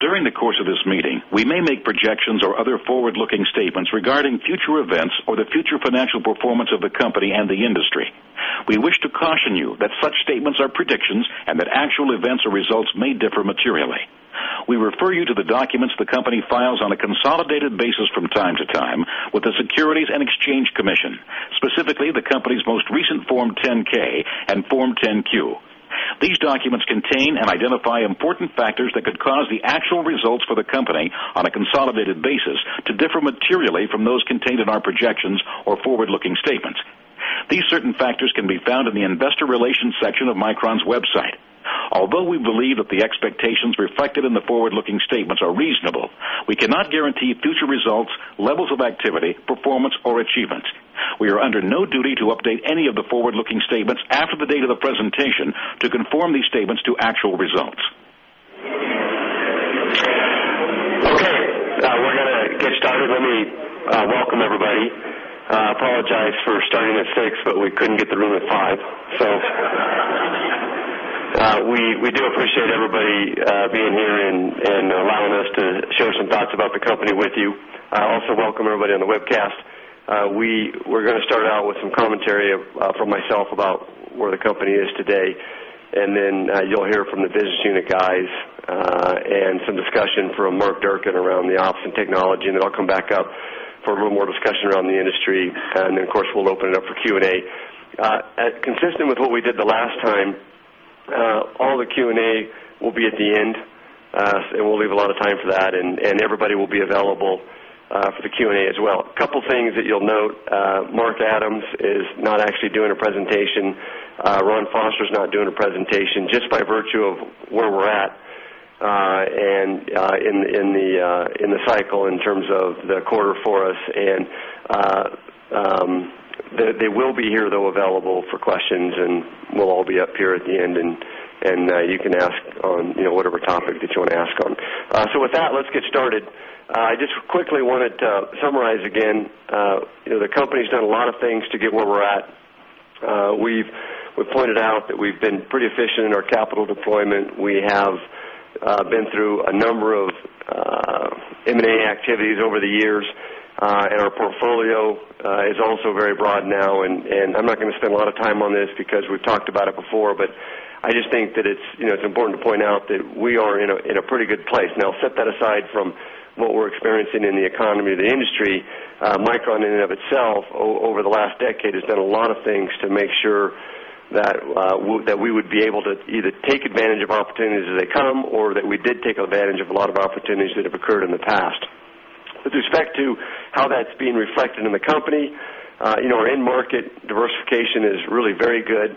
During the course of this meeting, we may make projections or other forward-looking statements regarding future events or the future financial performance of the company and the industry. We wish to caution you that such statements are predictions and that actual events or results may differ materially. We refer you to the documents the company files on a consolidated basis from time to time with the Securities and Exchange Commission, specifically the company's most recent Form 10-K and Form 10-Q. These documents contain and identify important factors that could cause the actual results for the company on a consolidated basis to differ materially from those contained in our projections or forward-looking statements. These certain factors can be found in the Investor Relations section of Micron's website. Although we believe that the expectations reflected in the forward-looking statements are reasonable, we cannot guarantee future results, levels of activity, performance, or achievements. We are under no duty to update any of the forward-looking statements after the date of the presentation to conform these statements to actual results. Welcome, everybody. I apologize for starting at 6:00, but we couldn't get the room at 5:00. We do appreciate everybody being here and allowing us to share some thoughts about the company with you. I also welcome everybody on the webcast. We're going to start out with some commentary from myself about where the company is today, and then you'll hear from the business unit guys and some discussion from Mark Durcan around the ops and technology. I'll come back up for a little more discussion around the industry, and then, of course, we'll open it up for Q&A. Consistent with what we did the last time, all the Q&A will be at the end, and we'll leave a lot of time for that, and everybody will be available for the Q&A as well. A couple of things that you'll note. Mark Adams is not actually doing a presentation. Ron Foster's not doing a presentation, just by virtue of where we're at in the cycle in terms of the quarter for us. They will be here, though, available for questions, and we'll all be up here at the end, and you can ask on whatever topic that you want to ask on. With that, let's get started. I just quickly wanted to summarize again, you know the company's done a lot of things to get where we're at. We've pointed out that we've been pretty efficient in our capital deployment. We have been through a number of M&A activities over the years, and our portfolio is also very broad now. I'm not going to spend a lot of time on this because we've talked about it before, but I just think that it's important to point out that we are in a pretty good place. Now, I'll set that aside from what we're experiencing in the economy of the industry. Micron, in and of itself, over the last decade, has done a lot of things to make sure that we would be able to either take advantage of opportunities as they come or that we did take advantage of a lot of opportunities that have occurred in the past. With respect to how that's being reflected in the company, you know our in-market diversification is really very good.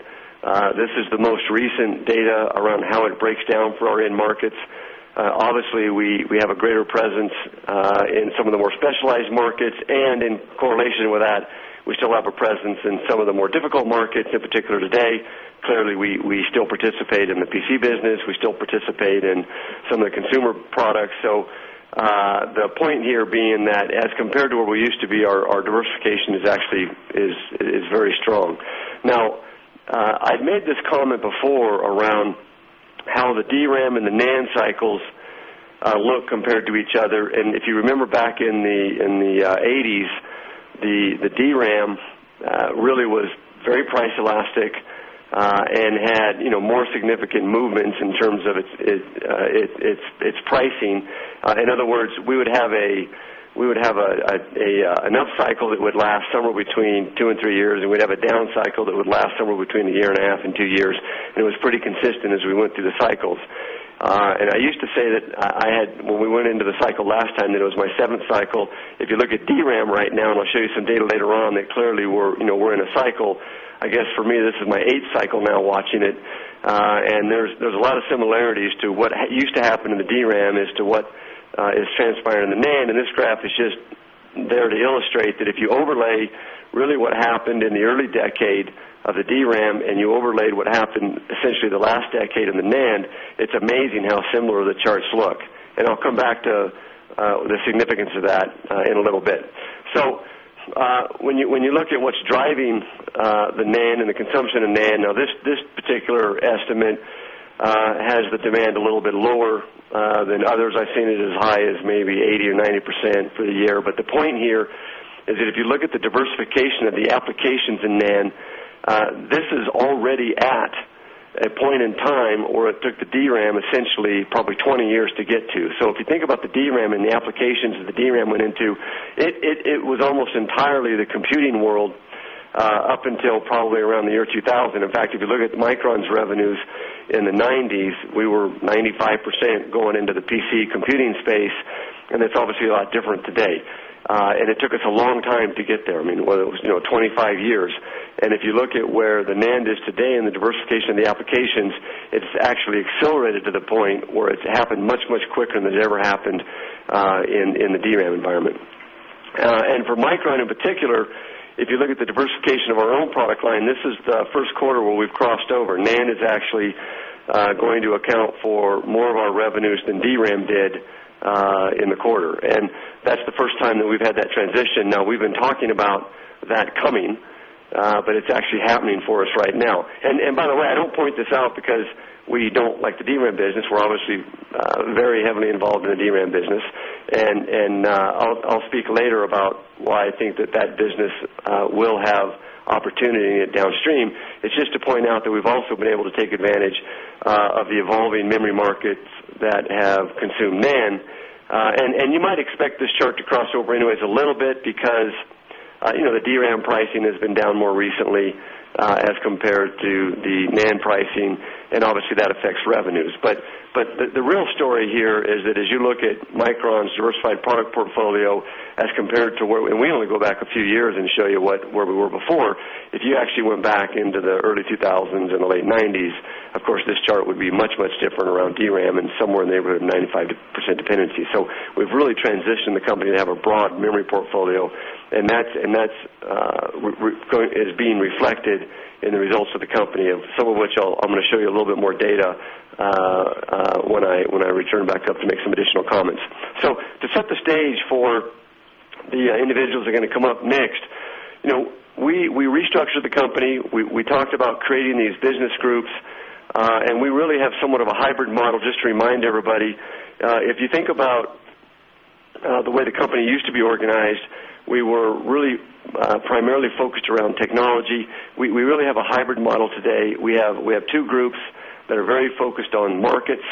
This is the most recent data around how it breaks down for our in-markets. Obviously, we have a greater presence in some of the more specialized markets, and in correlation with that, we still have a presence in some of the more difficult markets, in particular today. Clearly, we still participate in the PC business. We still participate in some of the consumer products. The point here being that, as compared to where we used to be, our diversification is actually very strong. I've made this comment before around how the DRAM and the NAND cycles look compared to each other. If you remember back in the 1980s, the DRAM really was very price-elastic and had more significant movements in terms of its pricing. In other words, we would have enough cycle that would last somewhere between two and three years, and we'd have a down cycle that would last somewhere between a year and a half and two years. It was pretty consistent as we went through the cycles. I used to say that I had, when we went into the cycle last time, that it was my seventh cycle. If you look at DRAM right now, and I'll show you some data later on, clearly we're in a cycle. I guess, for me, this is my eighth cycle now watching it. There's a lot of similarities to what used to happen in the DRAM as to what is transpiring in the NAND. This graph is just there to illustrate that if you overlay really what happened in the early decade of the DRAM and you overlaid what happened essentially the last decade in the NAND, it's amazing how similar the charts look. I'll come back to the significance of that in a little bit. When you look at what's driving the NAND and the consumption of NAND, this particular estimate has the demand a little bit lower than others. I've seen it as high as maybe 80% or 90% for the year. The point here is that if you look at the diversification of the applications in NAND, this is already at a point in time where it took the DRAM essentially probably 20 years to get to. If you think about the DRAM and the applications that the DRAM went into, it was almost entirely the computing world up until probably around the year 2000. In fact, if you look at Micron's revenues in the 1990s, we were 95% going into the PC computing space, and it's obviously a lot different today. It took us a long time to get there. I mean, it was 25 years. If you look at where the NAND is today and the diversification of the applications, it's actually accelerated to the point where it's happened much, much quicker than it ever happened in the DRAM environment. For Micron in particular, if you look at the diversification of our own product line, this is the first quarter where we've crossed over. NAND is actually going to account for more of our revenues than DRAM did in the quarter. That's the first time that we've had that transition. We've been talking about that coming, but it's actually happening for us right now. By the way, I don't point this out because we don't like the DRAM business. We're obviously very heavily involved in the DRAM business, and I'll speak later about why I think that business will have opportunity downstream. It's just to point out that we've also been able to take advantage of the evolving memory markets that have consumed NAND. You might expect this chart to cross over anyways a little bit because the DRAM pricing has been down more recently as compared to the NAND pricing, and obviously that affects revenues. The real story here is that as you look at Micron's diversified product portfolio as compared to where, and we only go back a few years and show you where we were before. If you actually went back into the early 2000s and the late 1990s, of course, this chart would be much, much different around DRAM and somewhere in the neighborhood of 95% dependency. We've really transitioned the company to have a broad memory portfolio, and that's being reflected in the results of the company, some of which I'm going to show you a little bit more data when I return back up to make some additional comments. To set the stage for the individuals that are going to come up next, you know we restructured the company. We talked about creating these business groups, and we really have somewhat of a hybrid model. Just to remind everybody, if you think about the way the company used to be organized, we were really primarily focused around technology. We really have a hybrid model today. We have two groups that are very focused on markets,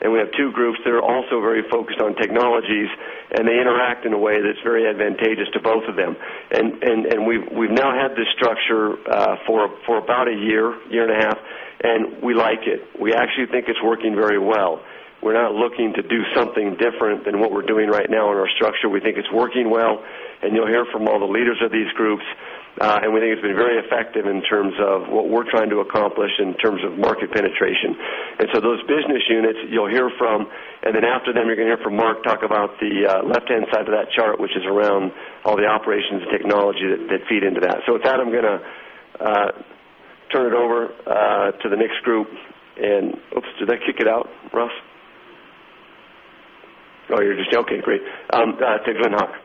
and we have two groups that are also very focused on technologies, and they interact in a way that's very advantageous to both of them. We've now had this structure for about a year, year and a half, and we like it. We actually think it's working very well. We're not looking to do something different than what we're doing right now in our structure. We think it's working well, and you'll hear from all the leaders of these groups, and we think it's been very effective in terms of what we're trying to accomplish in terms of market penetration. Those business units you'll hear from, and then after them, you're going to hear from Mark talk about the left-hand side of that chart, which is around all the operations and technology that feed into that. With that, I'm going to turn it over to the next group. Oops, did that kick it out, Ralph? Oh, you're just okay. Great. To Glen Hawk. Thanks, Steve. Is Mike on? Okay.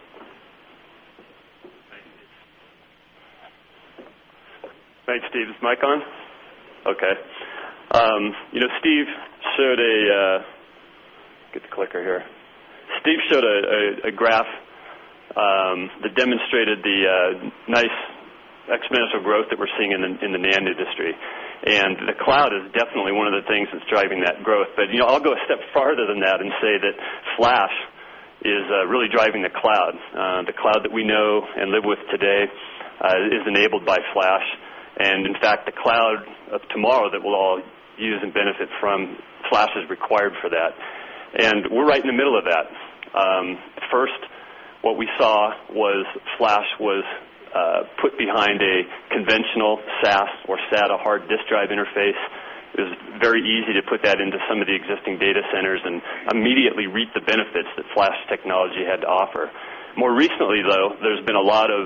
Steve showed a graph that demonstrated the nice exponential growth that we're seeing in the NAND industry. The cloud is definitely one of the things that's driving that growth. I'll go a step farther than that and say that flash is really driving the cloud. The cloud that we know and live with today is enabled by flash. In fact, the cloud of tomorrow that we'll all use and benefit from, flash is required for that. We're right in the middle of that. At first, what we saw was flash was put behind a conventional SAS or SATA hard disk drive interface. It was very easy to put that into some of the existing data centers and immediately reap the benefits that flash technology had to offer. More recently, though, there's been a lot of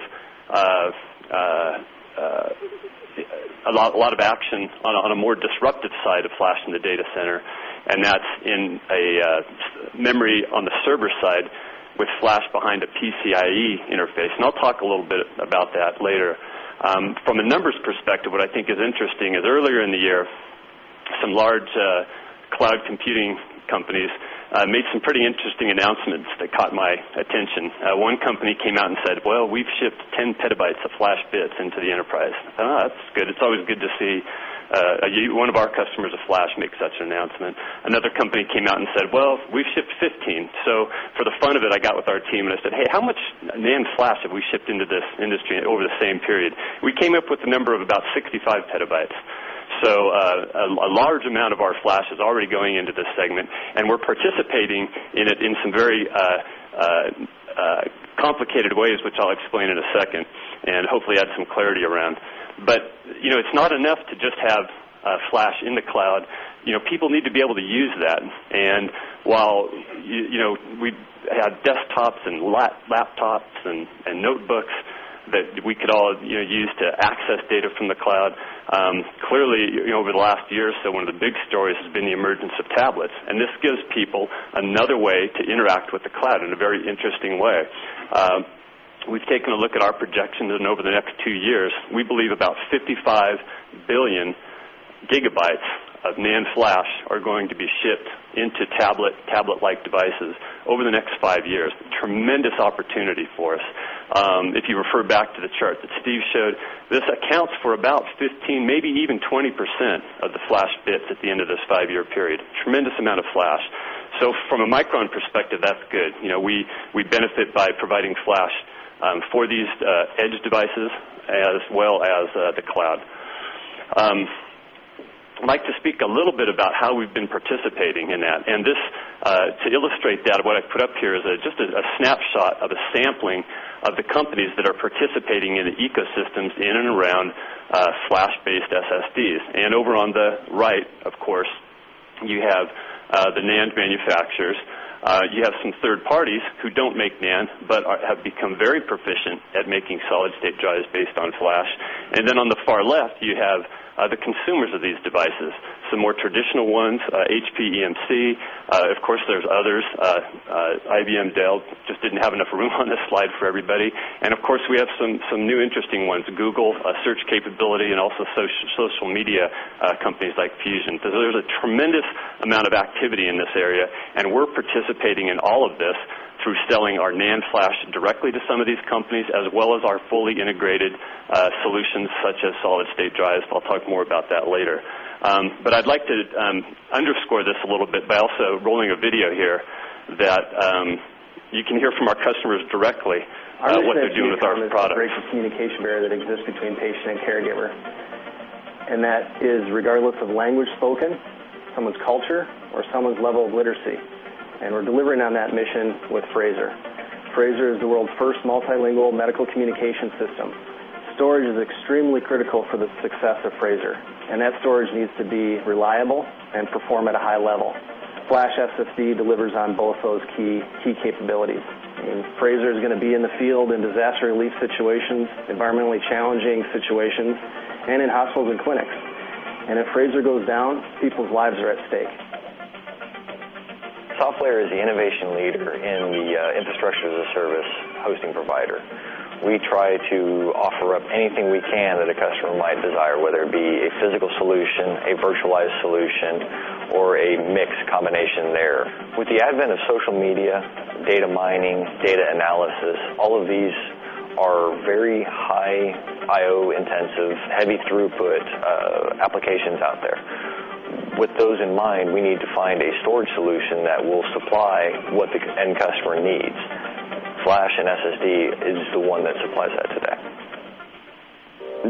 action on a more disruptive side of flash in the data center, and that's in a memory on the server side with flash behind a PCIe interface. I'll talk a little bit about that later. From a numbers perspective, what I think is interesting is earlier in the year, some large cloud computing companies made some pretty interesting announcements that caught my attention. One company came out and said, "We've shipped 10 PB of flash bits into the enterprise." That's good. It's always good to see one of our customers of flash make such an announcement. Another company came out and said, "We've shipped 15 PB." For the fun of it, I got with our team and I said, "Hey, how much NAND flash have we shipped into this industry over the same period?" We came up with a number of about 65 PB. A large amount of our flash is already going into this segment, and we're participating in it in some very complicated ways, which I'll explain in a second and hopefully add some clarity around. It's not enough to just have flash in the cloud. People need to be able to use that. While we had desktops and laptops and notebooks that we could all use to access data from the cloud, clearly, over the last year or so, one of the big stories has been the emergence of tablets. This gives people another way to interact with the cloud in a very interesting way. We've taken a look at our projections, and over the next two years, we believe about 55 billion GB of NAND flash are going to be shipped into tablet-like devices over the next five years. Tremendous opportunity for us. If you refer back to the chart that Steve showed, this accounts for about 15%, maybe even 20% of the flash bits at the end of this five-year period. Tremendous amount of flash. From a Micron perspective, that's good. We benefit by providing flash for these edge devices as well as the cloud. I'd like to speak a little bit about how we've been participating in that. To illustrate that, what I've put up here is just a snapshot of a sampling of the companies that are participating in the ecosystems in and around flash-based SSDs. Over on the right, of course, you have the NAND manufacturers. You have some third parties who don't make NAND but have become very proficient at making solid-state drives based on flash. On the far left, you have the consumers of these devices, some more traditional ones, HP, EMC. Of course, there's others. IBM, Dell just didn't have enough room on this slide for everybody. Of course, we have some new interesting ones, Google, a search capability, and also social media companies like Fusion. There's a tremendous amount of activity in this area, and we're participating in all of this through selling our NAND flash directly to some of these companies, as well as our fully integrated solutions such as solid-state drives. I'll talk more about that later. I'd like to underscore this a little bit by also rolling a video here that you can hear from our customers directly what they're doing with our product. Our customers have a great communication barrier that exists between patient and caregiver. That is regardless of language spoken, someone's culture, or someone's level of literacy. We're delivering on that mission with Fraser. Fraser is the world's first multilingual medical communication system. Storage is extremely critical for the success of Fraser, and that storage needs to be reliable and perform at a high level. Flash SSD delivers on both those key capabilities. Fraser is going to be in the field in disaster relief situations, environmentally challenging situations, and in hospitals and clinics. If Fraser goes down, people's lives are at stake. SoftLayer is the innovation leader in the infrastructure as a service hosting provider. We try to offer up anything we can that a customer might desire, whether it be a physical solution, a virtualized solution, or a mixed combination there. With the advent of social media, data mining, data analysis, all of these are very high I/O intensive, heavy throughput applications out there. With those in mind, we need to find a storage solution that will supply what the end customer needs. Flash and SSD is the one that supplies that today.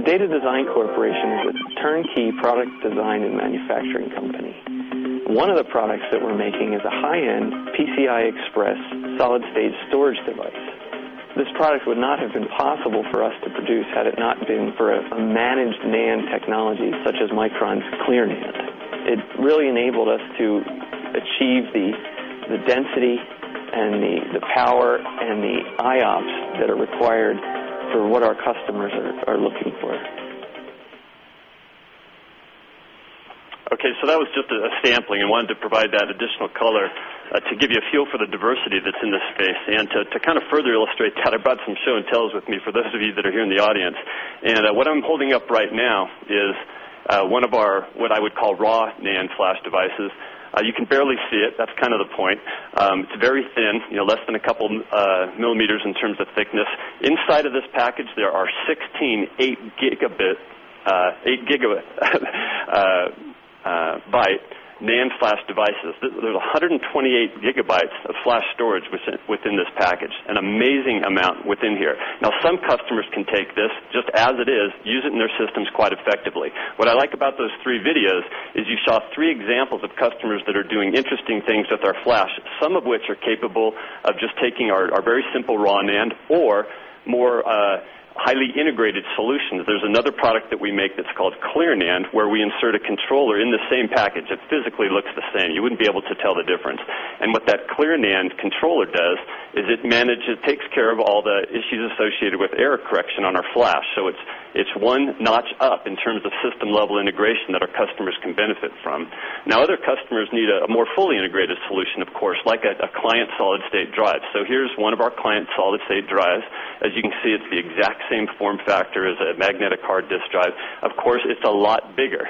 Data Design Corporation is a turnkey product design and manufacturing company. One of the products that we're making is a high-end PCI Express solid-state storage device. This product would not have been possible for us to produce had it not been for a managed NAND technology such as Micron's ClearNAND. It really enabled us to achieve the density and the power and the IOPS that are required for what our customers are looking for. Okay. That was just a sampling and wanted to provide that additional color to give you a feel for the diversity that's in this space and to kind of further illustrate about some show and tells with me for those of you that are here in the audience. What I'm holding up right now is one of our, what I would call, raw NAND flash devices. You can barely see it. That's kind of the point. It's very thin, less than a couple millimeters in terms of thickness. Inside of this package, there are sixteen 8 GB NAND flash devices. There's 128 GB of flash storage within this package, an amazing amount within here. Some customers can take this just as it is, use it in their systems quite effectively. What I like about those three videos is you saw three examples of customers that are doing interesting things with our flash, some of which are capable of just taking our very simple raw NAND or more highly integrated solutions. There's another product that we make that's called ClearNAND, where we insert a controller in the same package. It physically looks the same. You wouldn't be able to tell the difference. What that ClearNAND controller does is it manages, takes care of all the issues associated with error correction on our flash. It's one notch up in terms of system-level integration that our customers can benefit from. Other customers need a more fully integrated solution, of course, like a client solid-state drive. Here's one of our client solid-state drives. As you can see, it's the exact same form factor as a magnetic hard disk drive. Of course, it's a lot bigger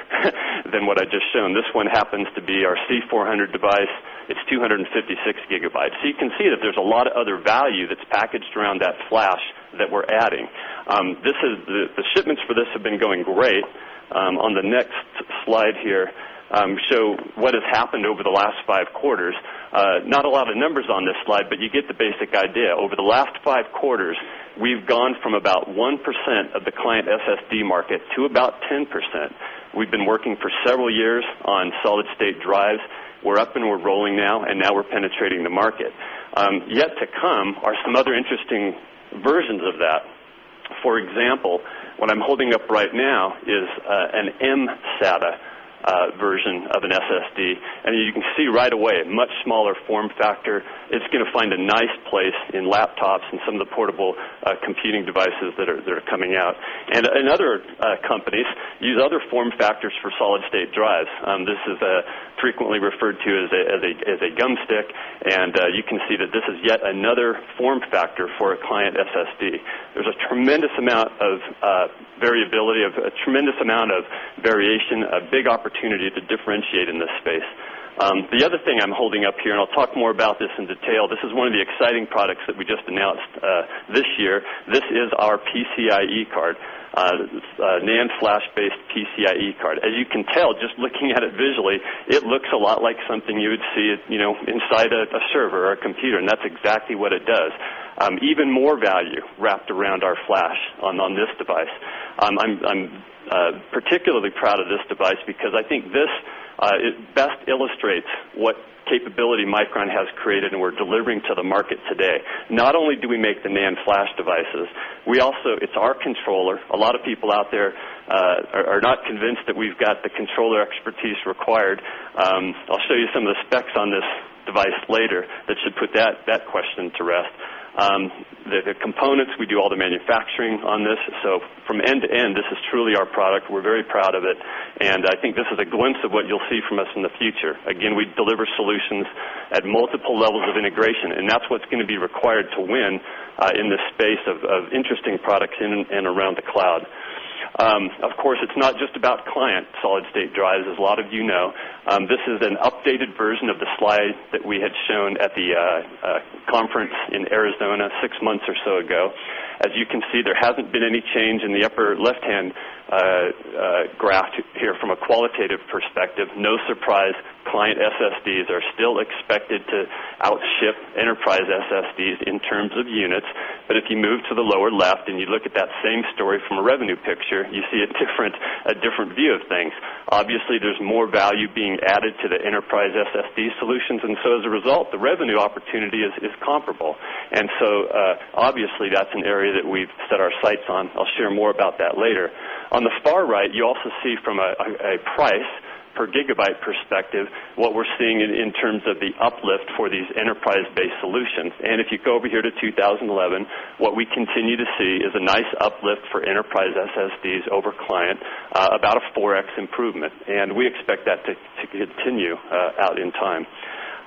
than what I just showed. This one happens to be our C400 device. It's 256 GB. You can see that there's a lot of other value that's packaged around that flash that we're adding. The shipments for this have been going great. On the next slide here, show what has happened over the last five quarters. Not a lot of numbers on this slide, but you get the basic idea. Over the last five quarters, we've gone from about 1% of the client SSD market to about 10%. We've been working for several years on solid-state drives. We're up and we're rolling now, and now we're penetrating the market. Yet to come are some other interesting versions of that. For example, what I'm holding up right now is an mSATA version of an SSD. You can see right away a much smaller form factor. It's going to find a nice place in laptops and some of the portable computing devices that are coming out. Other companies use other form factors for solid-state drives. This is frequently referred to as a gumstick, and you can see that this is yet another form factor for a client SSD. There's a tremendous amount of variability, a tremendous amount of variation, a big opportunity to differentiate in this space. The other thing I'm holding up here, and I'll talk more about this in detail, this is one of the exciting products that we just announced this year. This is our PCIe card, NAND flash-based PCIe card. As you can tell, just looking at it visually, it looks a lot like something you would see inside a server or a computer, and that's exactly what it does. Even more value wrapped around our flash on this device. I'm particularly proud of this device because I think this best illustrates what Micron has created and we're delivering to the market today. Not only do we make the NAND flash devices, we also, it's our controller. A lot of people out there are not convinced that we've got the controller expertise required. I'll show you some of the specs on this device later that should put that question to rest. The components, we do all the manufacturing on this. From end to end, this is truly our product. We're very proud of it. I think this is a glimpse of what you'll see from us in the future. We deliver solutions at multiple levels of integration, and that's what's going to be required to win in this space of interesting products in and around the cloud. Of course, it's not just about client solid-state drives, as a lot of you know. This is an updated version of the slide that we had shown at the conference in Arizona six months or so ago. As you can see, there hasn't been any change in the upper left-hand graph here from a qualitative perspective. No surprise, client SSDs are still expected to outship enterprise SSDs in terms of units. If you move to the lower left and you look at that same story from a revenue picture, you see a different view of things. Obviously, there's more value being added to the enterprise SSD solutions. As a result, the revenue opportunity is comparable. Obviously, that's an area that we've set our sights on. I'll share more about that later. On the far right, you also see from a price per gigabyte perspective what we're seeing in terms of the uplift for these enterprise-based solutions. If you go over here to 2011, what we continue to see is a nice uplift for enterprise SSDs over client, about a 4x improvement. We expect that to continue out in time.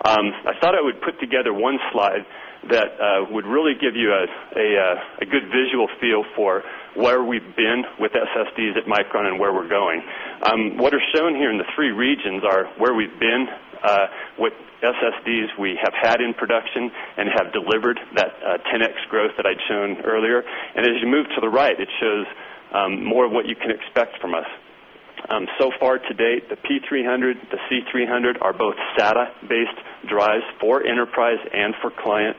I thought I would put together one slide that would really give you a good visual feel for where we've been with SSDs at Micron and where we're going. What are shown here in the three regions are where we've been, what SSDs we have had in production and have delivered that 10x growth that I'd shown earlier. As you move to the right, it shows more of what you can expect from us. So far to date, the P300, the C300 are both SATA-based drives for enterprise and for client,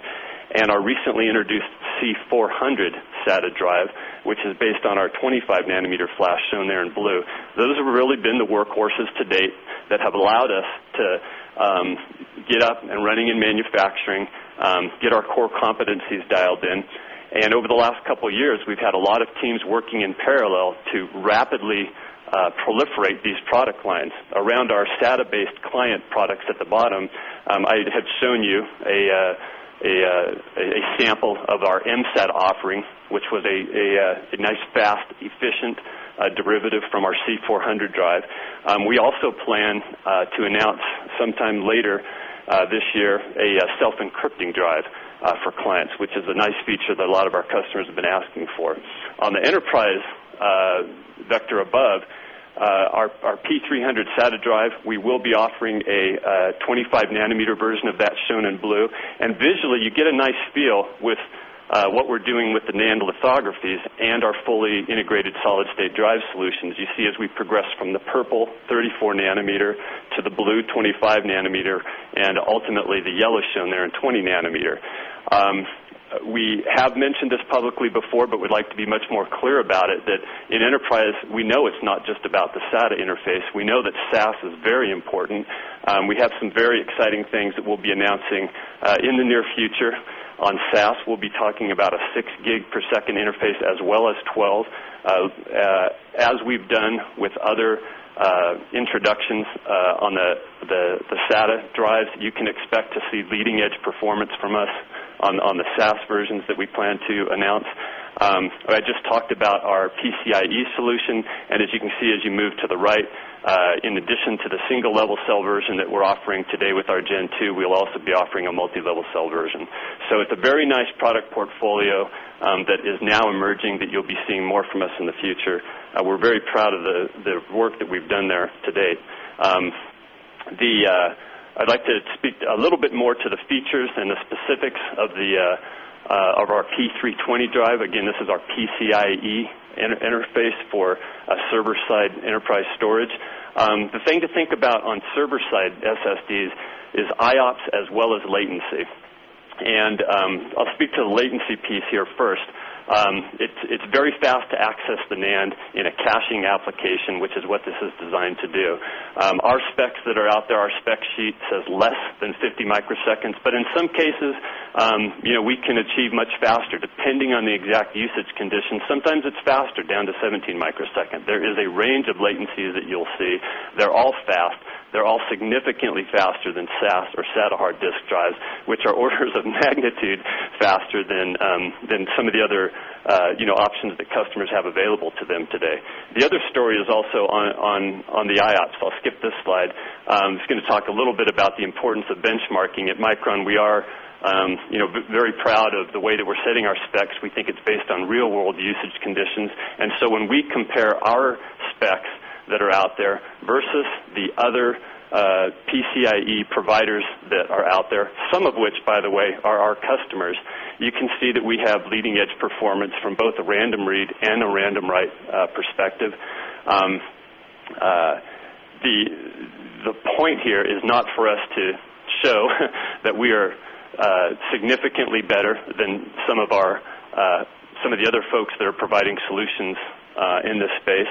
and our recently introduced C400 SATA drive, which is based on our 25 nm flash shown there in blue. Those have really been the workhorses to date that have allowed us to get up and running in manufacturing, get our core competencies dialed in. Over the last couple of years, we've had a lot of teams working in parallel to rapidly proliferate these product lines around our SATA-based client products. At the bottom, I had shown you a sample of our mSATA offering, which was a nice, fast, efficient derivative from our C400 drive. We also plan to announce sometime later this year a self-encrypting drive for clients, which is a nice feature that a lot of our customers have been asking for. On the enterprise vector above, our P300 SATA drive, we will be offering a 25 nm version of that shown in blue. Visually, you get a nice feel with what we're doing with the NAND lithographies and our fully integrated solid-state drive solutions. You see as we progress from the purple 34 nm to the blue 25 nm and ultimately the yellow shown there in 20 nm. We have mentioned this publicly before, but we'd like to be much more clear about it that in enterprise, we know it's not just about the SATA interface. We know that SaaS is very important. We have some very exciting things that we'll be announcing in the near future on SaaS. We'll be talking about a 6 gig per second interface as well as 12, as we've done with other introductions on the SATA drives. You can expect to see leading-edge performance from us on the SaaS versions that we plan to announce. I just talked about our PCIe solution. As you can see, as you move to the right, in addition to the single-level cell version that we're offering today with our Gen 2, we'll also be offering a multi-level cell version. It is a very nice product portfolio that is now emerging that you'll be seeing more from us in the future. We're very proud of the work that we've done there today. I'd like to speak a little bit more to the features and the specifics of our P320 drive. Again, this is our PCIe interface for a server-side enterprise storage. The thing to think about on server-side SSDs is IOPS as well as latency. I'll speak to the latency piece here first. It's very fast to access the NAND in a caching application, which is what this is designed to do. Our specs that are out there, our spec sheet says less than 50 microseconds, but in some cases, we can achieve much faster depending on the exact usage conditions. Sometimes it's faster down to 17 microseconds. There is a range of latencies that you'll see. They're all fast. They're all significantly faster than SAS or SATA hard disk drives, which are orders of magnitude faster than some of the other options that customers have available to them today. The other story is also on the IOPS. I'll skip this slide. I'm just going to talk a little bit about the importance of benchmarking at Micron. We are very proud of the way that we're setting our specs. We think it's based on real-world usage conditions. When we compare our specs that are out there versus the other PCIe providers that are out there, some of which, by the way, are our customers, you can see that we have leading-edge performance from both a random read and a random write perspective. The point here is not for us to show that we are significantly better than some of the other folks that are providing solutions in this space.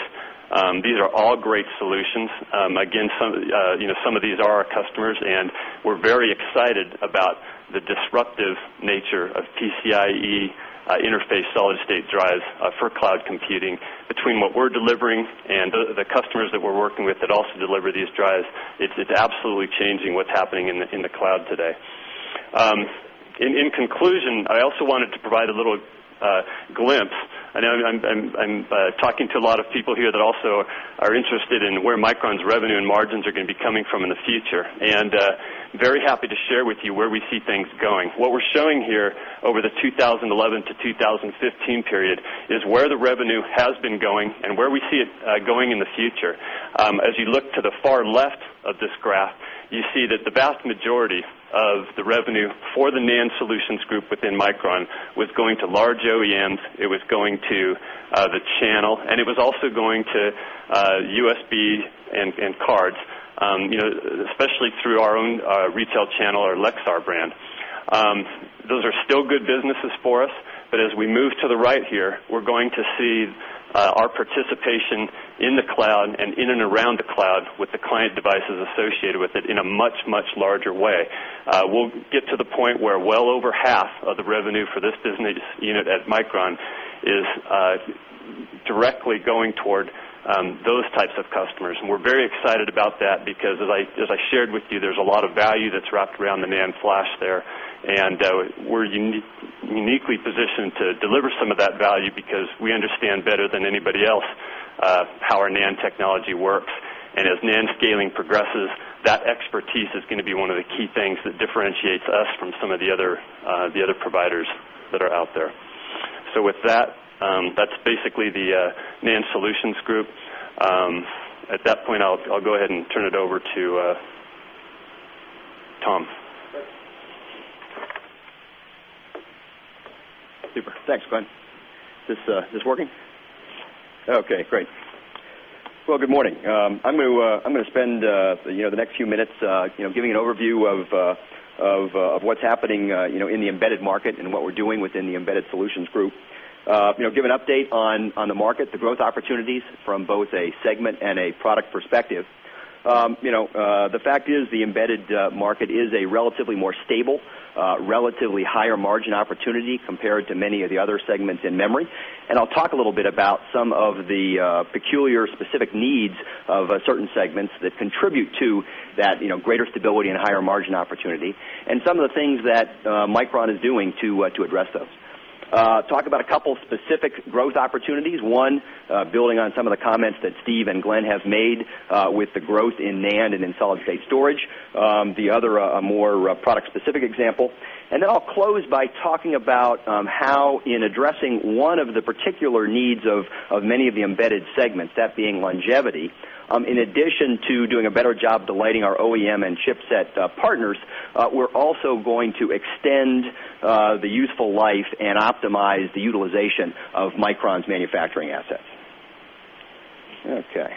These are all great solutions. Some of these are our customers, and we're very excited about the disruptive nature of PCIe interface solid-state drives for cloud computing. Between what we're delivering and the customers that we're working with that also deliver these drives, it's absolutely changing what's happening in the cloud today. In conclusion, I also wanted to provide a little glimpse. I know I'm talking to a lot of people here that also are interested in where Micron's revenue and margins are going to be coming from in the future. Very happy to share with you where we see things going. What we're showing here over the 2011-2015 period is where the revenue has been going and where we see it going in the future. As you look to the far left of this graph, you see that the vast majority of the revenue for the NAND Solutions Group within Micron was going to large OEMs. It was going to the channel, and it was also going to USB and cards, especially through our own retail channel, our Lexar brand. Those are still good businesses for us. As we move to the right here, we're going to see our participation in the cloud and in and around the cloud with the client devices associated with it in a much, much larger way. We'll get to the point where well over half of the revenue for this business unit Micron is directly going toward those types of customers. We're very excited about that because, as I shared with you, there's a lot of value that's wrapped around the NAND flash there. We're uniquely positioned to deliver some of that value because we understand better than anybody else how our NAND technology works. As NAND scaling progresses, that expertise is going to be one of the key things that differentiates us from some of the other providers that are out there. With that, that's basically the NAND Solutions Group. At that point, I'll go ahead and turn it over to Tom. Super. Thanks, Glen. Is this working? Okay. Great. Good morning. I'm going to spend the next few minutes giving an overview of what's happening in the embedded market and what we're doing within the Embedded Solutions Group. Give an update on the market, the growth opportunities from both a segment and a product perspective. The fact is the embedded market is a relatively more stable, relatively higher margin opportunity compared to many of the other segments in memory. I'll talk a little bit about some of the peculiar specific needs of certain segments that contribute to that greater stability and higher margin opportunity and some of the things that Micron is doing to address those. Talk about a couple specific growth opportunities. One, building on some of the comments that Steve and Glen have made with the growth in NAND and in solid-state storage. The other, a more product-specific example. I'll close by talking about how in addressing one of the particular needs of many of the embedded segments, that being longevity, in addition to doing a better job delighting our OEM and chipset partners, we're also going to extend the useful life and optimize the utilization of Micron's manufacturing asset. Okay.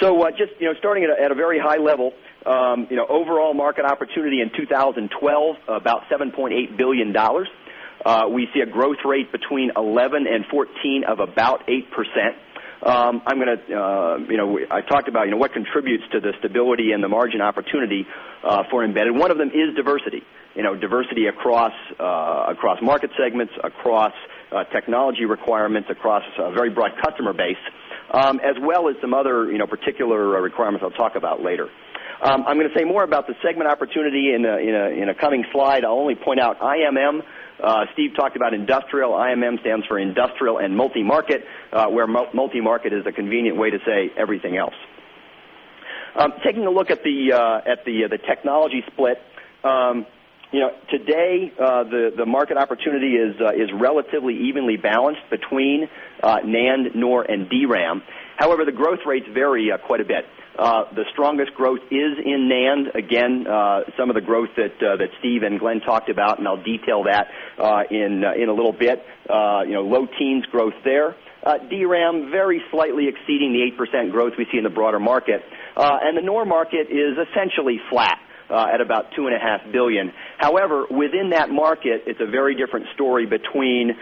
Just starting at a very high level, overall market opportunity in 2012, about $7.8 billion. We see a growth rate between 2011 and 2014 of about 8%. I talked about what contributes to the stability and the margin opportunity for embedded. One of them is diversity, diversity across market segments, across technology requirements, across a very broad customer base, as well as some other particular requirements I'll talk about later. I'm going to say more about the segment opportunity in a coming slide. I'll only point out IMM. Steve talked about industrial. IMM stands for industrial and multi-market, where multi-market is the convenient way to say everything else. Taking a look at the technology split, today the market opportunity is relatively evenly balanced between NAND, NOR, and DRAM. However, the growth rates vary quite a bit. The strongest growth is in NAND. Again, some of the growth that Steve and Glen talked about, and I'll detail that in a little bit, low teens growth there. DRAM very slightly exceeding the 8% growth we see in the broader market. The NOR market is essentially flat at about $2.5 billion. However, within that market, it's a very different story between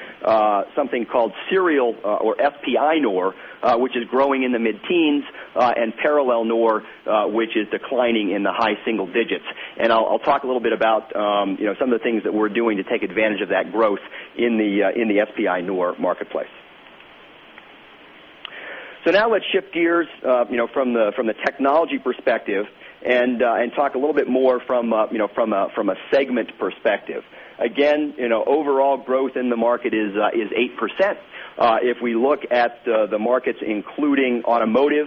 something called serial or SPI NOR, which is growing in the mid-teens, and parallel NOR, which is declining in the high single digits. I'll talk a little bit about some of the things that we're doing to take advantage of that growth in the SPI NOR marketplace. Now let's shift gears from the technology perspective and talk a little bit more from a segment perspective. Again, overall growth in the market is 8%. If we look at the markets, including automotive,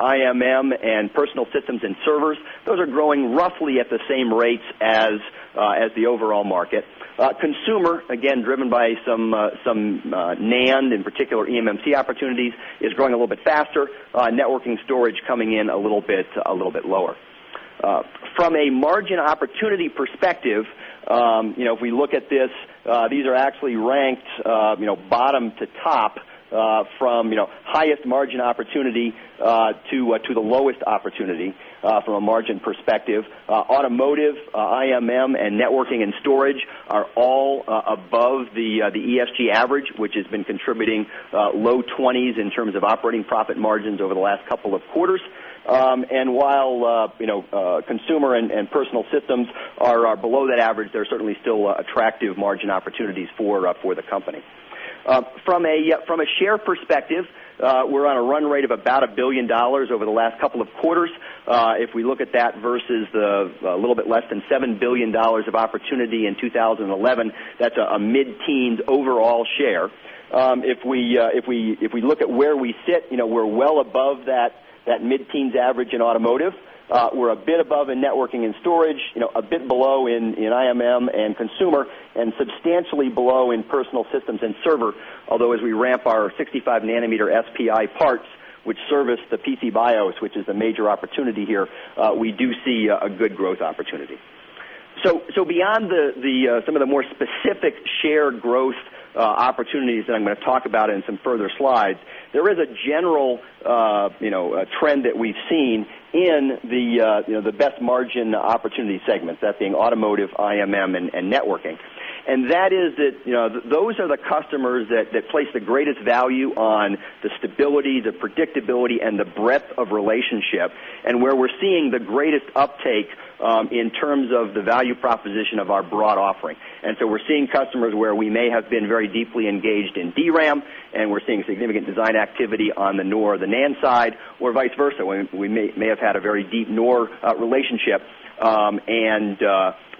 IMM, and personal systems and servers, those are growing roughly at the same rates as the overall market. Consumer, again, driven by some NAND, in particular eMMC opportunities, is growing a little bit faster. Networking storage coming in a little bit lower. From a margin opportunity perspective, if we look at this, these are actually ranked bottom to top from highest margin opportunity to the lowest opportunity from a margin perspective. Automotive, IMM, and networking and storage are all above the ESG average, which has been contributing low 20s in terms of operating profit margins over the last couple of quarters. While consumer and personal systems are below that average, there are certainly still attractive margin opportunities for the company. From a share perspective, we're on a run rate of about $1 billion over the last couple of quarters. If we look at that versus the little bit less than $7 billion of opportunity in 2011, that's a mid-teens overall share. If we look at where we sit, we're well above that mid-teens average in automotive. We're a bit above in networking and storage, a bit below in IMM and consumer, and substantially below in personal systems and server. Although as we ramp our 65 nm SPI parts, which service the PC BIOS, which is the major opportunity here, we do see a good growth opportunity. Beyond some of the more specific share growth opportunities that I'm going to talk about in some further slides, there is a general trend that we've seen in the best margin opportunity segments, that being automotive, IMM, and networking. Those are the customers that place the greatest value on the stability, the predictability, and the breadth of relationship and where we're seeing the greatest uptake in terms of the value proposition of our broad offering. We're seeing customers where we may have been very deeply engaged in DRAM, and we're seeing significant design activity on the NOR, the NAND side, or vice versa. We may have had a very deep NOR relationship,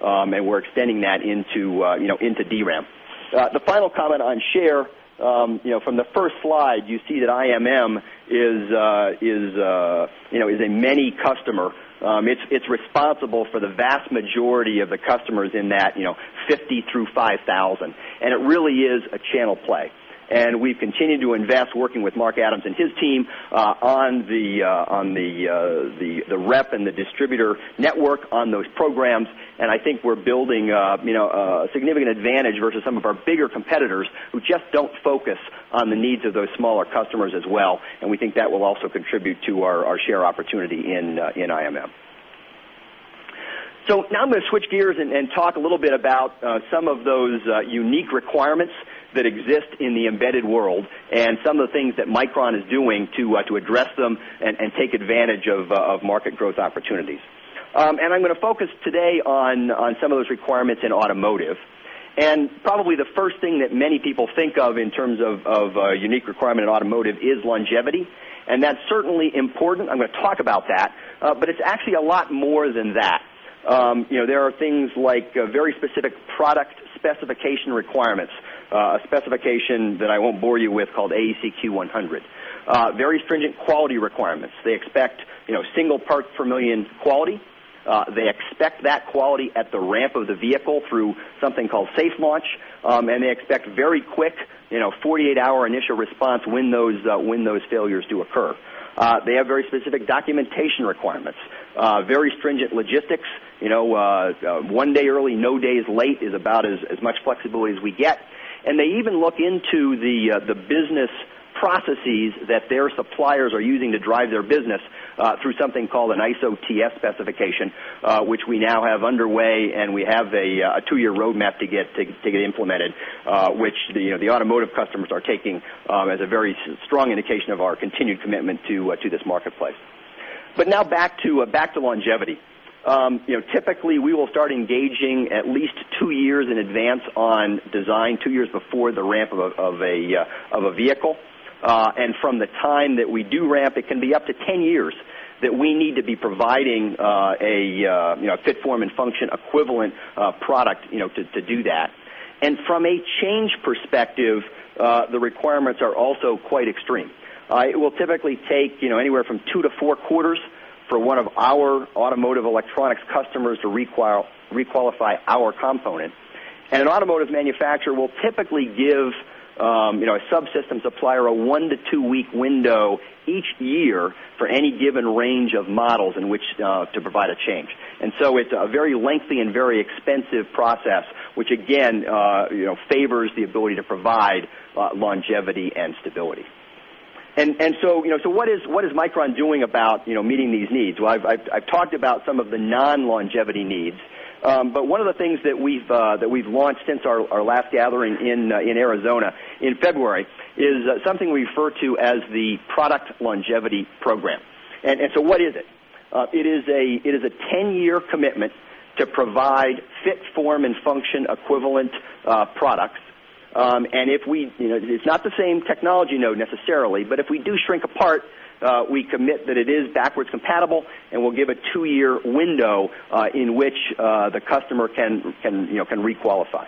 and we're extending that into DRAM. The final comment on share, from the first slide, you see that IMM is a many customer. It's responsible for the vast majority of the customers in that 50 through 5,000. It really is a channel play. We've continued to invest, working with Mark Adams and his team on the rep and the distributor network on those programs. I think we're building a significant advantage versus some of our bigger competitors who just don't focus on the needs of those smaller customers as well. We think that will also contribute to our share opportunity in IMM. I'm going to switch gears and talk a little bit about some of those unique requirements that exist in the embedded world and some of the things Micron is doing to address them and take advantage of market growth opportunities. I'm going to focus today on some of those requirements in automotive. Probably the first thing that many people think of in terms of a unique requirement in automotive is longevity. That's certainly important. I'm going to talk about that. It's actually a lot more than that. There are things like very specific product specification requirements, a specification that I won't bore you with called AEC-Q100. Very stringent quality requirements. They expect single part per million quality. They expect that quality at the ramp of the vehicle through something called safe launch. They expect very quick 48-hour initial response when those failures do occur. They have very specific documentation requirements, very stringent logistics. One day early, no days late is about as much flexibility as we get. They even look into the business processes that their suppliers are using to drive their business through something called an ISO/TF specification, which we now have underway. We have a two-year roadmap to get implemented, which the automotive customers are taking as a very strong indication of our continued commitment to this marketplace. Now back to longevity. Typically, we will start engaging at least two years in advance on design, two years before the ramp of a vehicle. From the time that we do ramp, it can be up to 10 years that we need to be providing a fit, form, and function equivalent product to do that. From a change perspective, the requirements are also quite extreme. It will typically take anywhere from two to four quarters for one of our automotive electronics customers to requalify our component. An automotive manufacturer will typically give a subsystem supplier a one to two-week window each year for any given range of models in which to provide a change. It is a very lengthy and very expensive process, which again favors the ability to provide longevity and stability. What is Micron doing about meeting these needs? I've talked about some of the non-longevity needs. One of the things that we've launched since our last gathering in Arizona in February is something we refer to as the Product Longevity Program. What is it? It is a 10-year commitment to provide fit, form, and function equivalent products. It's not the same technology node necessarily, but if we do shrink a part, we commit that it is backwards compatible and will give a two-year window in which the customer can requalify.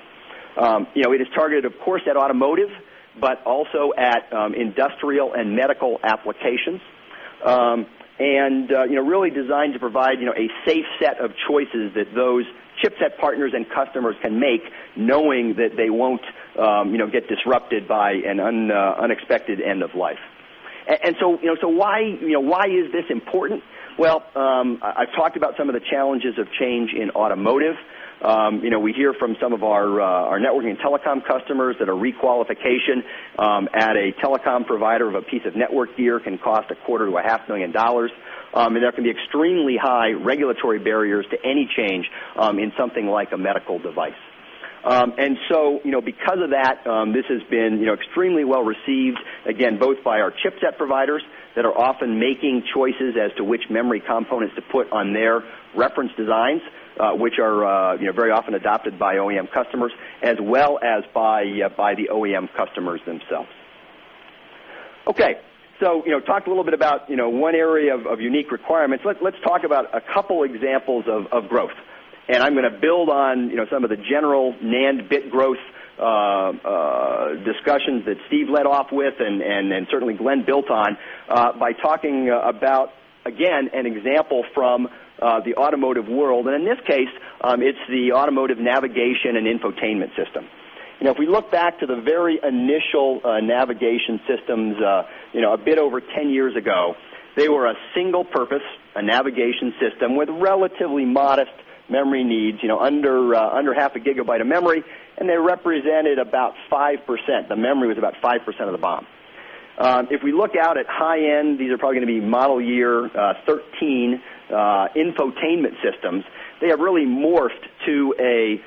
It is targeted, of course, at automotive, but also at industrial and medical applications and really designed to provide a safe set of choices that those chipset partners and customers can make, knowing that they won't get disrupted by an unexpected end of life. Why is this important? I've talked about some of the challenges of change in automotive. We hear from some of our networking and telecom customers that a requalification at a telecom provider of a piece of network gear can cost $0.25 million-$0.5 million. There can be extremely high regulatory barriers to any change in something like a medical device. Because of that, this has been extremely well received, both by our chipset providers that are often making choices as to which memory components to put on their reference designs, which are very often adopted by OEM customers, as well as by the OEM customers themselves. I've talked a little bit about one area of unique requirements. Let's talk about a couple examples of growth. I'm going to build on some of the general NAND bit growth discussions that Steve led off with and certainly Glen built on by talking about an example from the automotive world. In this case, it's the automotive navigation and infotainment system. If we look back to the very initial navigation systems a bit over 10 years ago, they were a single-purpose navigation system with relatively modest memory needs, under 0.5 GB of memory. They represented about 5%. The memory was about 5% of the bill of material. If we look out at high-end, these are probably going to be model year 2013 infotainment systems. They have really morphed to a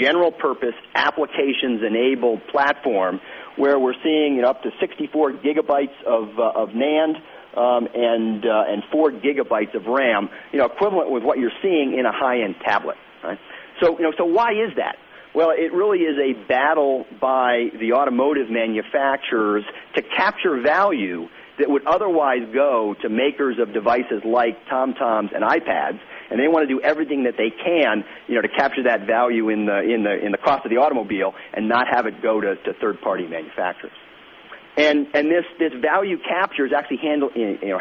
general-purpose applications-enabled platform where we're seeing up to 64 GB of NAND and 4 GB of RAM, equivalent with what you're seeing in a high-end tablet. Why is that? It really is a battle by the automotive manufacturers to capture value that would otherwise go to makers of devices like TomToms and iPads. They want to do everything that they can to capture that value in the cost of the automobile and not have it go to third-party manufacturers. This value capture is actually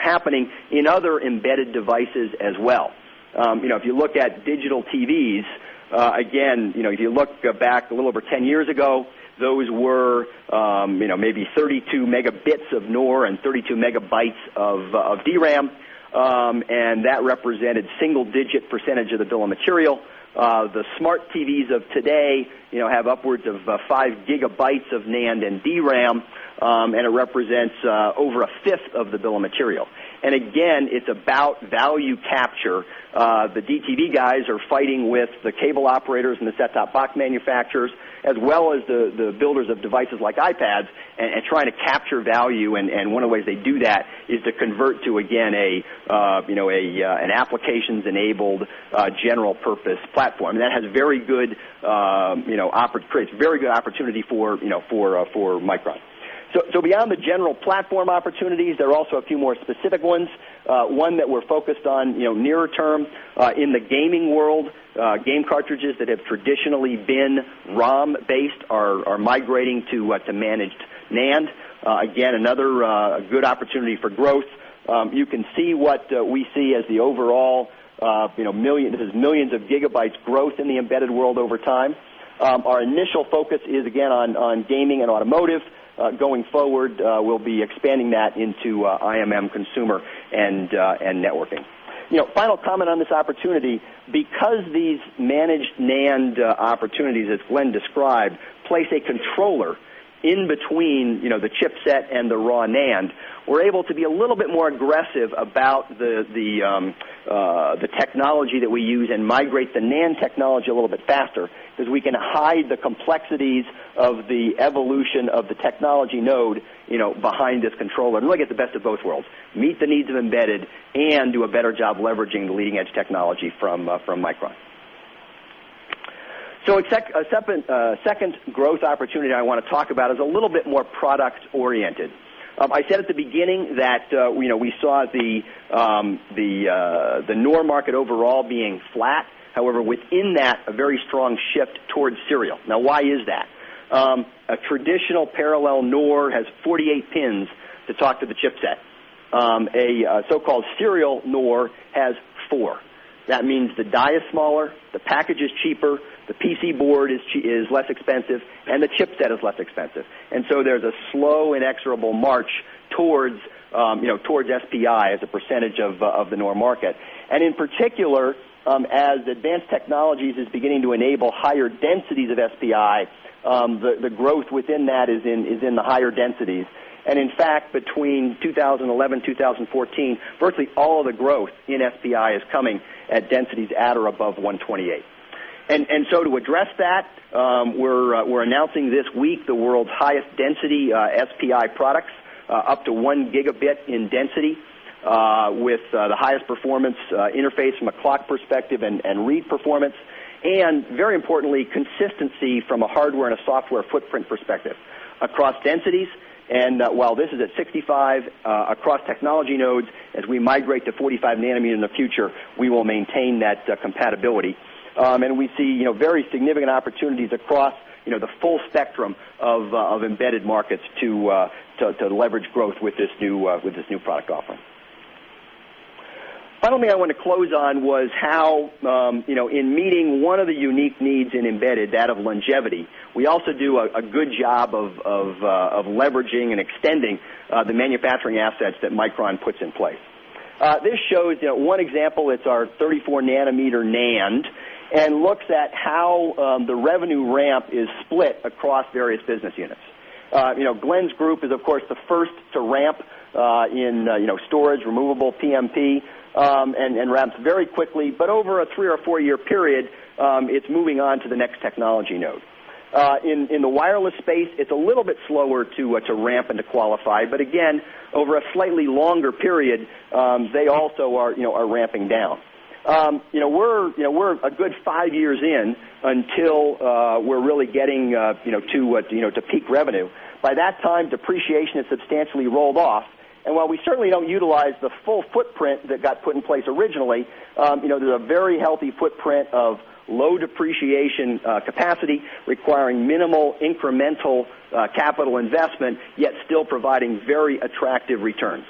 happening in other embedded devices as well. If you look at digital TVs, again, if you look back a little over 10 years ago, those were maybe 32 Mb of NOR and 32 MB of DRAM. That represented a single-digit percentage of the bill of material. The smart TVs of today have upwards of 5 GB of NAND and DRAM, and it represents over 1/5 of the bill of material. Again, it's about value capture. The DTV guys are fighting with the cable operators and the set-top box manufacturers, as well as the builders of devices like iPads, and trying to capture value. One of the ways they do that is to convert to, again, an applications-enabled general-purpose platform. That has very good, it's a very good opportunity for Micron. Beyond the general platform opportunities, there are also a few more specific ones. One that we're focused on nearer term in the gaming world, game cartridges that have traditionally been ROM-based are migrating to managed NAND. Again, another good opportunity for growth. You can see what we see as the overall, this is millions of gigabytes growth in the embedded world over time. Our initial focus is, again, on gaming and automotive. Going forward, we'll be expanding that into IMM, consumer, and networking. Final comment on this opportunity. Because these managed NAND opportunities that Glen described place a controller in between the chipset and the raw NAND, we're able to be a little bit more aggressive about the technology that we use and migrate the NAND technology a little bit faster because we can hide the complexities of the evolution of the technology node behind this controller. It's like the best of both worlds. Meet the needs of embedded and do a better job leveraging the leading-edge technology from Micron. A second growth opportunity I want to talk about is a little bit more product-oriented. I said at the beginning that we saw the NOR market overall being flat. However, within that, a very strong shift towards serial. Now, why is that? A traditional parallel NOR has 48 pins to talk to the chipset. A so-called serial NOR has four. That means the die is smaller, the package is cheaper, the PC board is less expensive, and the chipset is less expensive. There is a slow inexorable march towards SPI as a percentage of the NOR market. In particular, as advanced technologies are beginning to enable higher densities of SPI, the growth within that is in the higher densities. In fact, between 2011 and 2014, virtually all of the growth in SPI is coming at densities at or above 128. To address that, we're announcing this week the world's highest density SPI products up to 1 Gb in density with the highest performance interface from a clock perspective and read performance. Very importantly, consistency from a hardware and a software footprint perspective across densities. While this is at 65 across technology nodes, as we migrate to 45 nm in the future, we will maintain that compatibility. We see very significant opportunities across the full spectrum of embedded markets to leverage growth with this new product offering. The final thing I wanted to close on was how, in meeting one of the unique needs in embedded, that of longevity, we also do a good job of leveraging and extending the manufacturing assets that Micron puts in place. This shows one example. It's our 34 nm NAND and looks at how the revenue ramp is split across various business units. Glen's group is, of course, the first to ramp in storage removable PMP and ramps very quickly. Over a three or four-year period, it's moving on to the next technology node. In the wireless space, it's a little bit slower to ramp and to qualify. Over a slightly longer period, they also are ramping down. We're a good five years in until we're really getting to peak revenue. By that time, depreciation has substantially rolled off. While we certainly don't utilize the full footprint that got put in place originally, there's a very healthy footprint of low depreciation capacity requiring minimal incremental capital investment, yet still providing very attractive returns.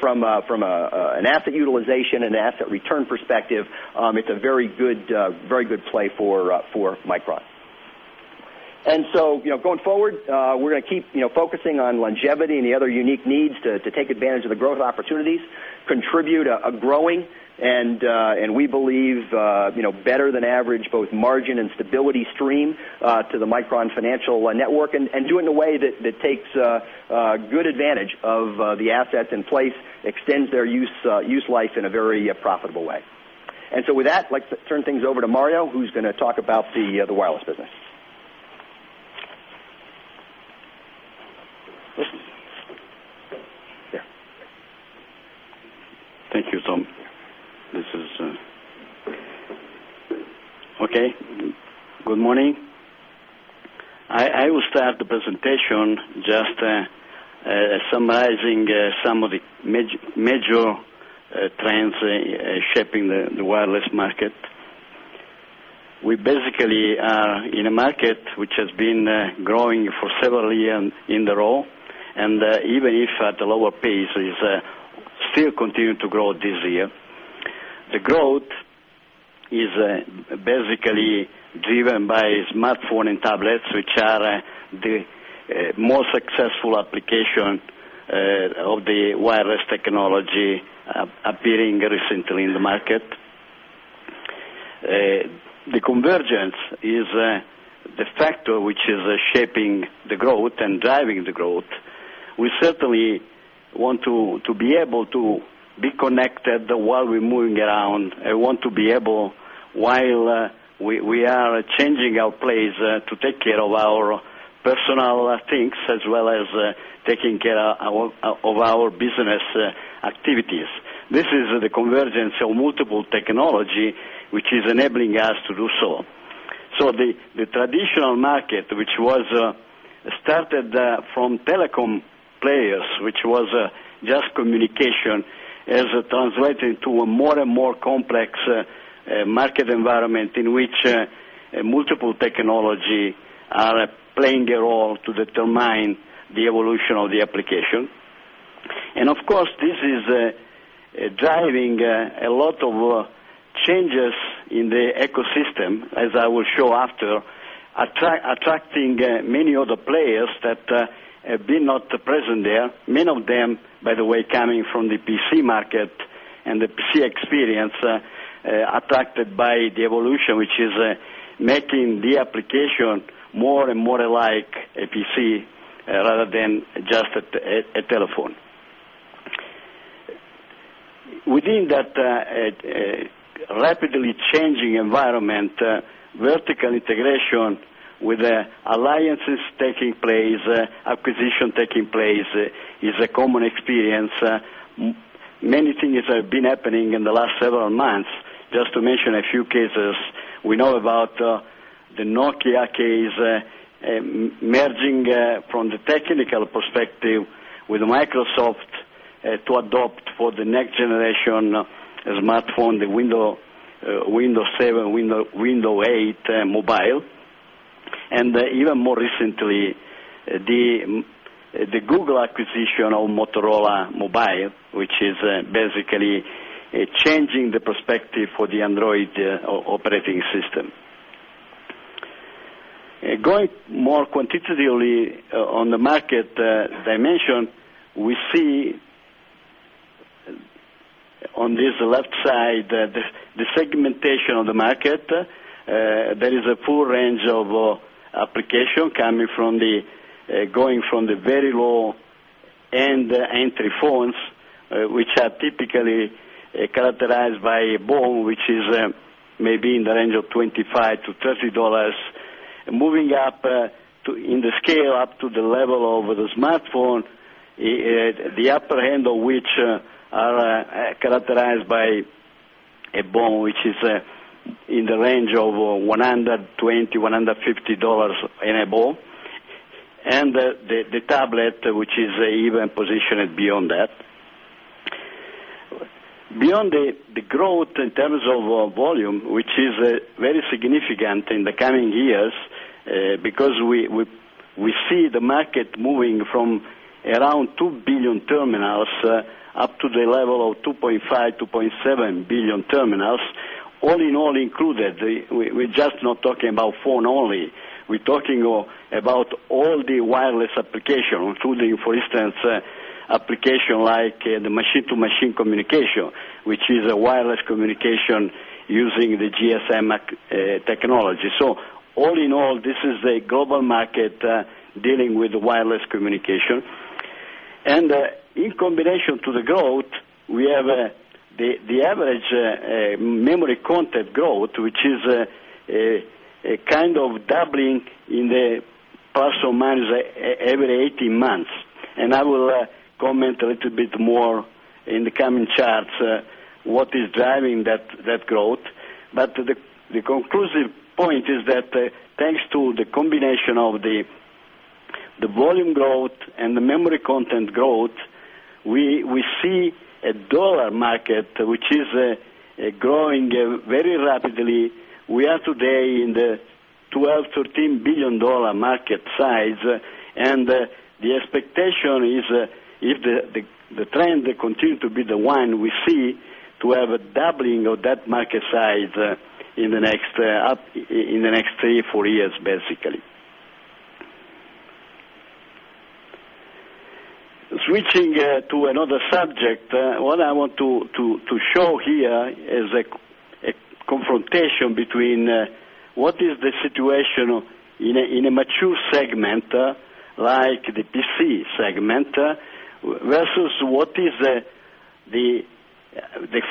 From an asset utilization and asset return perspective, it's a very good play for Micron. Going forward, we're going to keep focusing on longevity and the other unique needs to take advantage of the growth opportunities, contribute a growing, and we believe better than average both margin and stability stream to Micron financial network and do it in a way that takes good advantage of the assets in place, extend their use life in a very profitable way. With that, let's turn things over to Mario, who's going to talk about the wireless business. Thank you, Tom. Okay. Good morning. I will start the presentation just summarizing some of the major trends shaping the wireless market. We basically are in a market which has been growing for several years in a row, and even if at a lower pace, it's still continuing to grow this year. The growth is basically driven by smartphone and tablets, which are the most successful application of the wireless technology appearing recently in the market. The convergence is the factor which is shaping the growth and driving the growth. We certainly want to be able to be connected while we're moving around. We want to be able, while we are changing our place, to take care of our personal things as well as taking care of our business activities. This is the convergence of multiple technologies which is enabling us to do so. The traditional market, which was started from telecom players, which was just communication, has translated into a more and more complex market environment in which multiple technologies are playing a role to determine the evolution of the application. Of course, this is driving a lot of changes in the ecosystem, as I will show after, attracting many other players that have been not present there. Many of them, by the way, coming from the PC market and the P Experience, attracted by the evolution, which is making the application more and more like a PC rather than just a telephone. Within that rapidly changing environment, vertical integration with alliances taking place, acquisition taking place is a common experience. Many things have been happening in the last several months. Just to mention a few cases, we know about the Nokia case merging from the technical perspective with Microsoft to adopt for the next generation smartphone, the Windows 7, Windows 8 mobile. Even more recently, the Google acquisition of Motorola Mobile, which is basically changing the perspective for the Android operating system. Going more quantitatively on the market dimension, we see on this left side the segmentation of the market. There is a full range of applications coming from the very low-end entry phones, which are typically characterized by a phone, which is maybe in the range of $25-$30. Moving up in the scale up to the level of the smartphone, the upper end of which are characterized by a phone, which is in the range of $120, $150 in a phone, and the tablet, which is even positioned beyond that. Beyond the growth in terms of volume, which is very significant in the coming years because we see the market moving from around 2 billion terminals up to the level of 2.5 billion, 2.7 billion terminals, all in all included. We're just not talking about phone only. We're talking about all the wireless applications, including, for instance, applications like the machine-to-machine communication, which is a wireless communication using the GSM technology. All in all, this is a global market dealing with wireless communication. In combination to the growth, we have the average memory content growth, which is a kind of doubling in the [parcel minus] every 18 months. I will comment a little bit more in the coming charts what is driving that growth. The conclusive point is that thanks to the combination of the volume growth and the memory content growth, we see a dollar market, which is growing very rapidly. We are today in the $12 billion, $13 billion market size. The expectation is if the trend continues to be the one, we see to have a doubling of that market size in the next three, four years, basically. Switching to another subject, what I want to show here is a confrontation between what is the situation in a mature segment like the PC segment versus what is the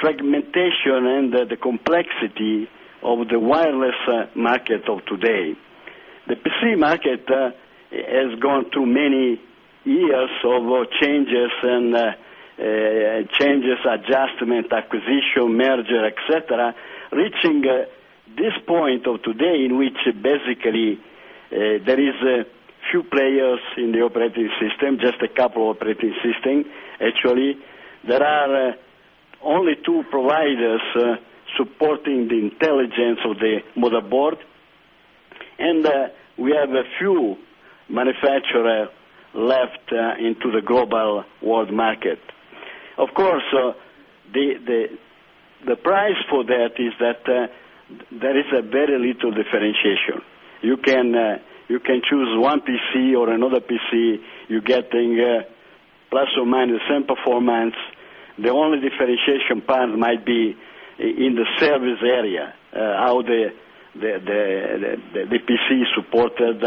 fragmentation and the complexity of the wireless market of today. The PC market has gone through many years of changes and changes, adjustment, acquisition, merger, etc., reaching this point of today in which basically there are a few players in the operating system, just a couple of operating systems, actually. There are only two providers supporting the intelligence of the motherboard. We have a few manufacturers left into the global world market. Of course, the price for that is that there is very little differentiation. You can choose one PC or another PC, you're getting plus or minus same performance. The only differentiation part might be in the service area, how the PC is supported,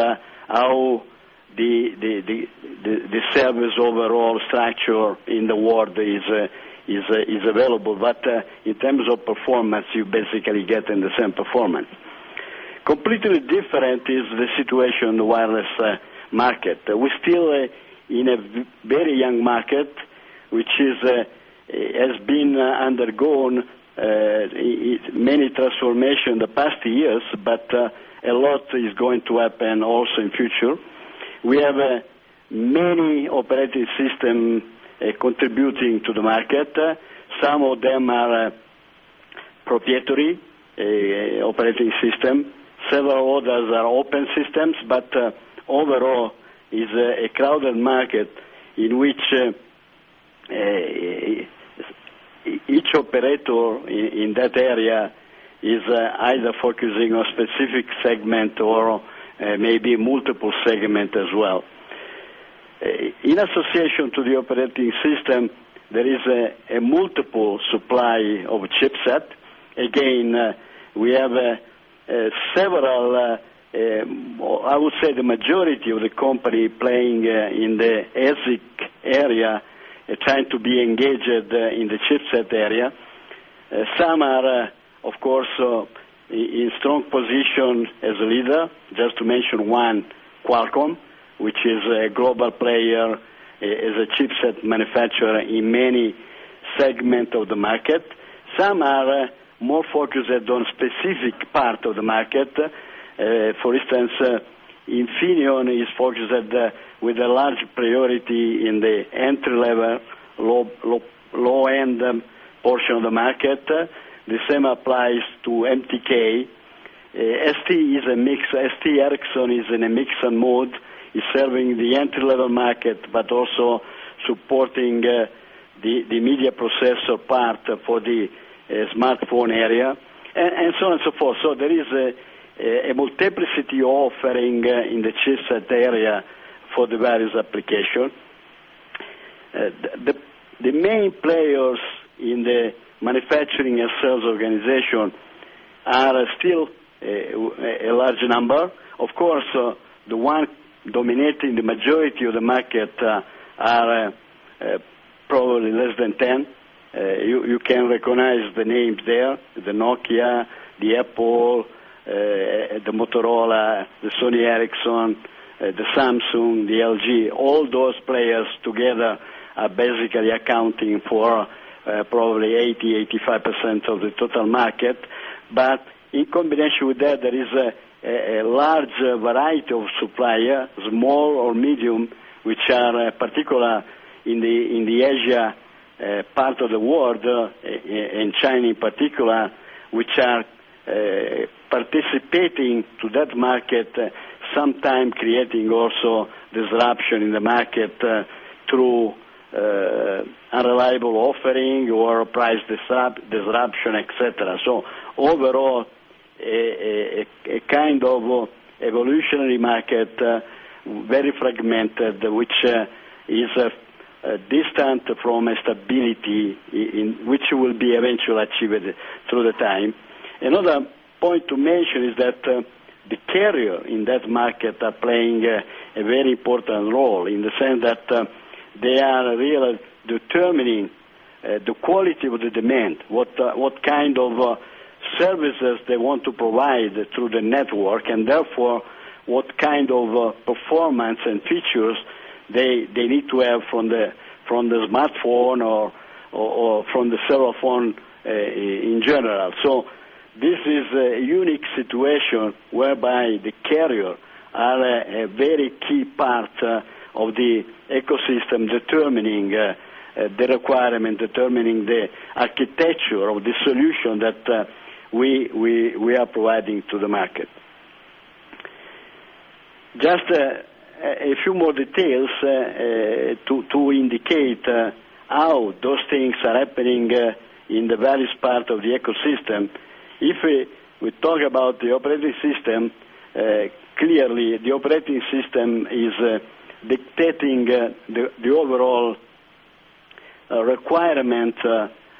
how the service overall structure in the world is available. In terms of performance, you basically get the same performance. Completely different is the situation in the wireless market. We're still in a very young market, which has been undergone many transformations in the past years, but a lot is going to happen also in the future. We have many operating systems contributing to the market. Some of them are proprietary operating systems. Several others are open systems. Overall, it's a crowded market in which each operator in that area is either focusing on a specific segment or maybe multiple segments as well. In association to the operating system, there is a multiple supply of chipset. Again, we have several, I would say the majority of the company playing in the ASIC area trying to be engaged in the chipset area. Some are, of course, in a strong position as a leader. Just to mention one, Qualcomm, which is a global player as a chipset manufacturer in many segments of the market. Some are more focused on a specific part of the market. For instance, Infineon is focused with a large priority in the entry-level low-end portion of the market. The same applies to MTK. ST is a mix. ST-Ericsson is in a mix and mode. It's serving the entry-level market, but also supporting the media processor part for the smartphone area, and so on and so forth. There is a multiplicity offering in the chipset area for the various applications. The main players in the manufacturing and sales organization are still a large number. The ones dominating the majority of the market are probably less than 10. You can recognize the names there: Nokia, Apple, Motorola, Sony Ericsson, Samsung, LG. All those players together are basically accounting for probably 80%, 85% of the total market. In combination with that, there is a large variety of suppliers, small or medium, which are particular in the Asia part of the world and China in particular, which are participating in that market, sometimes creating also disruption in the market through unreliable offering or price disruption, etc. Overall, a kind of evolutionary market, very fragmented, which is distant from a stability in which it will be eventually achieved through the time. Another point to mention is that the carrier in that market are playing a very important role in the sense that they are really determining the quality of the demand, what kind of services they want to provide through the network, and therefore, what kind of performance and features they need to have from the smartphone or from the cell phone in general. This is a unique situation whereby the carriers are a very key part of the ecosystem determining the requirements, determining the architecture of the solution that we are providing to the market. Just a few more details to indicate how those things are happening in the various parts of the ecosystem. If we talk about the operating system, clearly, the operating system is dictating the overall requirement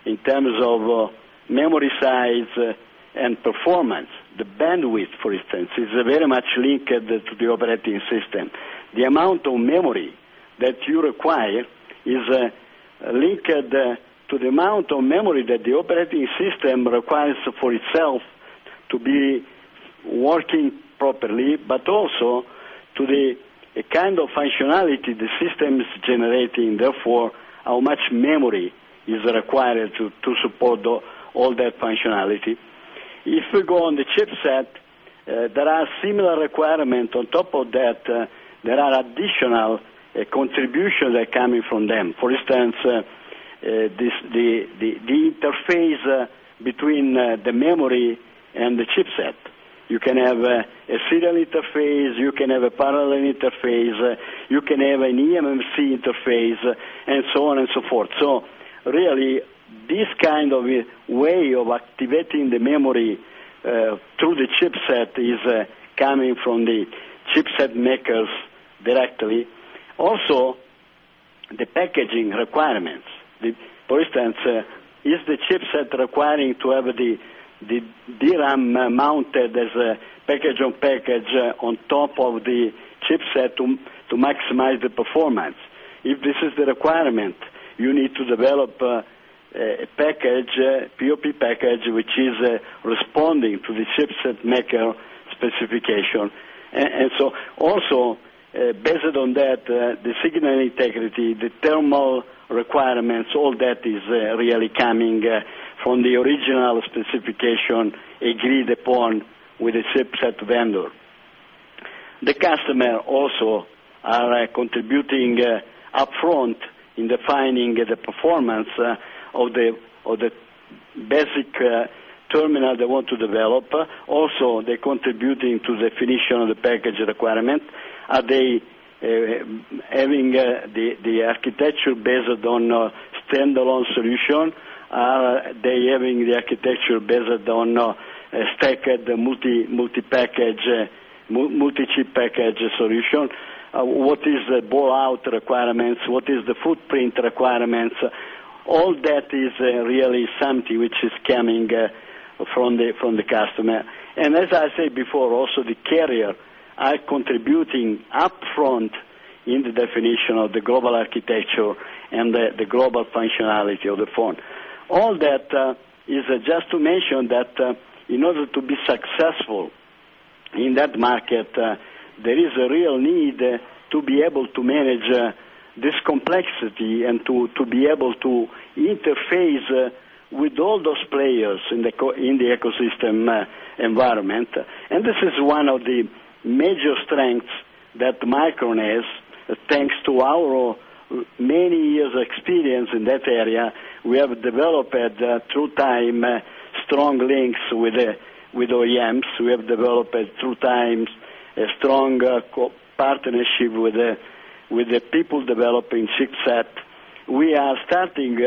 in terms of memory size and performance. The bandwidth, for instance, is very much linked to the operating system. The amount of memory that you require is linked to the amount of memory that the operating system requires for itself to be working properly, but also to the kind of functionality the system is generating. Therefore, how much memory is required to support all that functionality. If we go on the chipset, there are similar requirements on top of that. There are additional contributions that are coming from them. For instance, the interface between the memory and the chipset. You can have a serial interface. You can have a parallel interface. You can have an EMMC interface, and so on and so forth. This kind of way of activating the memory through the chipset is coming from the chipset makers directly. Also, the packaging requirements. For instance, is the chipset required to have the DRAM mounted as a package-on-package on top of the chipset to maximize the performance? If this is the requirement, you need to develop a package, a POP package, which is responding to the chipset maker specification. Also, based on that, the signal integrity, the thermal requirements, all that is really coming from the original specification agreed upon with the chipset vendor. The customer also is contributing upfront in defining the performance of the basic terminal they want to develop. Also, they're contributing to the definition of the package requirement. Are they having the architecture based on a standalone solution? Are they having the architecture based on a stacked multi-chip package solution? What is the ball-out requirements? What is the footprint requirements? All that is really something which is coming from the customer. As I said before, also the carriers are contributing upfront in the definition of the global architecture and the global functionality of the phone. All that is just to mention that in order to be successful in that market, there is a real need to be able to manage this complexity and to be able to interface with all those players in the ecosystem environment. This is one of the major strengths Micron has. Thanks to our many years of experience in that area, we have developed through time strong links with OEMs. We have developed through times a strong partnership with the people developing chipset. We are starting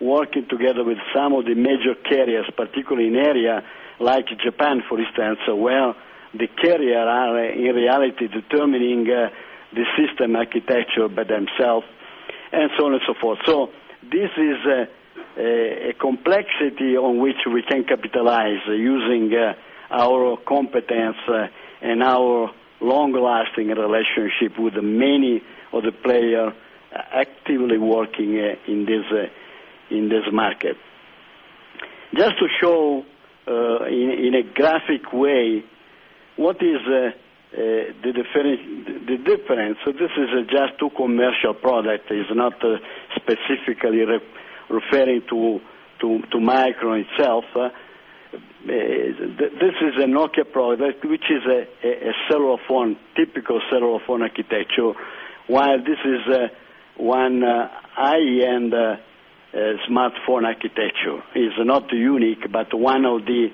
working together with some of the major carriers, particularly in areas like Japan, for instance, where the carriers are in reality determining the system architecture by themselves, and so on and so forth. This is a complexity on which we can capitalize using our competence and our long-lasting relationship with many of the players actively working in this market. Just to show in a graphic way what is the difference. This is just a commercial product. It's not specifically referring Micron itself. This is a Nokia product, which is a typical cellular phone architecture, while this is one high-end smartphone architecture. It's not unique, but one of the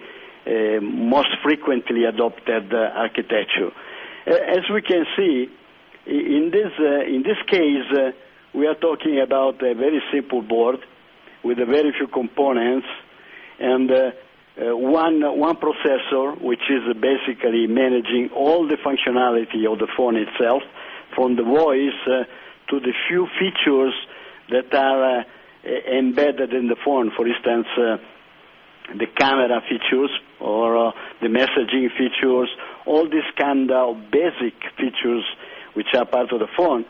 most frequently adopted architectures. As we can see, in this case, we are talking about a very simple board with very few components and one processor, which is basically managing all the functionality of the phone itself, from the voice to the few features that are embedded in the phone. For instance, the camera features or the messaging features, all these kinds of basic features which are part of the phone.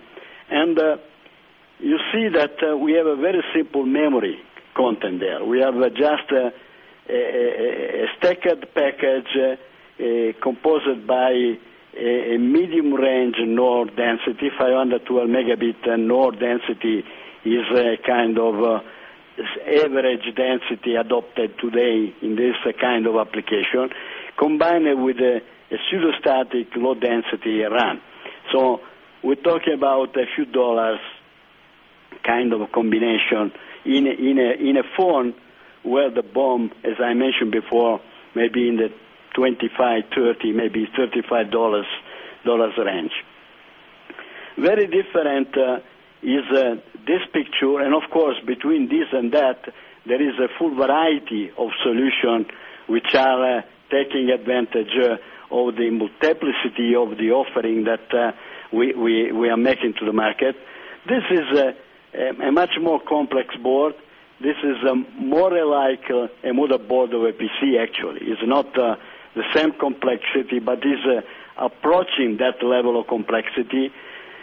You see that we have a very simple memory content there. We have just a stacked package composed by a medium-range NOR density. 512 Mb NOR density is a kind of average density adopted today in this kind of application, combined with a pseudostatic low-density run. We're talking about a few dollars kind of a combination in a phone where the BOM, as I mentioned before, may be in the $25, $30, maybe $35 range. Very different is this picture. Of course, between this and that, there is a full variety of solutions which are taking advantage of the multiplicity of the offering that we are making to the market. This is a much more complex board. This is more like a motherboard of a PC, actually. It's not the same complexity, but it's approaching that level of complexity.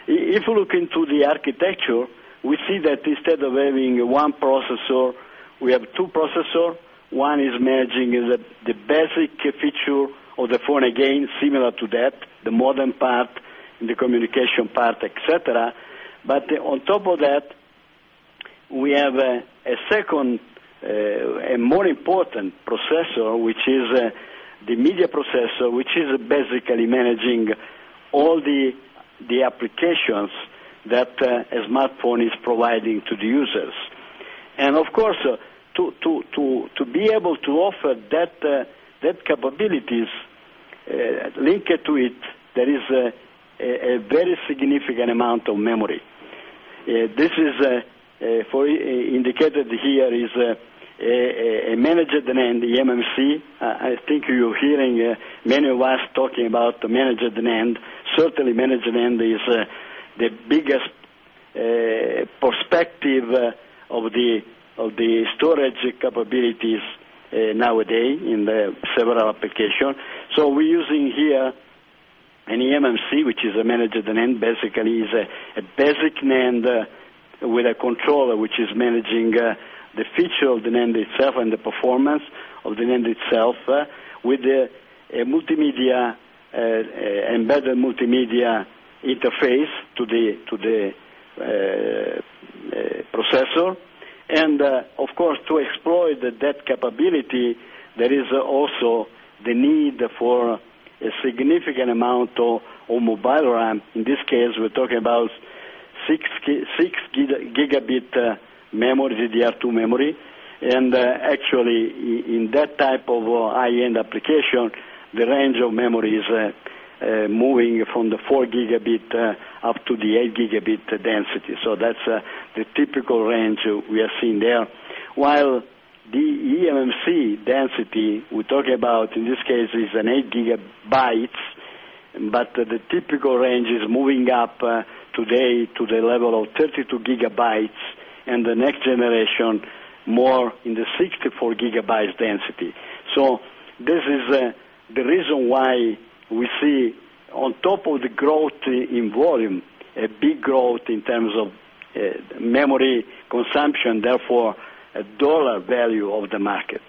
If we look into the architecture, we see that instead of having one processor, we have two processors. One is managing the basic feature of the phone, again, similar to that, the modern part, the communication part, etc. On top of that, we have a second and more important processor, which is the media processor, which is basically managing all the applications that a smartphone is providing to the users. Of course, to be able to offer that capability linked to it, there is a very significant amount of memory. This is indicated here as a managed NAND EMMC. I think you're hearing many of us talking about the managed NAND. Certainly, managed NAND is the biggest perspective of the storage capabilities nowadays in several applications. We're using here an EMMC, which is a managed NAND. Basically, it is a basic NAND with a controller which is managing the feature of the NAND itself and the performance of the NAND itself with an embedded multimedia interface to the processor. Of course, to exploit that capability, there is also the need for a significant amount of mobile RAM. In this case, we're talking about 6 Gb memory, DDR2 memory. Actually, in that type of high-end application, the range of memory is moving from the 4 Gb up to the 8 Gb density. That's the typical range we are seeing there. While the eMMC density we're talking about in this case is an 8 GB, the typical range is moving up today to the level of 32 GB. The next generation, more in the 64 GB density. This is the reason why we see, on top of the growth in volume, a big growth in terms of memory consumption, therefore a dollar value of the market.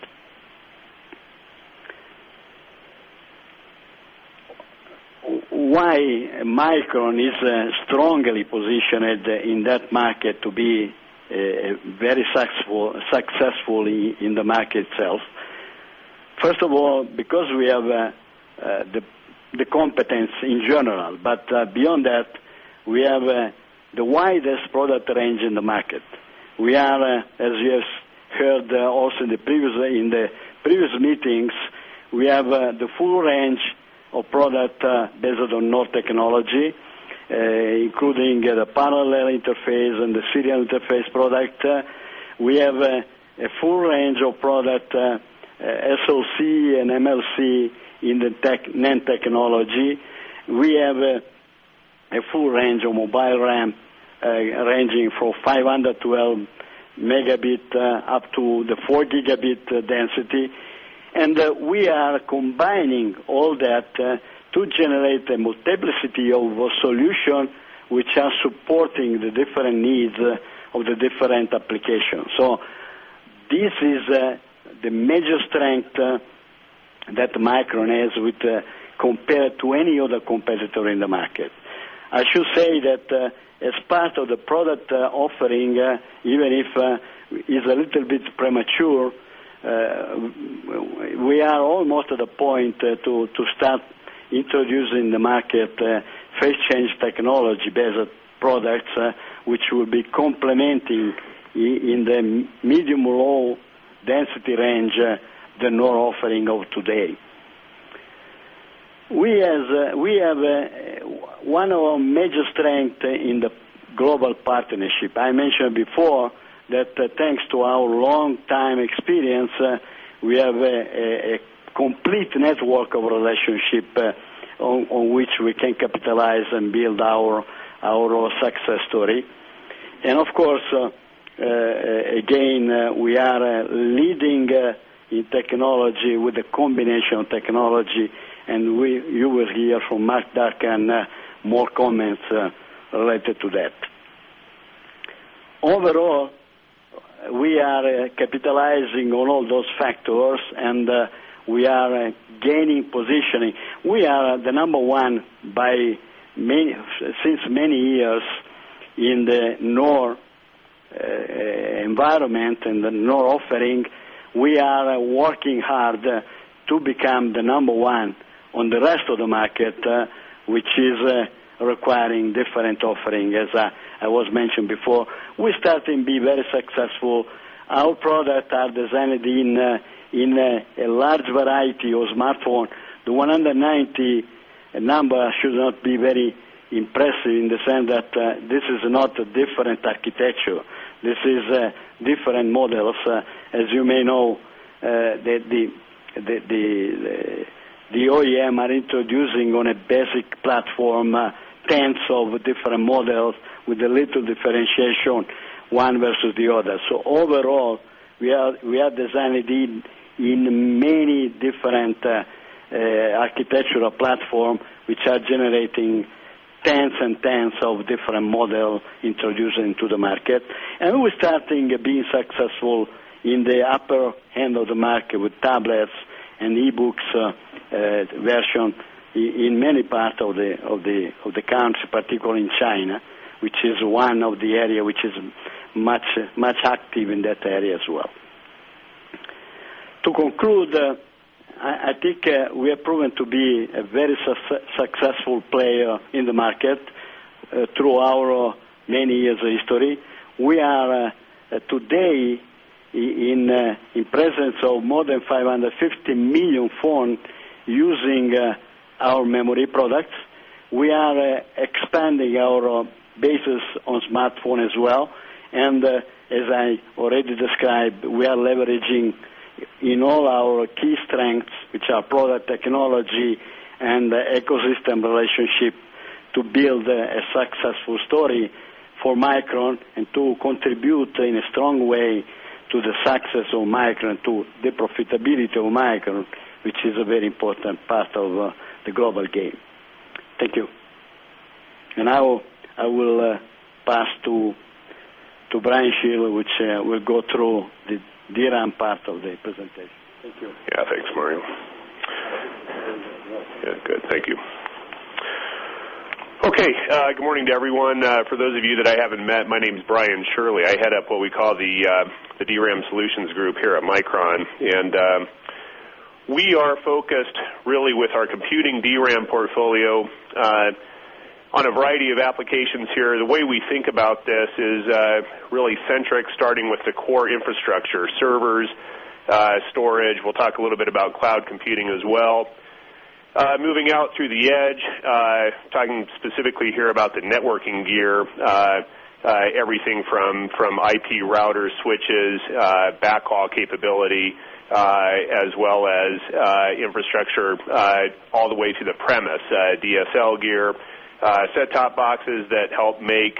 Why Micron is strongly positioned in that market to be very successful in the market itself? First of all, because we have the competence in general. Beyond that, we have the widest product range in the market. As you heard also in the previous meetings, we have the full range of products based on our technology, including the parallel interface and the serial interface product. We have a full range of products, SLC and MLC, in the NAND technology. We have a full range of mobile RAM, ranging from 512 Mb up to the 4 Gb density. We are combining all that to generate a multiplicity of solutions which are supporting the different needs of the different applications. This is the major strength Micron has compared to any other competitor in the market. I should say that as part of the product offering, even if it's a little bit premature, we are almost at the point to start introducing the market phase change technology-based products, which will be complementing in the medium-low density range the new offering of today. We have one of our major strengths in the global partnership. I mentioned before that thanks to our long-time experience, we have a complete network of relationships on which we can capitalize and build our success story. Of course, again, we are leading in technology with a combination of technology. You will hear from Mark Durcan more comments related to that. Overall, we are capitalizing on all those factors. We are gaining positioning. We are the number one by many since many years in the new environment and the new offering. We are working hard to become the number one on the rest of the market, which is requiring different offerings, as I was mentioning before. We started to be very successful. Our products are designed in a large variety of smartphones. The 190 number should not be very impressive in the sense that this is not a different architecture. This is different models. As you may know, the OEM are introducing on a basic platform tens of different models with a little differentiation, one versus the other. Overall, we are designing in many different architectural platforms, which are generating tens and tens of different models introduced into the market. We are starting to be successful in the upper end of the market with tablets and e-books versions in many parts of the country, particularly in China, which is one of the areas which is much, much active in that area as well. To conclude, I think we have proven to be a very successful player in the market through our many years of history. We are today in the presence of more than 550 million phones using our memory products. We are expanding our bases on smartphones as well. As I already described, we are leveraging all our key strengths, which are product technology and ecosystem relationships, to build a successful story for Micron and to contribute in a strong way to the success of Micron, to the profitability of Micron, which is a very important part of the global game. Thank you. Now I will pass to Brian Shirley, which will go through the DRAM part of the presentation. Thank you. Yeah, thanks, Mario. Good, thank you. Okay. Good morning to everyone. For those of you that I haven't met, my name is Brian Shirley. I head up what we call the DRAM Solutions Group here at Micron. We are focused really with our computing DRAM portfolio on a variety of applications here. The way we think about this is really centric, starting with the core infrastructure: servers, storage. We'll talk a little bit about cloud computing as well. Moving out through the edge, talking specifically here about the networking gear, everything from IP routers, switches, backhaul capability, as well as infrastructure all the way to the premise, DSL gear, set-top boxes that help make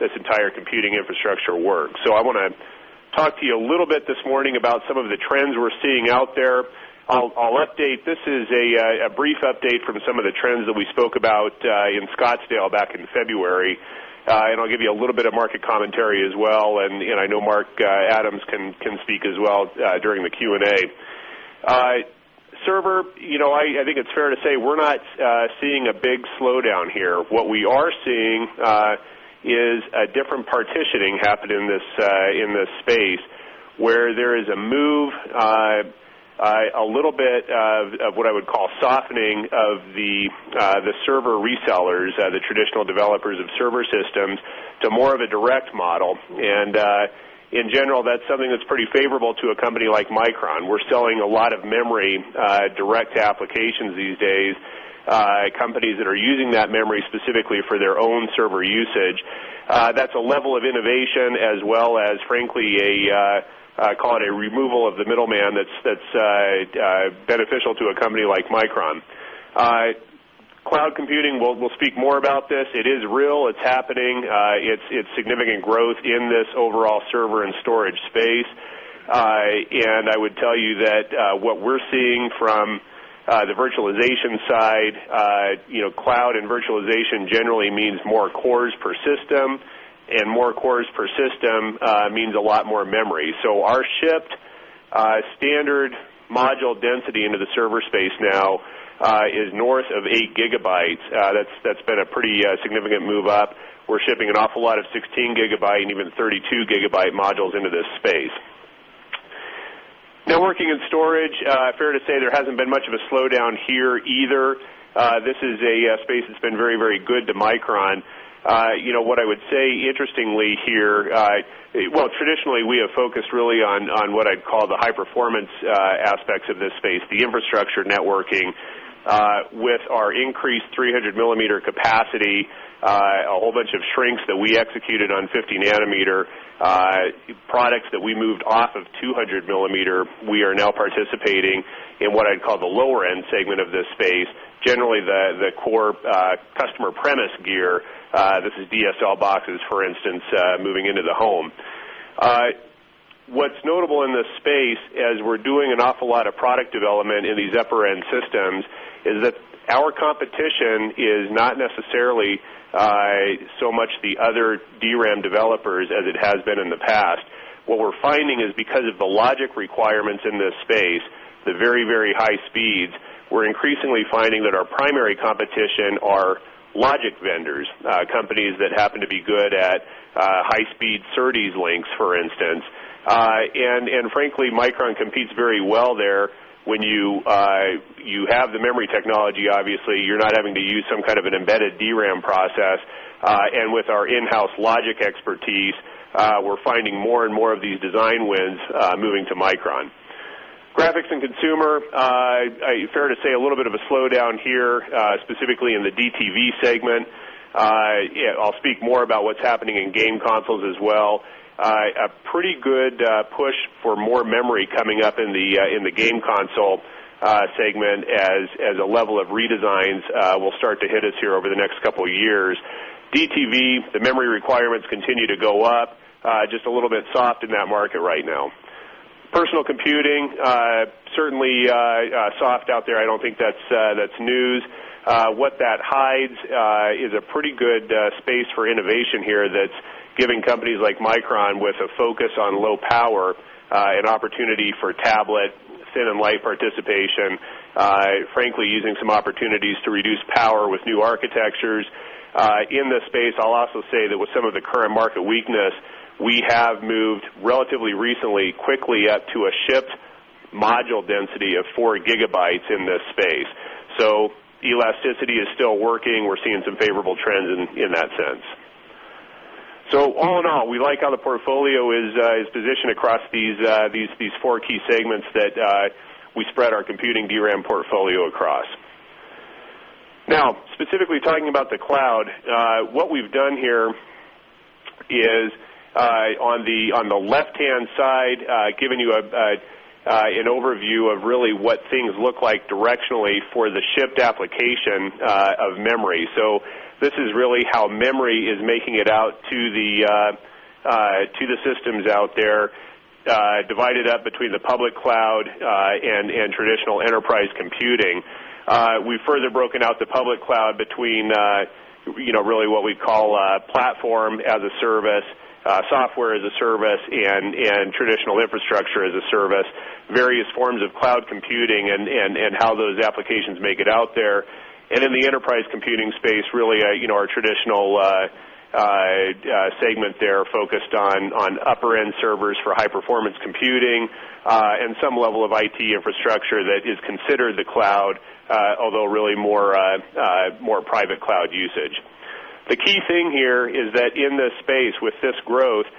this entire computing infrastructure work. I want to talk to you a little bit this morning about some of the trends we're seeing out there. This is a brief update from some of the trends that we spoke about in Scottsdale back in February. I'll give you a little bit of market commentary as well. I know Mark Adams can speak as well during the Q&A. Server, you know I think it's fair to say we're not seeing a big slowdown here. What we are seeing is a different partitioning happening in this space where there is a move, a little bit of what I would call softening of the server resellers, the traditional developers of server systems, to more of a direct model. In general, that's something that's pretty favorable to a company like Micron. We're selling a lot of memory direct applications these days, companies that are using that memory specifically for their own server usage. That's a level of innovation as well as, frankly, call it a removal of the middleman that's beneficial to a company like Micron. Cloud computing, we'll speak more about this. It is real. It's happening. It's significant growth in this overall server and storage space. I would tell you that what we're seeing from the virtualization side, cloud and virtualization generally means more cores per system. More cores per system means a lot more memory. Our shipped standard module density into the server space now is north of 8 GB. That's been a pretty significant move up. We're shipping an awful lot of 16 GB and even 32 GB modules into this space. Networking and storage, fair to say there hasn't been much of a slowdown here either. This is a space that's been very, very good to Micron. You know what I would say interestingly here, traditionally, we have focused really on what I'd call the high-performance aspects of this space, the infrastructure networking. With our increased 300 mm capacity, a whole bunch of shrinks that we executed on 50 nm products that we moved off of 200 mm, we are now participating in what I'd call the lower-end segment of this space, generally the core customer premise gear. This is DSL boxes, for instance, moving into the home. What's notable in this space, as we're doing an awful lot of product development in these upper-end systems, is that our competition is not necessarily so much the other DRAM developers as it has been in the past. What we're finding is because of the logic requirements in this space, the very, very high speeds, we're increasingly finding that our primary competition are logic vendors, companies that happen to be good at high-speed SerDes links, for instance. Frankly, Micron competes very well there. When you have the memory technology, obviously, you're not having to use some kind of an embedded DRAM process. With our in-house logic expertise, we're finding more and more of these design wins moving to Micron. graphics and consumer, fair to say a little bit of a slowdown here, specifically in the DTV segment. I'll speak more about what's happening in game consoles as well. A pretty good push for more memory coming up in the game console segment as a level of redesigns will start to hit us here over the next couple of years. DTV, the memory requirements continue to go up, just a little bit soft in that market right now. Personal computing, certainly soft out there. I don't think that's news. What that hides is a pretty good space for innovation here that's giving companies like Micron, with a focus on low power, an opportunity for tablet, thin and light participation, frankly, using some opportunities to reduce power with new architectures. In this space, I'll also say that with some of the current market weakness, we have moved relatively recently quickly up to a shipped module density of 4 GB in this space. Elasticity is still working. We're seeing some favorable trends in that sense. All in all, we like how the portfolio is positioned across these four key segments that we spread our computing DRAM portfolio across. Now, specifically talking about the cloud, what we've done here is on the left-hand side, giving you an overview of really what things look like directionally for the shipped application of memory. This is really how memory is making it out to the systems out there, divided up between the public cloud and traditional enterprise computing. We've further broken out the public cloud between really what we call platform as a service, software as a service, and traditional infrastructure as a service, various forms of cloud computing, and how those applications make it out there. In the enterprise computing space, really our traditional segment there focused on upper-end servers for high-performance computing and some level of IT infrastructure that is considered the cloud, although really more private cloud usage. The key thing here is that in this space, with this growth,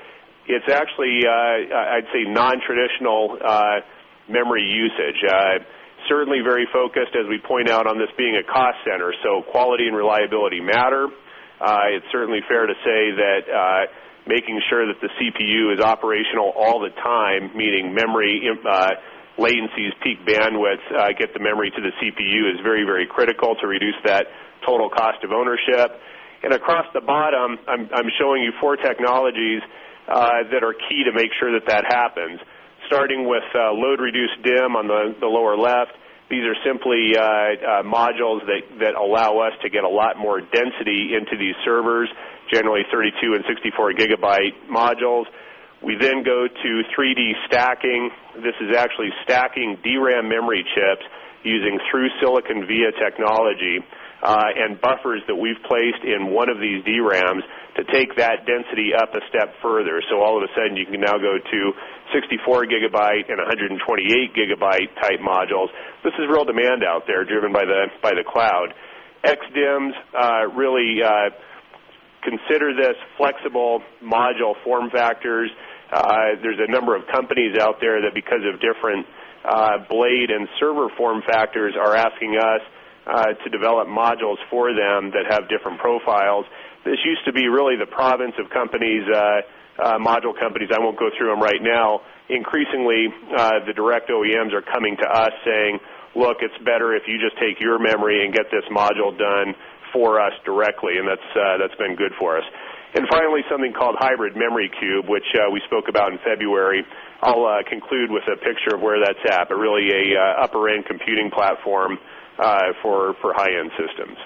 it's actually, I'd say, nontraditional memory usage. Certainly very focused, as we point out, on this being a cost center. Quality and reliability matter. It's certainly fair to say that making sure that the CPU is operational all the time, meaning memory latencies, peak bandwidths, get the memory to the CPU, is very, very critical to reduce that total cost of ownership. Across the bottom, I'm showing you four technologies that are key to make sure that that happens, starting with load-reduced DIMM on the lower left. These are simply modules that allow us to get a lot more density into these servers, generally 32 GB and 64 GB modules. We then go to 3D stacking. This is actually stacking DRAM memory chips using through silicon via technology and buffers that we've placed in one of these DRAMs to take that density up a step further. All of a sudden, you can now go to 64 GB and 128 GB type modules. This is real demand out there, driven by the cloud. XDIMMs really consider this flexible module form factors. There's a number of companies out there that, because of different blade and server form factors, are asking us to develop modules for them that have different profiles. This used to be really the province of companies, module companies. I won't go through them right now. Increasingly, the direct OEMs are coming to us saying, "Look, it's better if you just take your memory and get this module done for us directly." That's been good for us. Finally, something called hybrid memory cube, which we spoke about in February. I'll conclude with a picture of where that's at, but really an upper-end computing platform for high-end systems.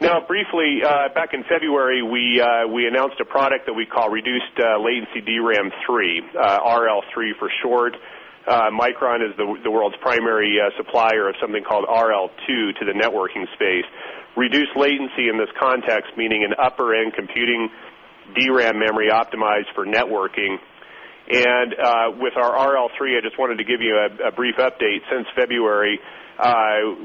Now, briefly, back in February, we announced a product that we call Reduced Latency DRAM 3, RL3 for short. Micron is the world's primary supplier of something called RL2 to the networking space. Reduced latency in this context, meaning an upper-end computing DRAM memory optimized for networking. With our RL3, I just wanted to give you a brief update. Since February,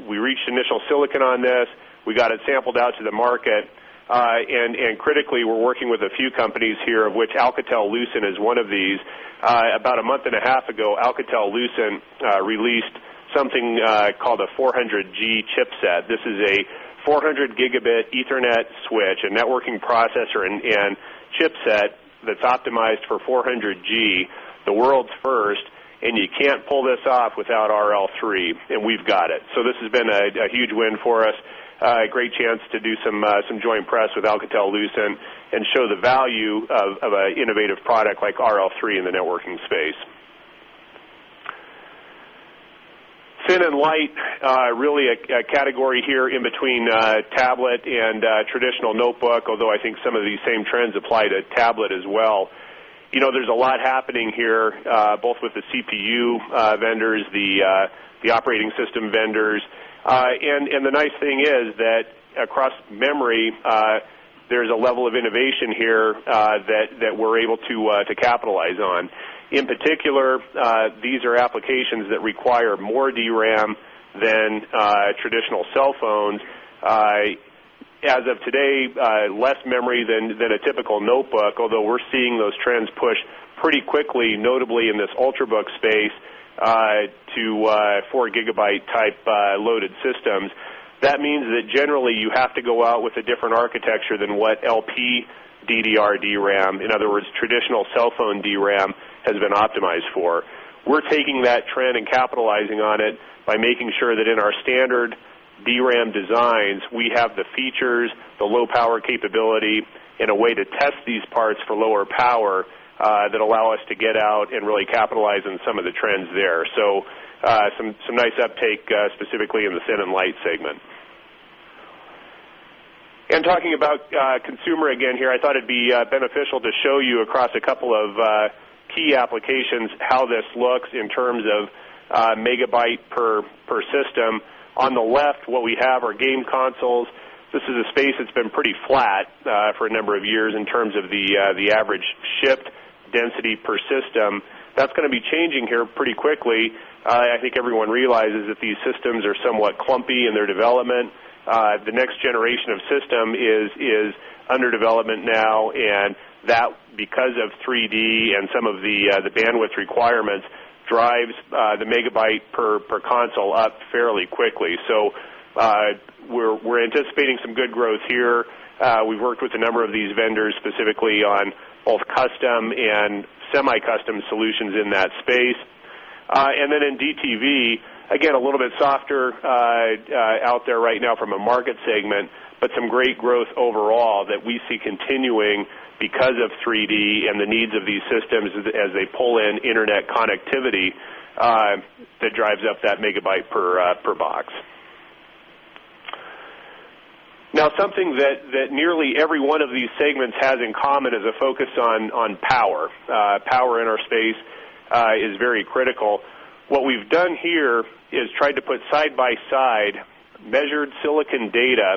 we reached initial silicon on this. We got it sampled out to the market. Critically, we're working with a few companies here, of which Alcatel-Lucent is one of these. About a month and a half ago, Alcatel-Lucent released something called the 400G chipset. This is a 400 Gb Ethernet switch, a networking processor and chipset that's optimized for 400G, the world's first. You can't pull this off without RL3. We've got it. This has been a huge win for us, a great chance to do some joint press with Alcatel-Lucent and show the value of an innovative product like RL3 in the networking space. Thin and light, really a category here in between tablet and traditional notebook, although I think some of these same trends apply to tablet as well. You know there's a lot happening here, both with the CPU vendors, the operating system vendors. The nice thing is that across memory, there's a level of innovation here that we're able to capitalize on. In particular, these are applications that require more DRAM than traditional cell phones. As of today, less memory than a typical notebook, although we're seeing those trends push pretty quickly, notably in this ultrabook space, to 4 Gb type loaded systems. That means that generally, you have to go out with a different architecture than what LPDDR DRAM, in other words, traditional cell phone DRAM, has been optimized for. We're taking that trend and capitalizing on it by making sure that in our standard DRAM designs, we have the features, the low-power capability, and a way to test these parts for lower power that allow us to get out and really capitalize on some of the trends there. Some nice uptake, specifically in the thin and light segment. Talking about consumer again here, I thought it'd be beneficial to show you across a couple of key applications how this looks in terms of megabyte per system. On the left, what we have are game consoles. This is a space that's been pretty flat for a number of years in terms of the average shipped density per system. That's going to be changing here pretty quickly. I think everyone realizes that these systems are somewhat clumpy in their development. The next generation of systems is under development now. That, because of 3D and some of the bandwidth requirements, drives the megabyte per console up fairly quickly. We're anticipating some good growth here. We've worked with a number of these vendors, specifically on both custom and semi-custom solutions in that space. In DTV, again, a little bit softer out there right now from a market segment, but some great growth overall that we see continuing because of 3D and the needs of these systems as they pull in internet connectivity that drives up that megabyte per box. Now, something that nearly every one of these segments has in common is a focus on power. Power in our space is very critical. What we've done here is tried to put side by side measured silicon data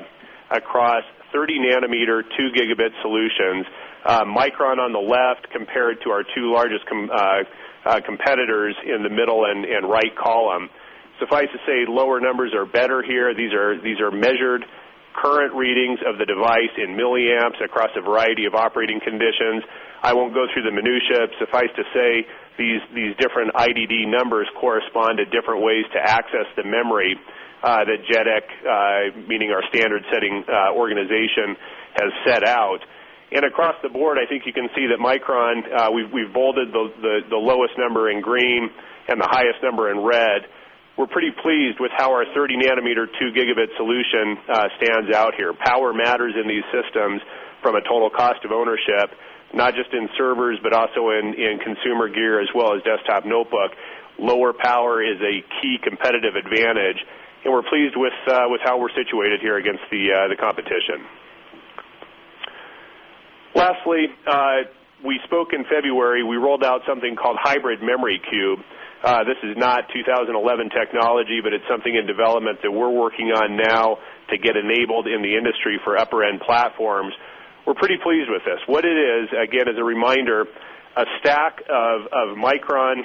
across 30 nm, 2 Gb solutions. Micron on the left, compared to our two largest competitors in the middle and right column. Suffice to say, lower numbers are better here. These are measured current readings of the device in milliamps across a variety of operating conditions. I won't go through the minutiae. Suffice to say, these different IDD numbers correspond to different ways to access the memory that JEDEC, meaning our standard setting organization, has set out. Across the board, I think you can see that Micron, we've bolded the lowest number in green and the highest number in red. We're pretty pleased with how our 30 nm, 2 Gb solution stands out here. Power matters in these systems from a total cost of ownership, not just in servers, but also in consumer gear as well as desktop notebook. Lower power is a key competitive advantage. We're pleased with how we're situated here against the competition. Lastly, we spoke in February. We rolled out something called hybrid memory cube. This is not 2011 technology, but it's something in development that we're working on now to get enabled in the industry for upper-end platforms. We're pretty pleased with this. What it is, again, as a reminder, a stack of Micron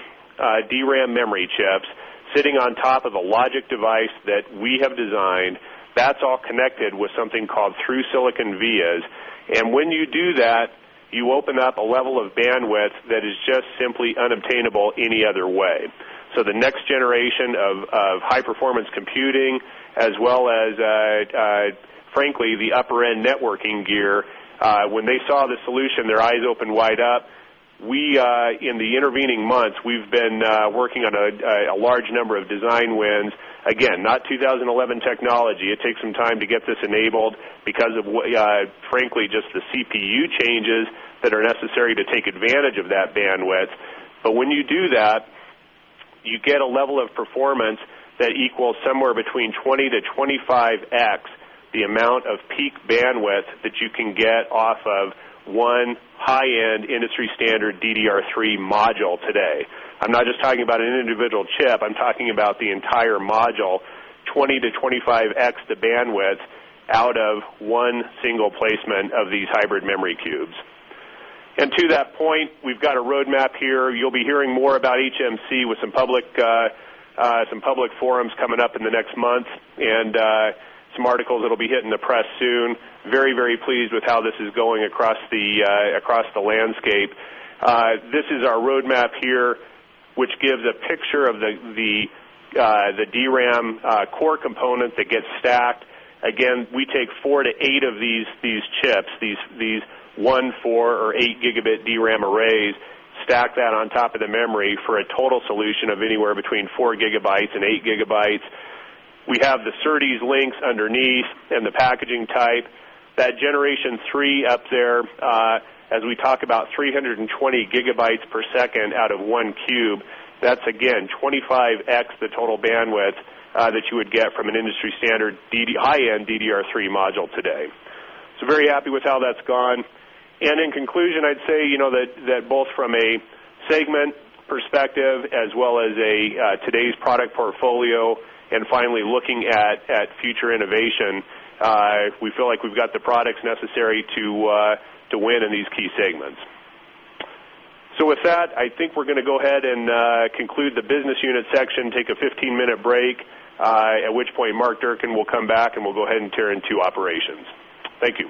DRAM memory chips sitting on top of a logic device that we have designed. That's all connected with something called through-silicon vias. When you do that, you open up a level of bandwidth that is just simply unobtainable any other way. The next generation of high-performance computing, as well as, frankly, the upper-end networking gear, when they saw the solution, their eyes opened wide up. In the intervening months, we've been working on a large number of design wins. Again, not 2011 technology. It takes some time to get this enabled because of, frankly, just the CPU changes that are necessary to take advantage of that bandwidth. When you do that, you get a level of performance that equals somewhere between 20x-25x the amount of peak bandwidth that you can get off of one high-end industry-standard DDR3 module today. I'm not just talking about an individual chip. I'm talking about the entire module, 20x-25x the bandwidth out of one single placement of these hybrid memory cubes. To that point, we've got a roadmap here. You'll be hearing more about each MC with some public forums coming up in the next month and some articles that'll be hitting the press soon. Very, very pleased with how this is going across the landscape. This is our roadmap here, which gives a picture of the DRAM core component that gets stacked. We take four to eight of these chips, these 1, 4, or 8 Gb DRAM arrays, stack that on top of the memory for a total solution of anywhere between 4 GB and 8 GB. We have the SerDes links underneath and the packaging type. That Generation 3 up there, as we talk about, 320 GB per second out of one cube. That's, again, 25x the total bandwidth that you would get from an industry-standard high-end DDR3 module today. Very happy with how that's gone. In conclusion, I'd say that both from a segment perspective as well as today's product portfolio and finally looking at future innovation, we feel like we've got the products necessary to win in these key segments. With that, I think we're going to go ahead and conclude the business unit section, take a 15-minute break, at which point Mark Durcan will come back and we'll go ahead and tear into operations. Thank you.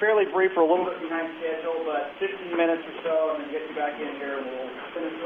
Fairly brief, we're a little bit behind schedule, but 15 minutes or so, and then get you back in here. We'll finish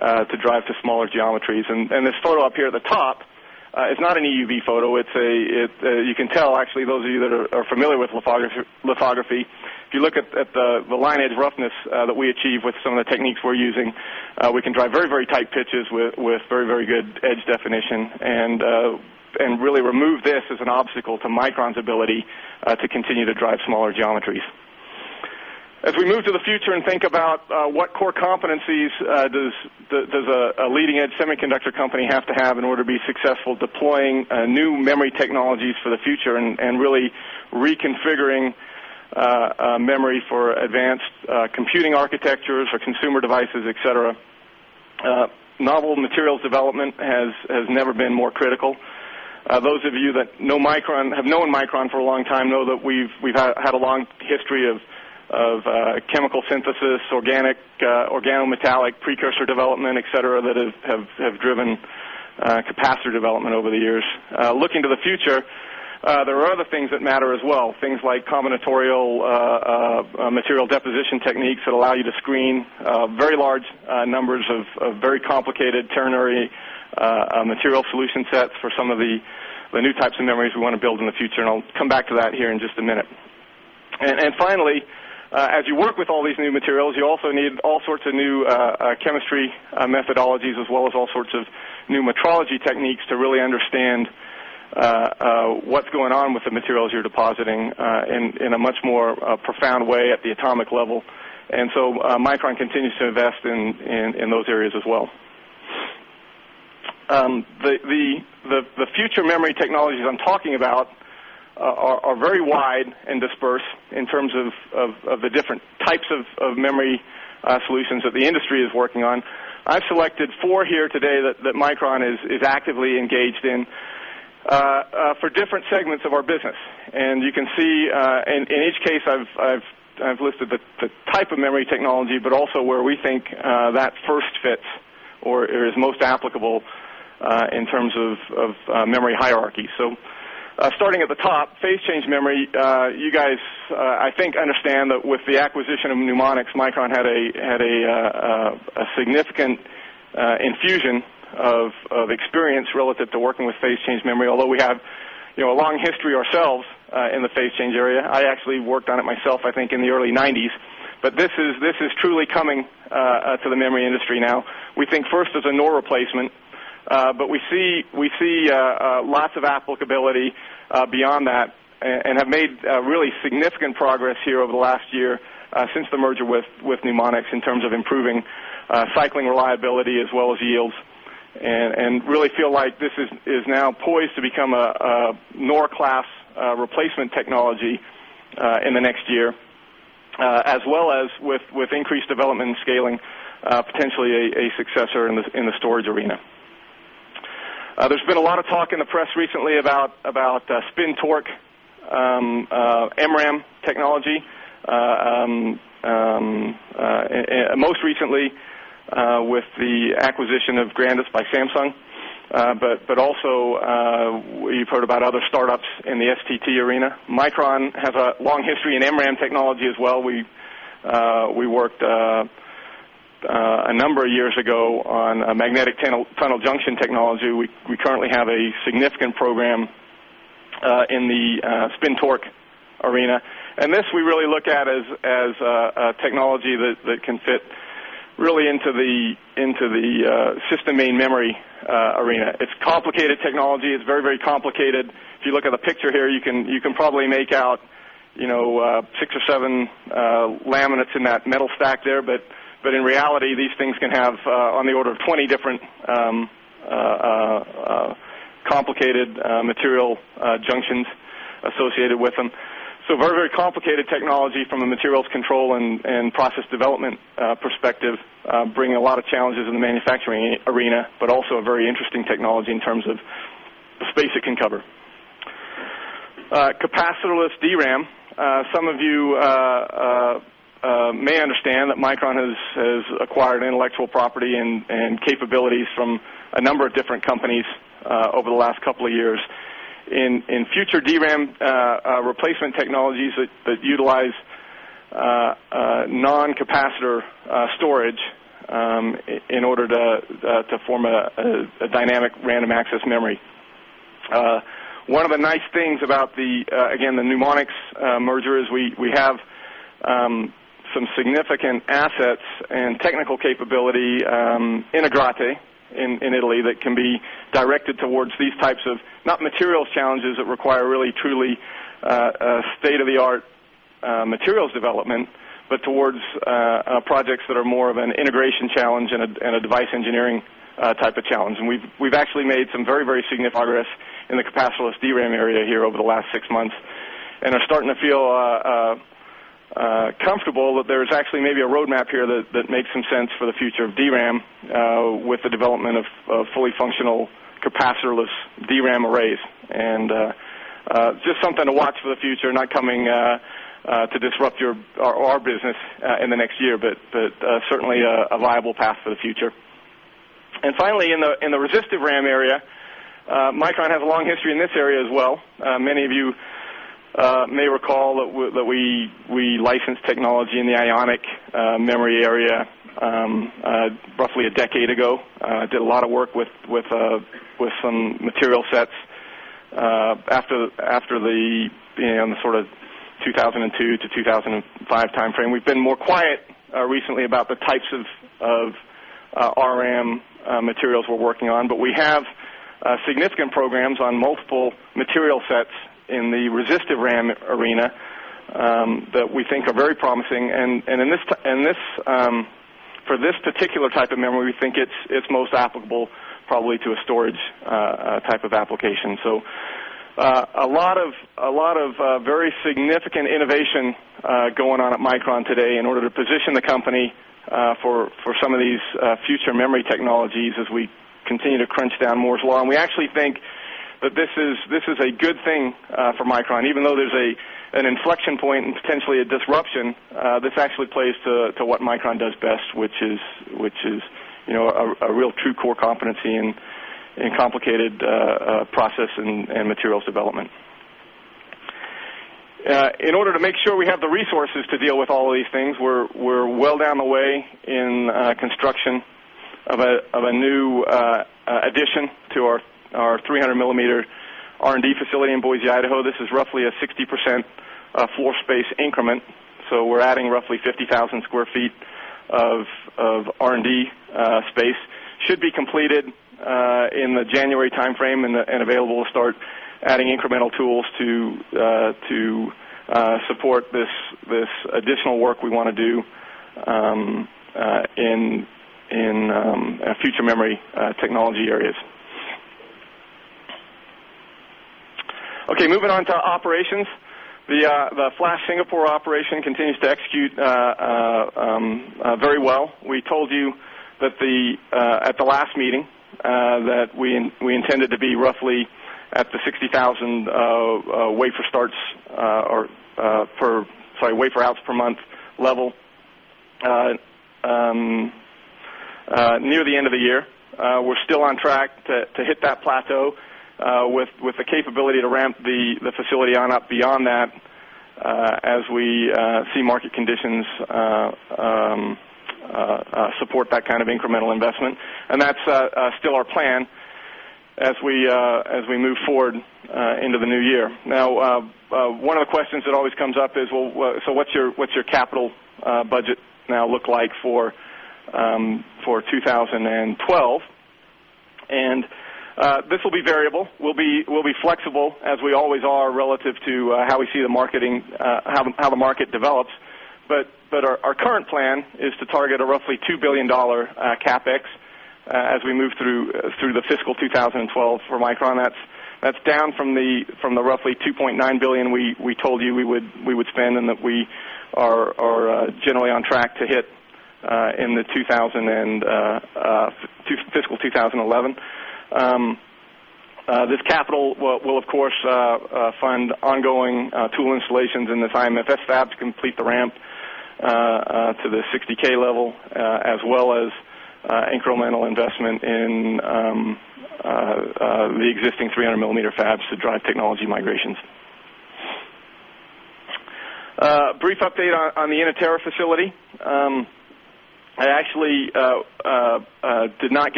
with some.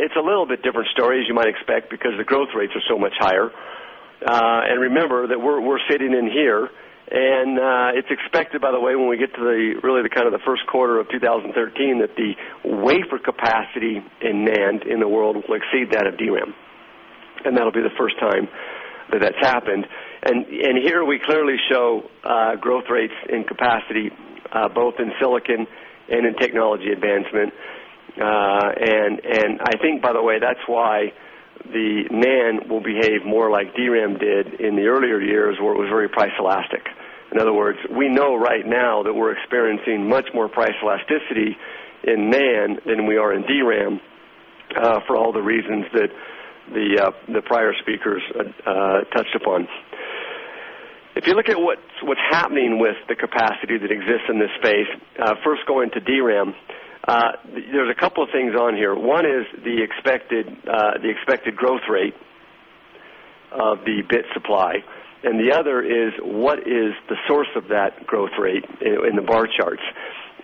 It's a little bit different story, as you might expect, because the growth rates are so much higher. Remember that we're sitting in here, and it's expected, by the way, when we get to the first quarter of 2013, that the wafer capacity in NAND in the world will exceed that of DRAM. That'll be the first time that that's happened. Here we clearly show growth rates in capacity, both in silicon and in technology advancement. I think, by the way, that's why the NAND will behave more like DRAM did in the earlier years, where it was very price elastic. In other words, we know right now that we're experiencing much more price elasticity in NAND than we are in DRAM, for all the reasons that the prior speakers touched upon. If you look at what's happening with the capacity that exists in this space, first going to DRAM, there's a couple of things on here. One is the expected growth rate of the bit supply. The other is what is the source of that growth rate in the bar charts.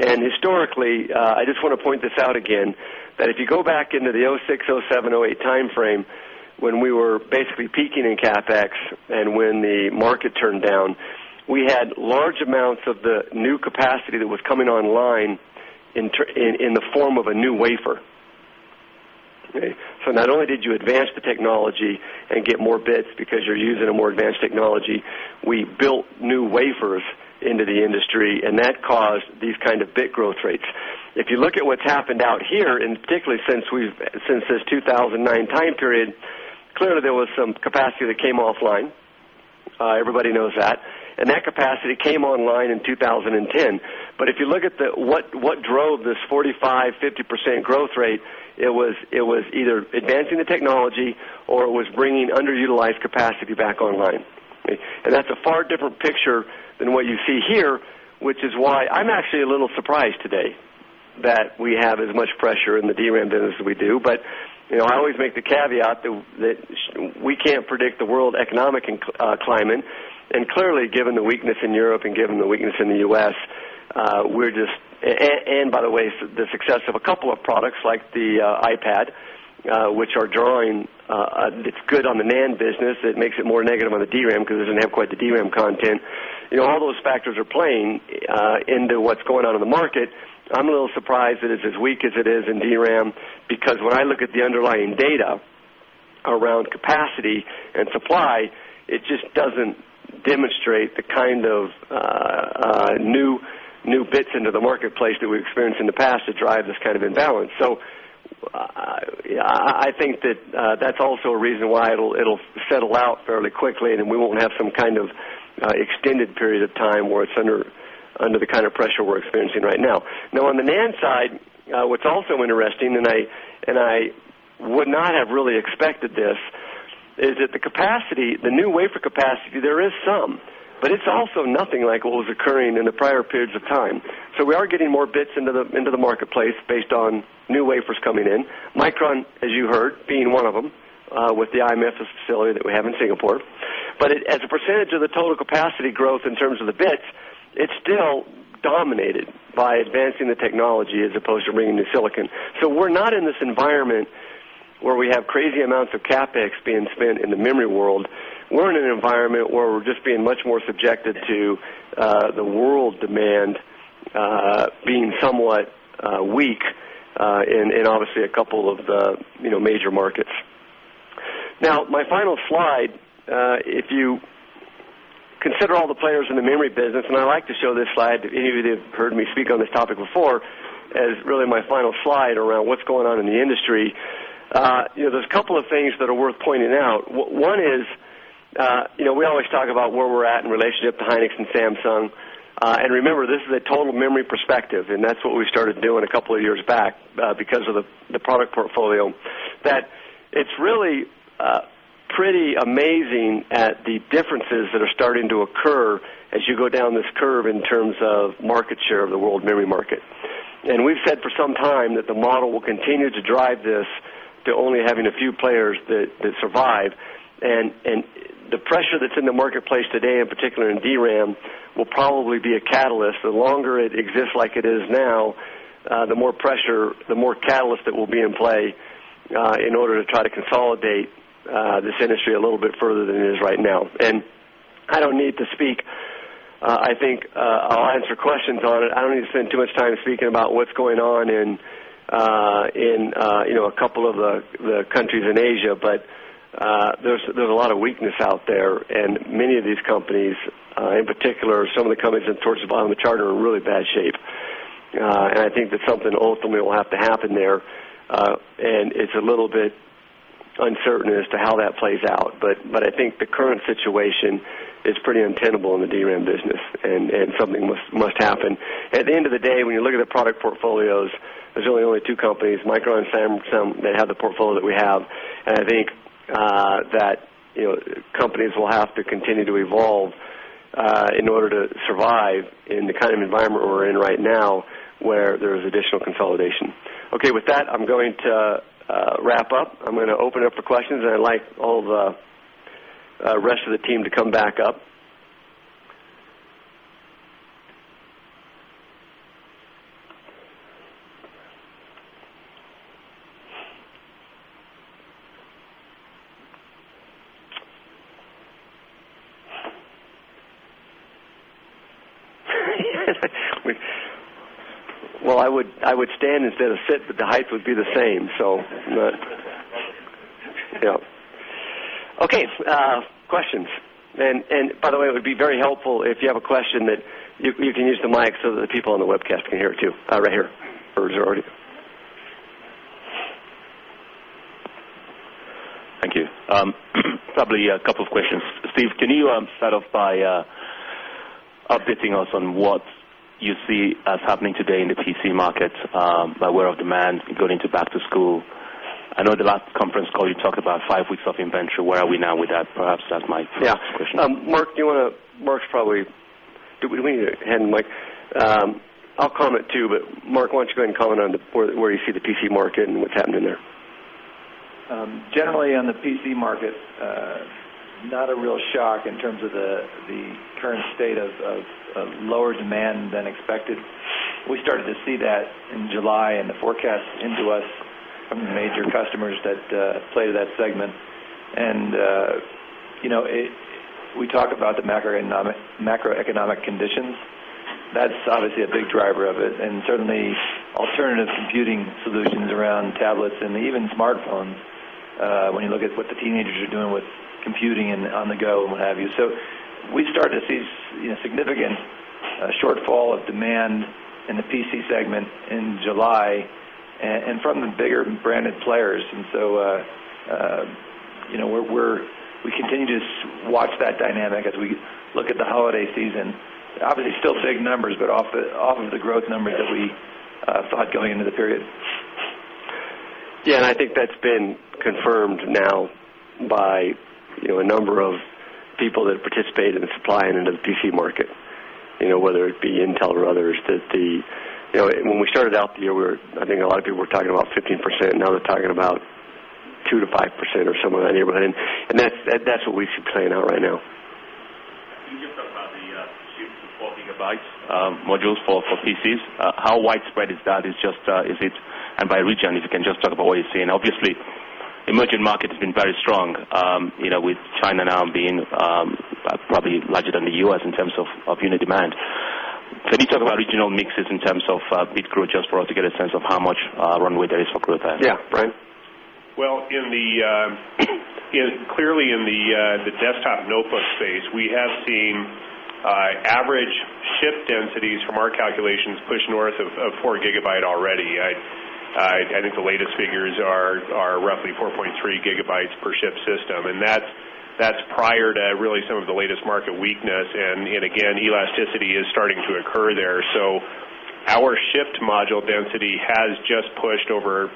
Historically, I just want to point this out again, if you go back into the 2006, 2007, 2008 timeframe, when we were basically peaking in CapEx and when the market turned down, we had large amounts of the new capacity that was coming online in the form of a new wafer. Not only did you advance the technology and get more bits because you're using a more advanced technology, we built new wafers into the industry, and that caused these kind of bit growth rates. If you look at what's happened out here, particularly since this 2009 time period, clearly there was some capacity that came offline. Everybody knows that. That capacity came online in 2010. If you look at what drove this 45%, 50% growth rate, it was either advancing the technology or it was bringing underutilized capacity back online. That's a far different picture than what you see here, which is why I'm actually a little surprised today that we have as much pressure in the DRAM business as we do. I always make the caveat that we can't predict the world economic climate. Clearly, given the weakness in Europe and given the weakness in the U.S., we're just, and by the way, the success of a couple of products like the iPad, which are drawing, it's good on the NAND business. It makes it more negative on the DRAM because it doesn't have quite the DRAM content. You know, all those factors are playing into what's going on in the market. I'm a little surprised that it's as weak as it is in DRAM because when I look at the underlying data around capacity and supply, it just doesn't demonstrate the kind of new bits into the marketplace that we've experienced in the past to drive this kind of imbalance. I think that that's also a reason why it'll settle out fairly quickly and we won't have some kind of extended period of time where it's under the kind of pressure we're experiencing right now. Now on the NAND side, what's also interesting, and I would not have really expected this, is that the capacity, the new wafer capacity, there is some, but it's also nothing like what was occurring in the prior periods of time. We are getting more bits into the marketplace based on new wafers coming in. Micron, as you heard, being one of them, with the IMF facility that we have in Singapore. As a percentage of the total capacity growth in terms of the bits, it's still dominated by advancing the technology as opposed to bringing the silicon. We're not in this environment where we have crazy amounts of CapEx being spent in the memory world. We're in an environment where we're just being much more subjected to the world demand, being somewhat weak, in obviously a couple of the major markets. Now, my final slide, if you consider all the players in the memory business, and I like to show this slide. If any of you have heard me speak on this topic before, as really my final slide around what's going on in the industry, there are a couple of things that are worth pointing out. One is, we always talk about where we're at in relationship to Hynix and Samsung. Remember, this is a total memory perspective, and that's what we started doing a couple of years back, because of the product portfolio. It's really pretty amazing at the differences that are starting to occur as you go down this curve in terms of market share of the world memory market. We've said for some time that the model will continue to drive this to only having a few players that survive. The pressure that's in the marketplace today, in particular in DRAM, will probably be a catalyst. The longer it exists like it is now, the more pressure, the more catalyst that will be in play in order to try to consolidate this industry a little bit further than it is right now. I don't need to speak, I think, I'll answer questions on it. I don't need to spend too much time speaking about what's going on in, you know, a couple of the countries in Asia. There's a lot of weakness out there, and many of these companies, in particular, some of the companies that are first to bottom of the chart, are in really bad shape. I think that something ultimately will have to happen there. It's a little bit uncertain as to how that plays out. I think the current situation is pretty untenable in the DRAM business, and something must happen. At the end of the day, when you look at the product portfolios, there's only two companies, Micron and Samsung, that have the portfolio that we have. I think that companies will have to continue to evolve in order to survive in the kind of environment we're in right now where there's additional consolidation. Okay. With that, I'm going to wrap up. I'm going to open it up for questions, and I'd like all the rest of the team to come back up. I would stand instead of sit, but the height would be the same, so yeah. Questions. By the way, it would be very helpful if you have a question that you can use the mic so that the people on the webcast can hear it too. Right here. Thank you. Probably a couple of questions. Steve, can you start off by updating us on what you see as happening today in the PC market by way of demand going into back to school? I know the last conference call you talked about five weeks of inventory. Where are we now with that? Perhaps that might fix the question. Yeah. Mark, do you want to—Mark's probably—do we need a hand mic? I'll comment too, but Mark, why don't you go ahead and comment on where you see the PC market and what's happening there? Generally, on the PC market, not a real shock in terms of the current state of lower demand than expected. We started to see that in July in the forecast into us from the major customers that play to that segment. We talk about the macroeconomic conditions. That's obviously a big driver of it. Certainly, alternative computing solutions around tablets and even smartphones, when you look at what the teenagers are doing with computing and on the go and what have you. We started to see significant shortfall of demand in the PC segment in July and from the bigger branded players. We continue to watch that dynamic as we look at the holiday season. Obviously, still the big numbers, but off the growth numbers that we thought going into the period. Yeah. I think that's been confirmed now by a number of people that participate in the supply and into the PC market, whether it be Intel or others, that when we started out the year, I think a lot of people were talking about 15%. Now they're talking about 2%-5% or something like that. That's what we see playing out right now. Could you give some about the [shift to 4 GB] modules for PCs? How widespread is that? Is it, and by region, if you can just talk about what you're seeing. Obviously, the emerging market's been very strong, with China now being probably larger than the U.S. in terms of unit demand. Let me talk about regional mixes in terms of bit growth just for us to get a sense of how much runway there is for growth then. Yeah. Brian. Clearly in the desktop notebook space, we have seen average shipped densities from our calculations push north of 4 GB already. I think the latest figures are roughly 4.3 GB per shipped system, and that's prior to really some of the latest market weakness. Again, elasticity is starting to occur there. Our shipped module density has just pushed over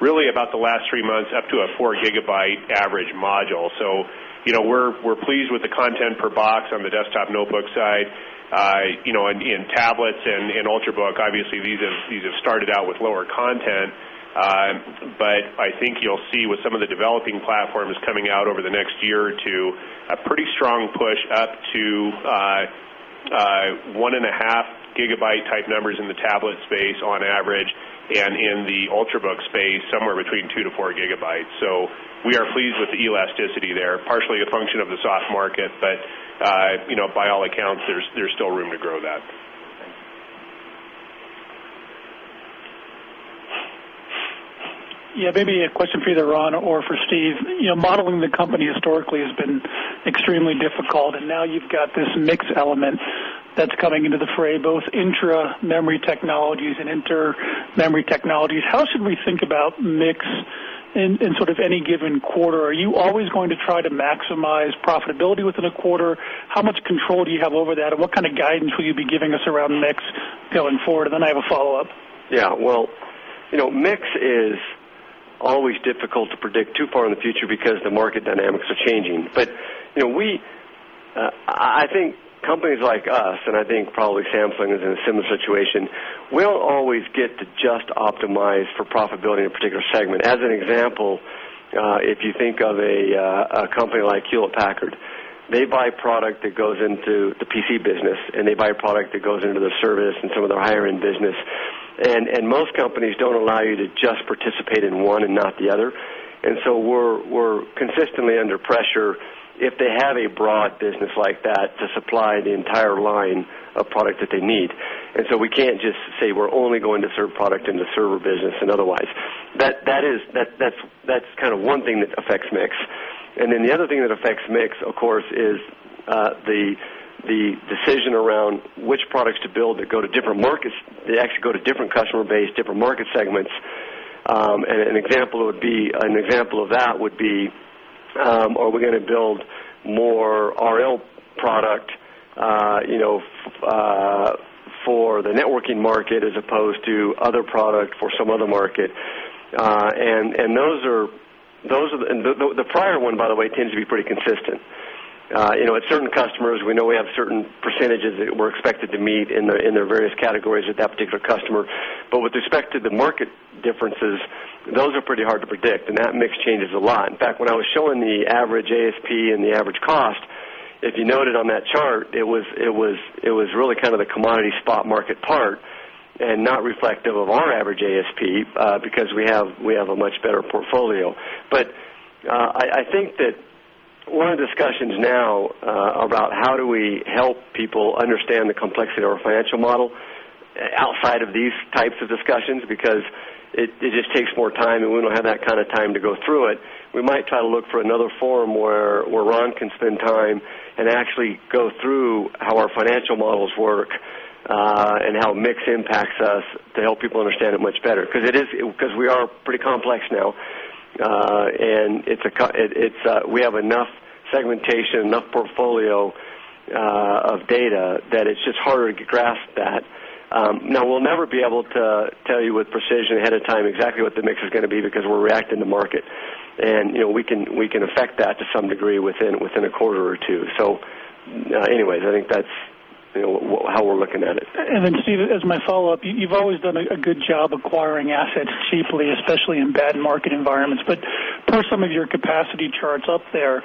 really about the last three months up to a 4 GB average module. We're pleased with the content per box on the desktop notebook side. You know, in tablets and ultrabook, obviously, these have started out with lower content, but I think you'll see with some of the developing platforms coming out over the next year or two, a pretty strong push up to 1.5 GB type numbers in the tablet space on average. In the ultrabook space, somewhere between 2 GB-4 GB. We are pleased with the elasticity there, partially a function of the soft market, but by all accounts, there's still room to grow that. Yeah. Maybe a question for either Ron or for Steve. You know, modeling the company historically has been extremely difficult. Now you've got this mix element that's coming into the fray, both intra-memory technologies and inter-memory technologies. How should we think about mix in in sort of any given quarter? Are you always going to try to maximize profitability within a quarter? How much control do you have over that, and what kind of guidance will you be giving us around mix going forward? I have a follow-up. Yeah. Mix is always difficult to predict too far in the future because the market dynamics are changing. I think companies like us, and I think probably Samsung is in a similar situation, we don't always get to just optimize for profitability in a particular segment. As an example, if you think of a company like Hewlett-Packard, they buy product that goes into the PC business, and they buy product that goes into the service and some of their higher-end business. Most companies don't allow you to just participate in one and not the other. We're consistently under pressure if they have a broad business like that to supply the entire line of products that they need. We can't just say we're only going to serve product in the server business and otherwise. That is kind of one thing that affects mix. The other thing that affects mix, of course, is the decision around which products to build that go to different markets that actually go to different customer base, different market segments. An example of that would be, are we going to build more RL product, you know, for the networking market as opposed to other product for some other market? Those are the, and the prior one, by the way, tends to be pretty consistent. At certain customers, we know we have certain percentages that we're expected to meet in their various categories with that particular customer. With respect to the market differences, those are pretty hard to predict. That mix changes a lot. In fact, when I was showing the average ASP and the average cost, if you noted on that chart, it was really kind of the commodity spot market part and not reflective of our average ASP, because we have a much better portfolio. I think that one of the discussions now, about how do we help people understand the complexity of our financial model, outside of these types of discussions because it just takes more time, and we don't have that kind of time to go through it. We might try to look for another forum where Ron can spend time and actually go through how our financial models work, and how mix impacts us to help people understand it much better. Because we are pretty complex now, and we have enough segmentation, enough portfolio of data that it's just harder to grasp that. Now, we'll never be able to tell you with precision ahead of time exactly what the mix is going to be because we're reacting to market. You know, we can affect that to some degree within a quarter or two. I think that's what, you know, how we're looking at it. Steve, as my follow-up, you've always done a good job acquiring assets cheaply, especially in bad market environments. Per some of your capacity charts up there,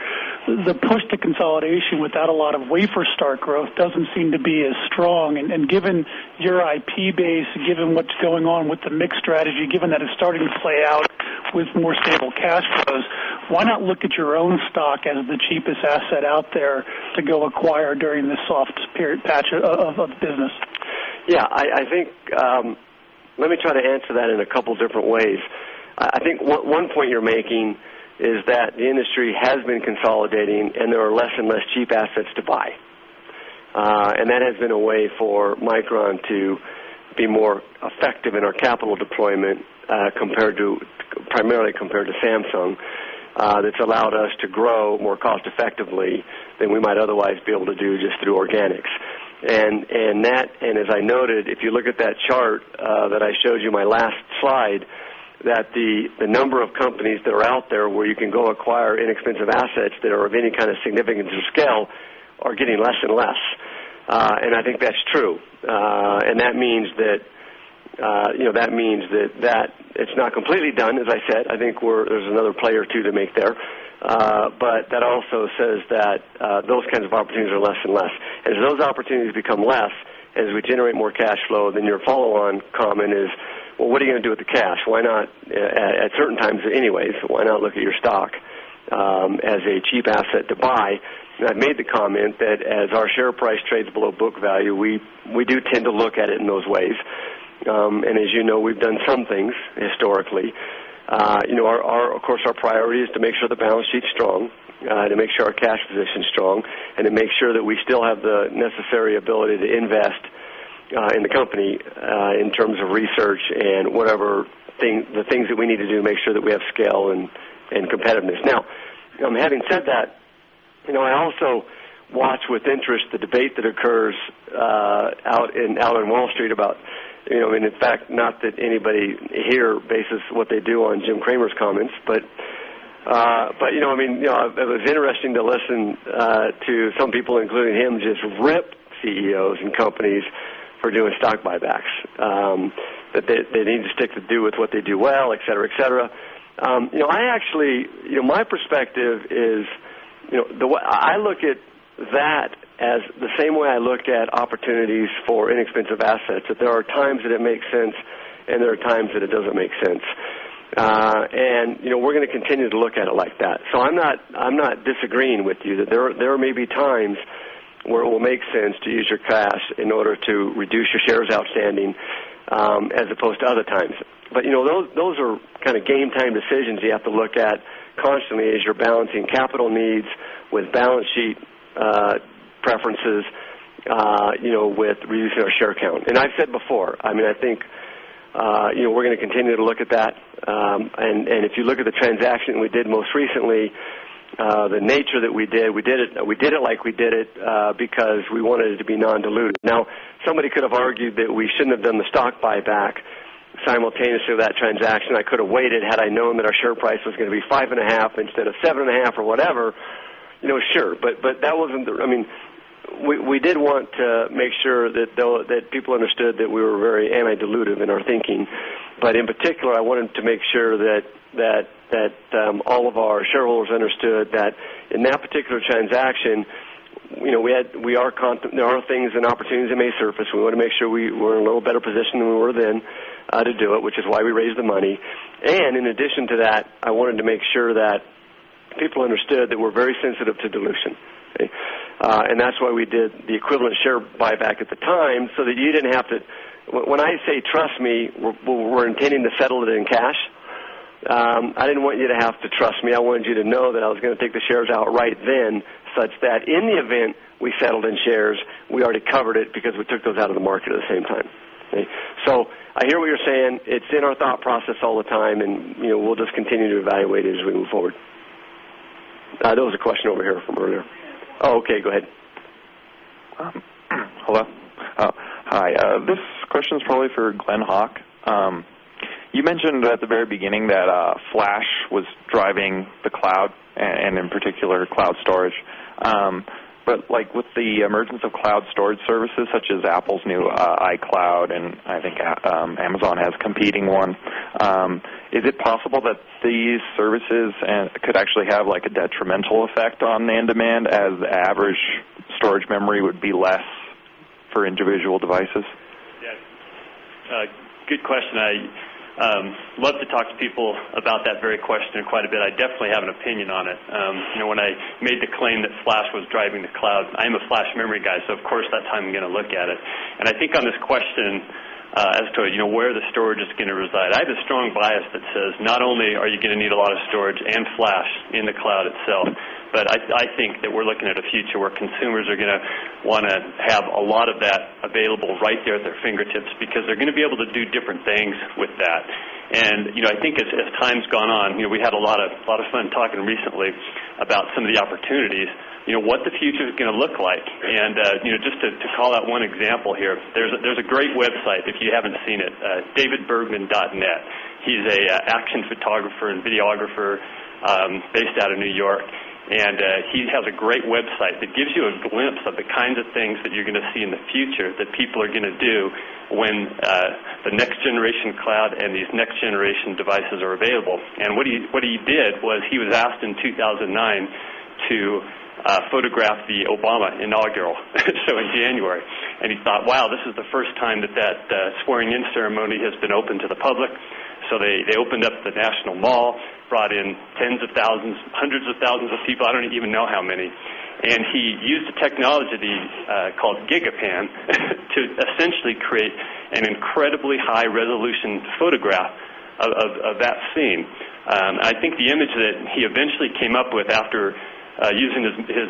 the push to consolidation without a lot of wafer start growth doesn't seem to be as strong. Given your IP base, given what's going on with the mix strategy, given that it's starting to play out with more stable cash flows, why not look at your own stock as the cheapest asset out there to go acquire during this soft patch of the business? Yeah. I think, let me try to answer that in a couple different ways. I think one point you're making is that the industry has been consolidating, and there are less and less cheap assets to buy. That has been a way Micron to be more effective in our capital deployment, primarily compared to Samsung, that's allowed us to grow more cost effectively than we might otherwise be able to do just through organics. As I noted, if you look at that chart that I showed you on my last slide, the number of companies that are out there where you can go acquire inexpensive assets that are of any kind of significance or scale are getting less and less. I think that's true. That means that it's not completely done, as I said. I think there's another player or two to make there, but that also says that those kinds of opportunities are less and less. As those opportunities become less, as we generate more cash flow, then your follow-on comment is, what are you going to do with the cash? Why not, at certain times anyways, why not look at your stock as a cheap asset to buy? I've made the comment that as our share price trades below book value, we do tend to look at it in those ways. As you know, we've done some things historically. Of course, our priority is to make sure the balance sheet's strong, to make sure our cash position's strong, and to make sure that we still have the necessary ability to invest in the company in terms of research and whatever things that we need to do to make sure that we have scale and competitiveness. Now, having said that, I also watch with interest the debate that occurs out on Wall Street about, I mean, in fact, not that anybody here bases what they do on Jim Cramer's comments, but, you know, it was interesting to listen to some people, including him, just rip CEOs and companies for doing stock buybacks, that they need to stick to do with what they do well, etcetera, etcetera. My perspective is, the way I look at that is the same way I looked at opportunities for inexpensive assets, that there are times that it makes sense and there are times that it doesn't make sense. We're going to continue to look at it like that. I'm not disagreeing with you that there may be times where it will make sense to use your cash in order to reduce your shares outstanding, as opposed to other times. Those are kind of game time decisions you have to look at constantly as you're balancing capital needs with balance sheet preferences, with reducing our share count. I've said before, I think we're going to continue to look at that. If you look at the transaction that we did most recently, the nature that we did, we did it because we wanted it to be non-dilutive. Now, somebody could have argued that we shouldn't have done the stock buyback simultaneously with that transaction. I could have waited had I known that our share price was going to be $5.50 instead of $7.50 or whatever. Sure. That wasn't the—I mean, we did want to make sure that people understood that we were very anti-dilutive in our thinking. In particular, I wanted to make sure that all of our shareholders understood that in that particular transaction, there are things and opportunities that may surface. We want to make sure we were in a little better position than we were then, to do it, which is why we raised the money. In addition to that, I wanted to make sure that people understood that we're very sensitive to dilution. That's why we did the equivalent share buyback at the time so that you didn't have to—when I say trust me, we're intending to settle it in cash. I didn't want you to have to trust me. I wanted you to know that I was going to take the shares out right then such that in the event we settled in shares, we already covered it because we took those out of the market at the same time. I hear what you're saying. It's in our thought process all the time, and we'll just continue to evaluate it as we move forward. There was a question over here from earlier. Oh, okay. Go ahead. Hello. Hi. This question's probably for Glen Hawk. You mentioned at the very beginning that flash was driving the cloud, and in particular cloud storage. With the emergence of cloud storage services such as Apple's new iCloud, and I think Amazon has a competing one, is it possible that these services could actually have a detrimental effect on NAND demand as average storage memory would be less for individual devices? Yeah, good question. I love to talk to people about that very question quite a bit. I definitely have an opinion on it. You know, when I made the claim that flash was driving the cloud, I'm a flash memory guy, so of course that's how I'm going to look at it. I think on this question, as to, you know, where the storage is going to reside, I have a strong bias that says not only are you going to need a lot of storage and flash in the cloud itself, but I think that we're looking at a future where consumers are going to want to have a lot of that available right there at their fingertips because they're going to be able to do different things with that. I think as time's gone on, we had a lot of fun talking recently about some of the opportunities, you know, what the future is going to look like. Just to call out one example here, there's a great website if you haven't seen it, davidbergman.net. He's an action photographer and videographer based out of New York, and he has a great website that gives you a glimpse of the kinds of things that you're going to see in the future that people are going to do when the next generation cloud and these next generation devices are available. What he did was he was asked in 2009 to photograph the Obama inaugural, so in January. He thought, wow, this is the first time that that swearing-in ceremony has been open to the public. They opened up the National Mall, brought in tens of thousands, hundreds of thousands of people. I don't even know how many. He used the technology that he called Gigapan to essentially create an incredibly high resolution photograph of that scene. I think the image that he eventually came up with after using his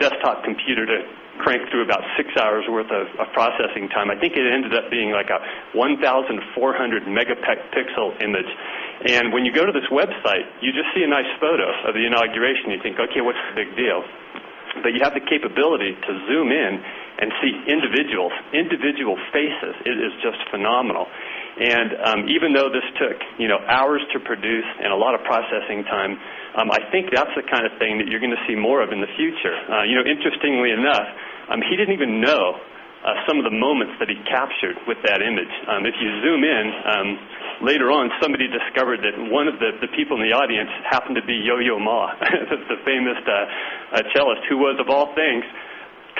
desktop computer to crank through about six hours' worth of processing time, I think it ended up being like a 1,400 megapixel image. When you go to this website, you just see a nice photo of the inauguration. You think, okay, what's the big deal? You have the capability to zoom in and see individual faces. It is just phenomenal. Even though this took hours to produce and a lot of processing time, I think that's the kind of thing that you're going to see more of in the future. Interestingly enough, he didn't even know some of the moments that he captured with that image. If you zoom in, later on, somebody discovered that one of the people in the audience happened to be Yo-Yo Ma. That's the famous cellist who was, of all things,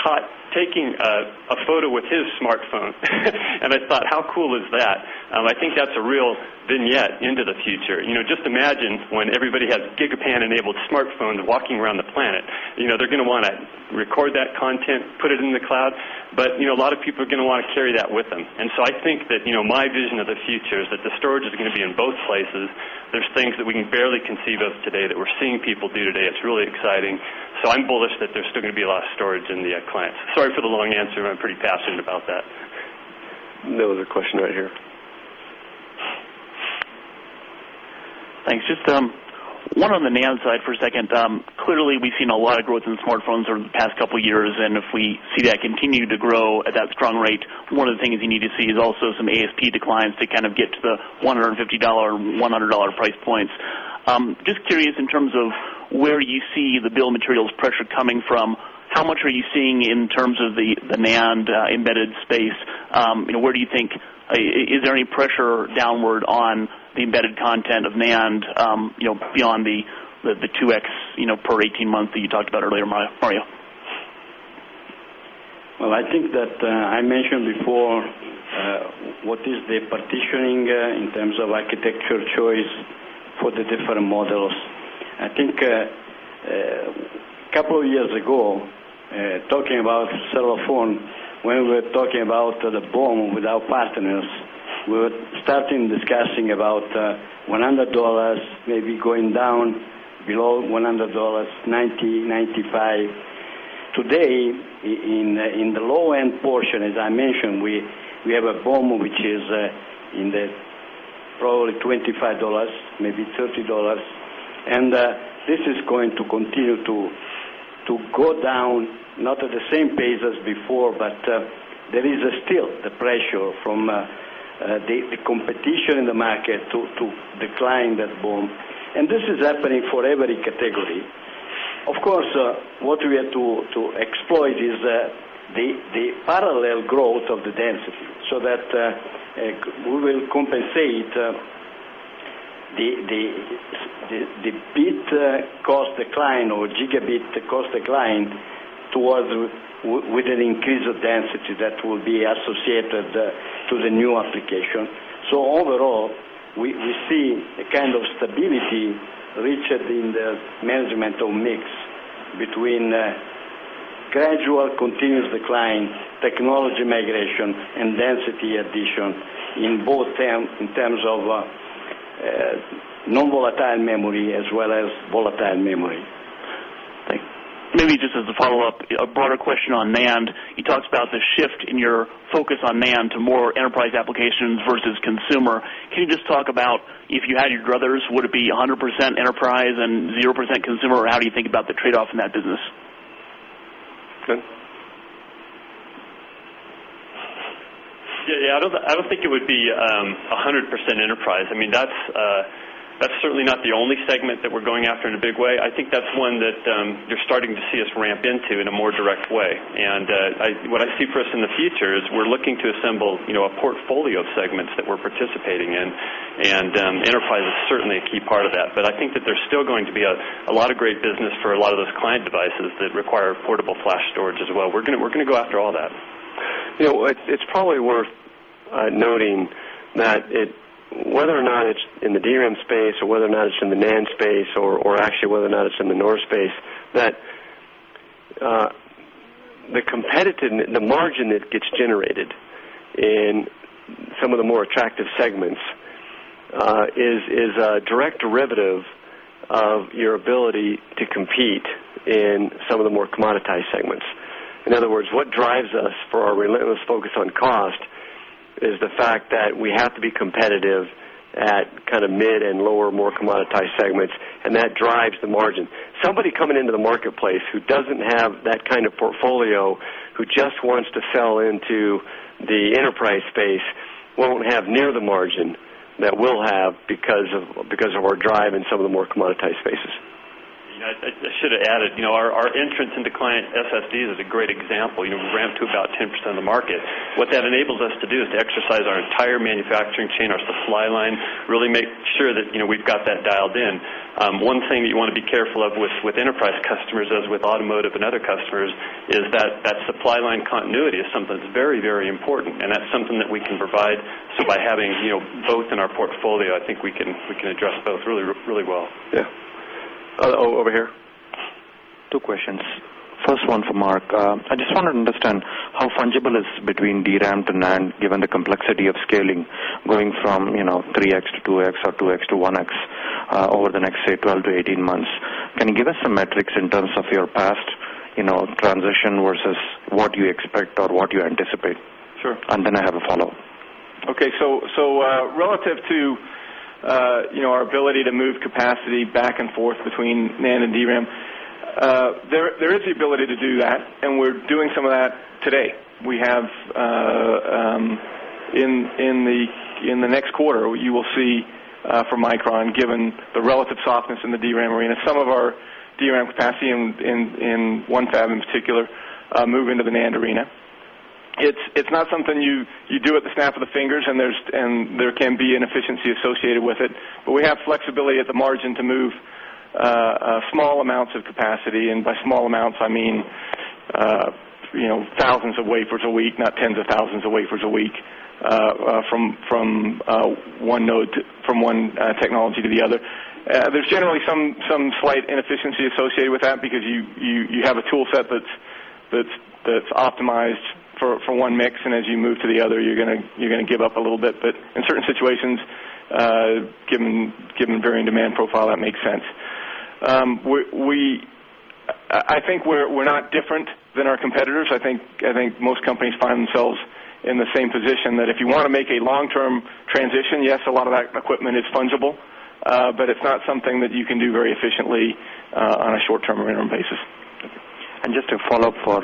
caught taking a photo with his smartphone. I thought, how cool is that? I think that's a real vignette into the future. Just imagine when everybody has Gigapan-enabled smartphones walking around the planet. They're going to want to record that content, put it in the cloud. A lot of people are going to want to carry that with them. I think that my vision of the future is that the storage is going to be in both places. There are things that we can barely conceive of today that we're seeing people do today. It's really exciting. I'm bullish that there's still going to be a lot of storage in the clients. Sorry for the long answer, and I'm pretty passionate about that. No other question right here. Thanks. Just one on the NAND side for a second. Clearly, we've seen a lot of growth in smartphones over the past couple years. If we see that continue to grow at that strong rate, one of the things you need to see is also some ASP declines to kind of get to the $150 and $100 price points. Just curious in terms of where you see the bill of materials pressure coming from. How much are you seeing in terms of the NAND embedded space? Where do you think, is there any pressure downward on the embedded content of NAND, beyond the 2x per 18 month that you talked about earlier, Mario? I think that, I mentioned before, what is the partitioning, in terms of architecture choice for the different models. A couple of years ago, talking about cell phone, when we were talking about the boom with our partners, we were starting discussing about $100, maybe going down below $100, $90, $95. Today, in the low-end portion, as I mentioned, we have a boom which is in the probably $25, maybe $30. This is going to continue to go down, not at the same pace as before, but there is still the pressure from the competition in the market to decline that boom. This is happening for every category. Of course, what we have to exploit is the parallel growth of the density so that we will compensate the bit cost decline or gigabit cost decline with an increase of density that will be associated to the new application. Overall, we see a kind of stability richer than the management of mix between gradual, continuous decline, technology migration, and density addition in both terms, in terms of non-volatile memory as well as volatile memory. Maybe just as a follow-up, a broader question on NAND. You talked about the shift in your focus on NAND to more enterprise applications versus consumer. Can you just talk about if you had your druthers, would it be 100% enterprise and 0% consumer, or how do you think about the trade-off in that business? Yeah. I don't think it would be 100% enterprise. I mean, that's certainly not the only segment that we're going after in a big way. I think that's one that you're starting to see us ramp into in a more direct way. What I see, Chris, in the future is we're looking to assemble a portfolio of segments that we're participating in. Enterprise is certainly a key part of that. I think that there's still going to be a lot of great business for a lot of those client devices that require affordable flash storage as well. We're going to go after all that. You know. It's probably worth noting that whether or not it's in the DRAM space or whether or not it's in the NAND space or actually whether or not it's in the NOR space, the competitiveness, the margin that gets generated in some of the more attractive segments, is a direct derivative of your ability to compete in some of the more commoditized segments. In other words, what drives us for our relentless focus on cost is the fact that we have to be competitive at kind of mid and lower more commoditized segments, and that drives the margin. Somebody coming into the marketplace who doesn't have that kind of portfolio, who just wants to sell into the enterprise space, won't have near the margin that we'll have because of our drive in some of the more commoditized spaces. Yeah. I should have added, you know, our entrance into client SSDs is a great example. You know, we ramped to about 10% of the market. What that enables us to do is to exercise our entire manufacturing chain, our supply line, really make sure that, you know, we've got that dialed in. One thing that you want to be careful of with enterprise customers, as with automotive and other customers, is that supply line continuity is something that's very, very important. That's something that we can provide by having, you know, both in our portfolio. I think we can address both really, really well. Yeah, over here. Two questions. First one for Mark. I just wanted to understand how fungible is between DRAM to NAND given the complexity of scaling going from, you know, 3x to 2x or 2x to 1x, over the next, say, 12-18 months. Can you give us some metrics in terms of your past, you know, transition versus what you expect or what you anticipate? Sure. I have a follow-up. Okay. Relative to our ability to move capacity back and forth between NAND and DRAM, there is the ability to do that. We're doing some of that today. In the next quarter, you will see, from Micron, given the relative softness in the DRAM arena, some of our DRAM capacity in one fab in particular move into the NAND arena. It's not something you do at the snap of the fingers, and there can be inefficiency associated with it. We have flexibility at the margin to move small amounts of capacity. By small amounts, I mean thousands of wafers a week, not tens of thousands of wafers a week, from one node to, from one technology to the other. There's generally some slight inefficiency associated with that because you have a tool set that's optimized for one mix. As you move to the other, you're going to give up a little bit. In certain situations, given varying demand profile, that makes sense. I think we're not different than our competitors. I think most companies find themselves in the same position that if you want to make a long-term transition, yes, a lot of that equipment is fungible, but it's not something that you can do very efficiently on a short-term or interim basis. To follow up for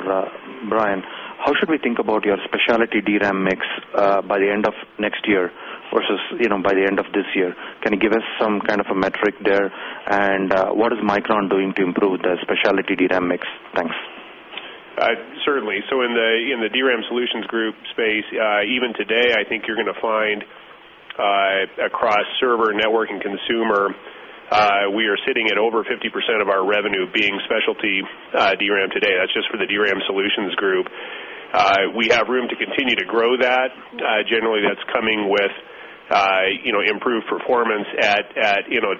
Brian, how should we think about your specialty DRAM mix by the end of next year versus by the end of this year? Can you give us some kind of a metric there? What is Micron doing to improve the specialty DRAM mix? Thanks. Certainly. In the DRAM Solutions Group space, even today, I think you're going to find, across server, network, and consumer, we are sitting at over 50% of our revenue being specialty DRAM today. That's just for the DRAM Solutions Group. We have room to continue to grow that. Generally, that's coming with improved performance at, you know,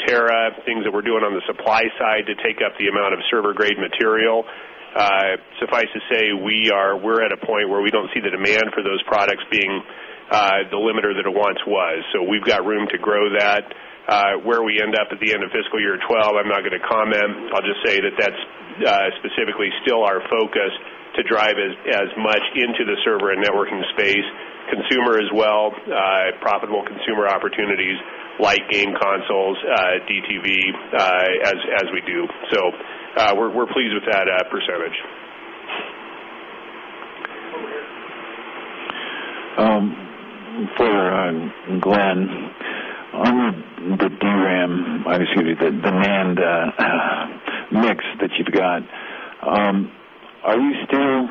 things that we're doing on the supply side to take up the amount of server-grade material. Suffice to say, we are at a point where we don't see the demand for those products being the limiter that it once was. We've got room to grow that. Where we end up at the end of fiscal year 2012, I'm not going to comment. I'll just say that that's specifically still our focus to drive as much into the server and networking space, consumer as well, profitable consumer opportunities like game consoles, DTV, as we do. We're pleased with that percentage. For Glen, on the DRAM, obviously the demand mix that you've got, are you still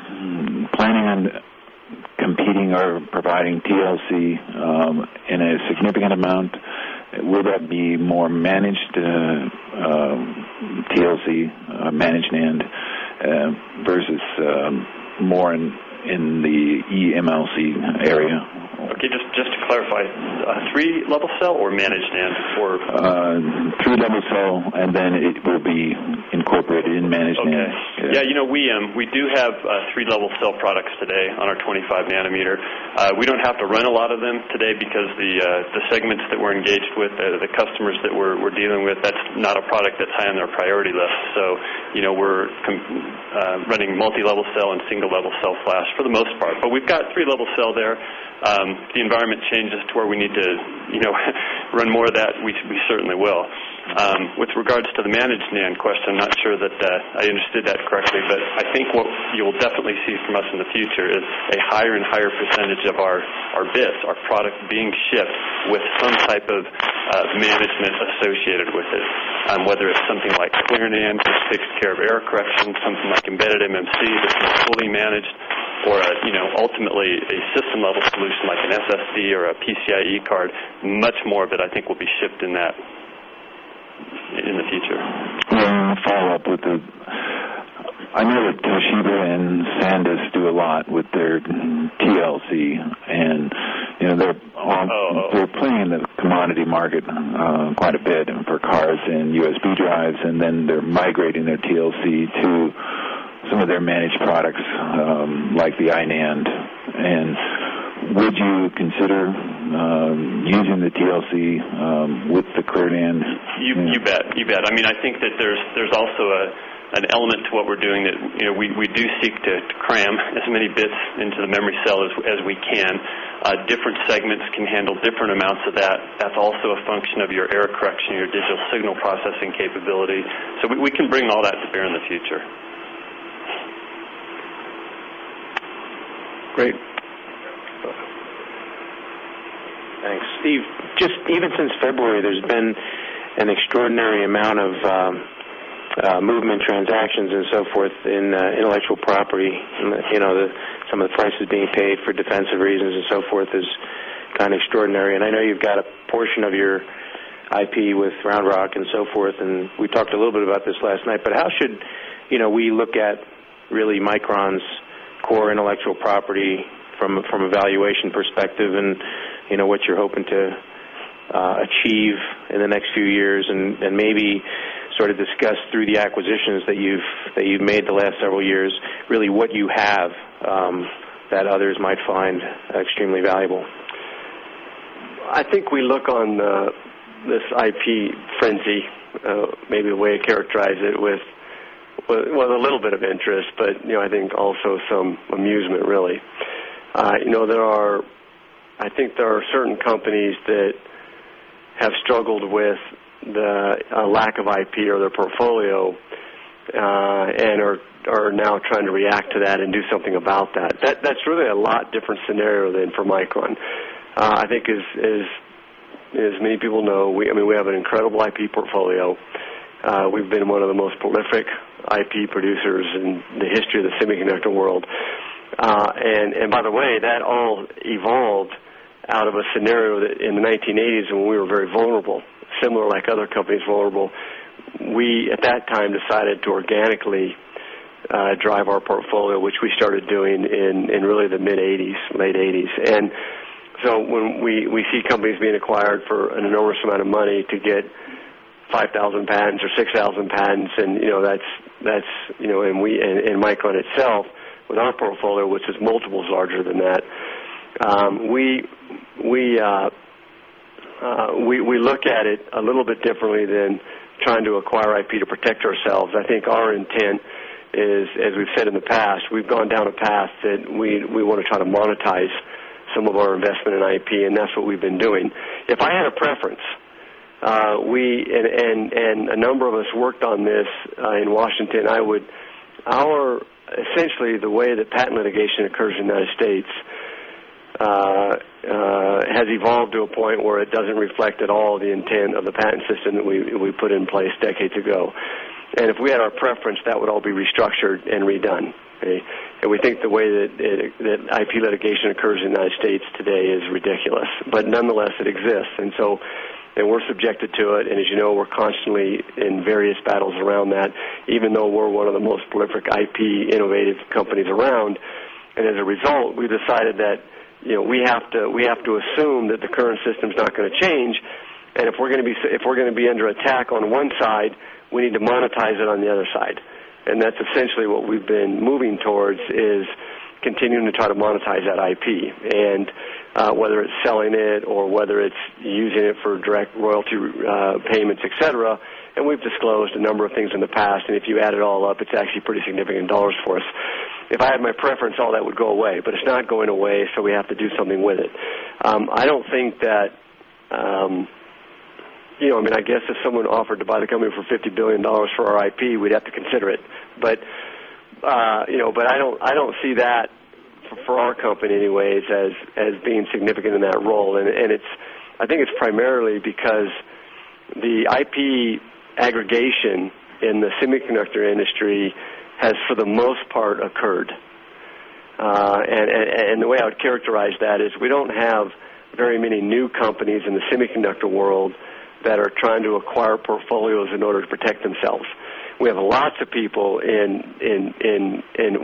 planning on competing or providing TLC in a significant amount? Will that be more managed TLC, managed NAND, versus more in the EMLC area? Okay. Just to clarify, three-level cell or managed NAND for? Three-level cell, and then it will be incorporated in managed NAND. Okay. Yeah. You know, we do have three-level cell products today on our 25 nm. We don't have to run a lot of them today because the segments that we're engaged with, the customers that we're dealing with, that's not a product that's high on their priority list. You know, we're running multi-level cell and single-level cell flash for the most part, but we've got three-level cell there. If the environment changes to where we need to run more of that, we certainly will. With regards to the managed NAND question, I'm not sure that I understood that correctly. I think what you'll definitely see from us in the future is a higher and higher percentage of our bits, our product being shipped with some type of management associated with it. Whether it's something like ClearNAND that takes care of error correction, something like embedded MMC that's fully managed, or ultimately, a system-level solution like an SSC or a PCIe card, much more of it, I think, will be shipped in that in the future. Can I follow up with them? I know that Toshiba and SanDisk do a lot with their TLC. They're playing in the commodity market quite a bit for cars and USB drives. They're migrating their TLC to some of their managed products, like the iNAND. Would you consider using the TLC with the current NAND? You bet. I mean, I think that there's also an element to what we're doing that, you know, we do seek to cram as many bits into the memory cell as we can. Different segments can handle different amounts of that. That's also a function of your error correction, your digital signal processing capability. We can bring all that to bear in the future. Great. Thanks. Steve, just even since February, there's been an extraordinary amount of movement, transactions, and so forth in intellectual property. Some of the prices being paid for defensive reasons and so forth has gone extraordinary. I know you've got a portion of your IP with Round Rock and so forth. We talked a little bit about this last night. How should we look at really Micron's core intellectual property from a valuation perspective and what you're hoping to achieve in the next few years? Maybe sort of discuss through the acquisitions that you've made the last several years, really what you have that others might find extremely valuable. I think we look on this IP frenzy, maybe the way to characterize it, with a little bit of interest, but I think also some amusement, really. You know, I think there are certain companies that have struggled with the lack of IP or their portfolio, and are now trying to react to that and do something about that. That's really a lot different scenario than for Micron. I think as many people know, we have an incredible IP portfolio. We've been one of the most prolific IP producers in the history of the semiconductor world. By the way, that all evolved out of a scenario in the 1980s when we were very vulnerable, similar to other companies vulnerable. We at that time decided to organically drive our portfolio, which we started doing in really the mid-1980s, late 1980s. When we see companies being acquired for an enormous amount of money to get 5,000 patents or 6,000 patents, that's, you know, and Micron itself with our portfolio, which is multiples larger than that, we look at it a little bit differently than trying to acquire IP to protect ourselves. I think our intent is, as we've said in the past, we've gone down a path that we want to try to monetize some of our investment in IP, and that's what we've been doing. If I had a preference, and a number of us worked on this in Washington, I would, essentially, the way that patent litigation occurs in the U.S. has evolved to a point where it doesn't reflect at all the intent of the patent system that we put in place decades ago. If we had our preference, that would all be restructured and redone. We think the way that IP litigation occurs in the U.S. today is ridiculous. Nonetheless, it exists. We're subjected to it. As you know, we're constantly in various battles around that, even though we're one of the most prolific IP innovative companies around. As a result, we decided that we have to assume that the current system's not going to change. If we're going to be under attack on one side, we need to monetize it on the other side. That's essentially what we've been moving towards, continuing to try to monetize that IP, whether it's selling it or whether it's using it for direct royalty payments, etc. We've disclosed a number of things in the past. If you add it all up, it's actually pretty significant dollars for us. If I had my preference, all that would go away. It's not going away, so we have to do something with it. I don't think that, you know, I mean, I guess if someone offered to buy the company for $50 billion for our IP, we'd have to consider it. I don't see that for our company anyways as being significant in that role. I think it's primarily because the IP aggregation in the semiconductor industry has, for the most part, occurred. The way I would characterize that is we don't have very many new companies in the semiconductor world that are trying to acquire portfolios in order to protect themselves. We have lots of people in,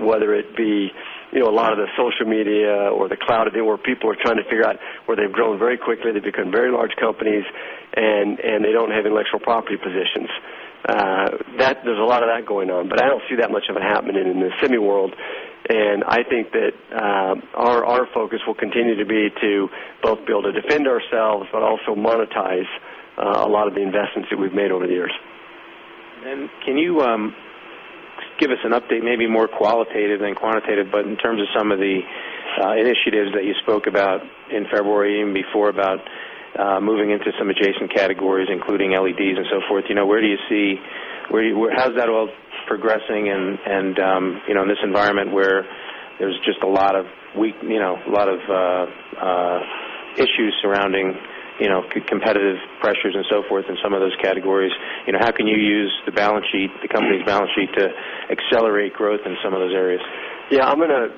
whether it be a lot of the social media or the cloud, where people are trying to figure out where they've grown very quickly. They've become very large companies, and they don't have intellectual property positions. There's a lot of that going on. I don't see that much of it happening in the semi world. I think that our focus will continue to be to both be able to defend ourselves, but also monetize a lot of the investments that we've made over the years. Can you give us an update, maybe more qualitative than quantitative, in terms of some of the initiatives that you spoke about in February, even before, about moving into some adjacent categories, including LEDs and so forth? Where do you see, how's that all progressing? In this environment where there's just a lot of weak, a lot of issues surrounding competitive pressures and so forth in some of those categories, how can you use the company's balance sheet to accelerate growth in some of those areas? Yeah. I'm going to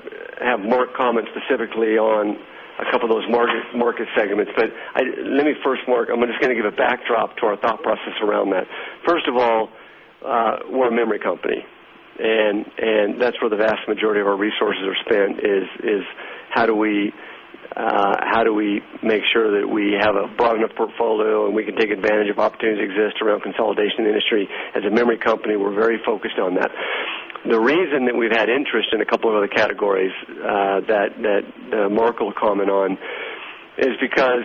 have Mark comment specifically on a couple of those market segments. Let me first, Mark, I'm just going to give a backdrop to our thought process around that. First of all, we're a memory company, and that's where the vast majority of our resources are spent. How do we make sure that we have a broad enough portfolio and we can take advantage of opportunities that exist around consolidation in the industry? As a memory company, we're very focused on that. The reason that we've had interest in a couple of other categories that Mark will comment on is because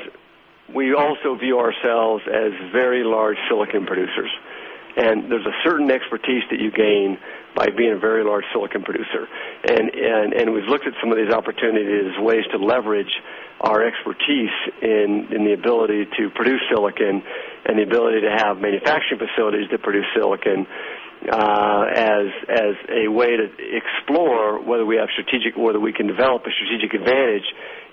we also view ourselves as very large silicon producers. There's a certain expertise that you gain by being a very large silicon producer, and we've looked at some of these opportunities as ways to leverage our expertise in the ability to produce silicon and the ability to have manufacturing facilities that produce silicon as a way to explore whether we have strategic or whether we can develop a strategic advantage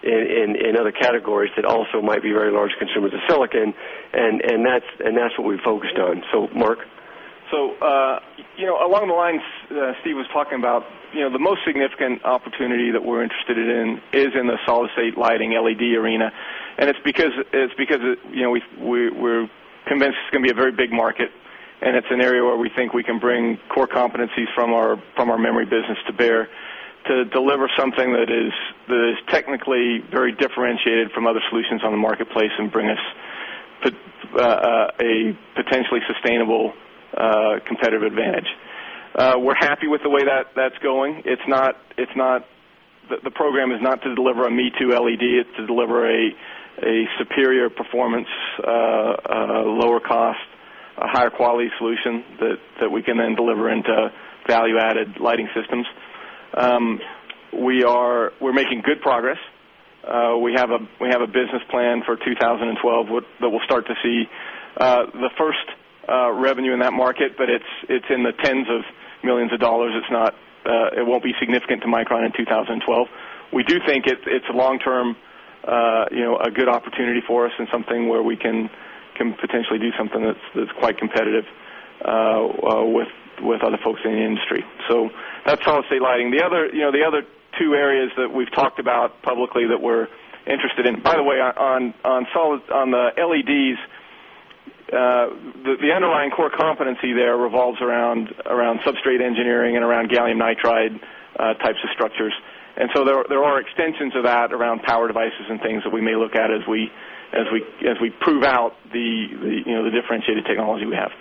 in other categories that also might be very large consumers of silicon. That's what we've focused on. Mark? Along the lines Steve was talking about, the most significant opportunity that we're interested in is in the solid state lighting LED arena. It's because we're convinced it's going to be a very big market, and it's an area where we think we can bring core competencies from our memory business to bear to deliver something that is technically very differentiated from other solutions on the marketplace and bring us a potentially sustainable competitive advantage. We're happy with the way that's going. The program is not to deliver a me-too LED. It's to deliver a superior performance, lower cost, higher quality solution that we can then deliver into value-added lighting systems. We're making good progress. We have a business plan for 2012 that will start to see the first revenue in that market, but it's in the tens of millions of dollars. It won't be significant to Micron in 2012. We do think it's a long-term, good opportunity for us and something where we can potentially do something that's quite competitive with other folks in the industry. That's solid state lighting. The other two areas that we've talked about publicly that we're interested in—by the way, on the LEDs, the underlying core competency there revolves around substrate engineering and around gallium nitride types of structures. There are extensions of that around power devices and things that we may look at as we prove out the differentiated technology we have.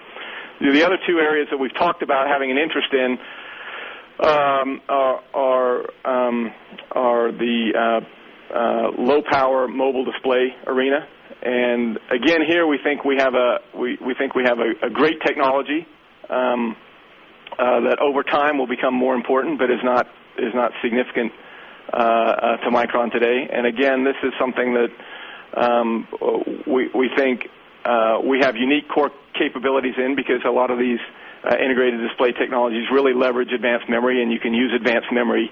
The other two areas that we've talked about having an interest in are the low-power mobile display arena. Again, here we think we have a great technology that over time will become more important, but is not significant to Micron today. This is something that we think we have unique core capabilities in because a lot of these integrated display technologies really leverage advanced memory, and you can use advanced memory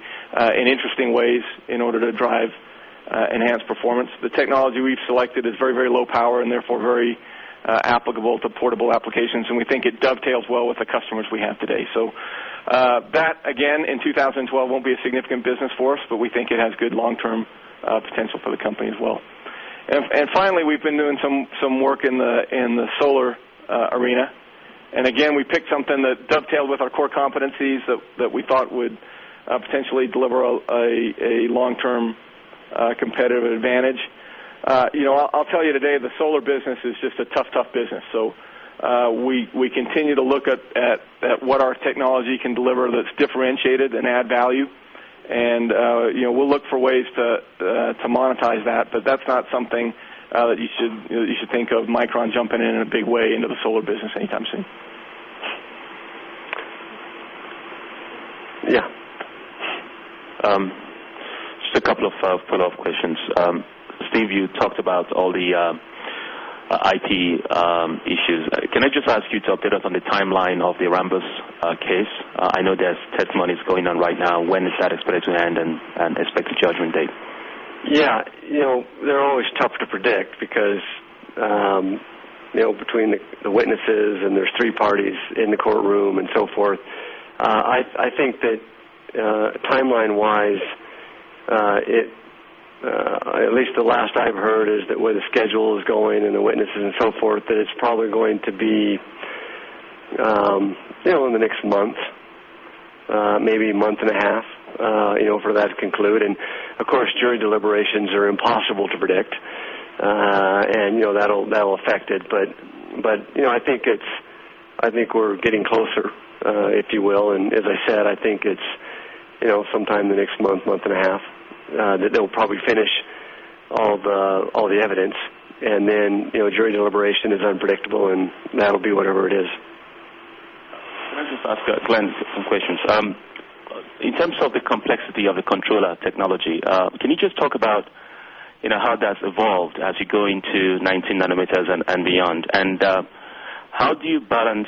in interesting ways in order to drive enhanced performance. The technology we've selected is very, very low power and therefore very applicable to portable applications. We think it dovetails well with the customers we have today. That, again, in 2012 won't be a significant business for us, but we think it has good long-term potential for the company as well. Finally, we've been doing some work in the solar arena. Again, we picked something that dovetailed with our core competencies that we thought would potentially deliver a long-term competitive advantage. I'll tell you today, the solar business is just a tough, tough business. We continue to look at what our technology can deliver that's differentiated and add value. We'll look for ways to monetize that. That's not something that you should think of Micron jumping in in a big way into the solar business anytime soon. Just a couple of follow-up questions. Steve, you talked about all the IT issues. Can I ask you to update us on the timeline of the Rambus case? I know there's testimonies going on right now. When is that expected to end and expected judgment date? Yeah. They're always tough to predict because, you know, between the witnesses and there's three parties in the courtroom and so forth. I think that, timeline-wise, at least the last I've heard is that where the schedule is going and the witnesses and so forth, it's probably going to be in the next month, maybe a month and a half for that to conclude. Of course, jury deliberations are impossible to predict, and that'll affect it. I think we're getting closer, if you will. As I said, I think it's sometime in the next month, month and a half, that they'll probably finish all the evidence. Jury deliberation is unpredictable, and that'll be whatever it is. I have just asked Glen some questions. In terms of the complexity of the controller technology, can you just talk about how that's evolved as you go into 19 nm and beyond? How do you balance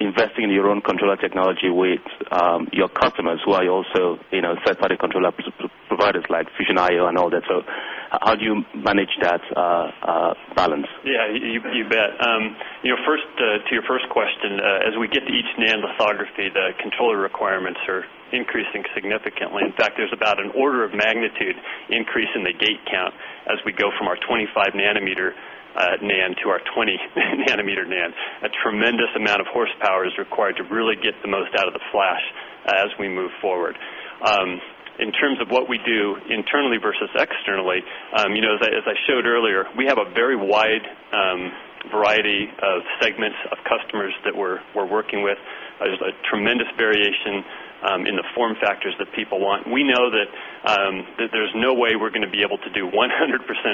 investing in your own controller technology with your customers who are also third-party controller providers like Fusion IO and all that? How do you manage that balance? Yeah. You bet. You know, first, to your first question, as we get to each NAND lithography, the controller requirements are increasing significantly. In fact, there's about an order of magnitude increase in the gate count as we go from our 25 nm NAND to our 20 nm NAND. A tremendous amount of horsepower is required to really get the most out of the flash as we move forward. In terms of what we do internally versus externally, as I showed earlier, we have a very wide variety of segments of customers that we're working with. There's a tremendous variation in the form factors that people want. We know that there's no way we are going to be able to do 100%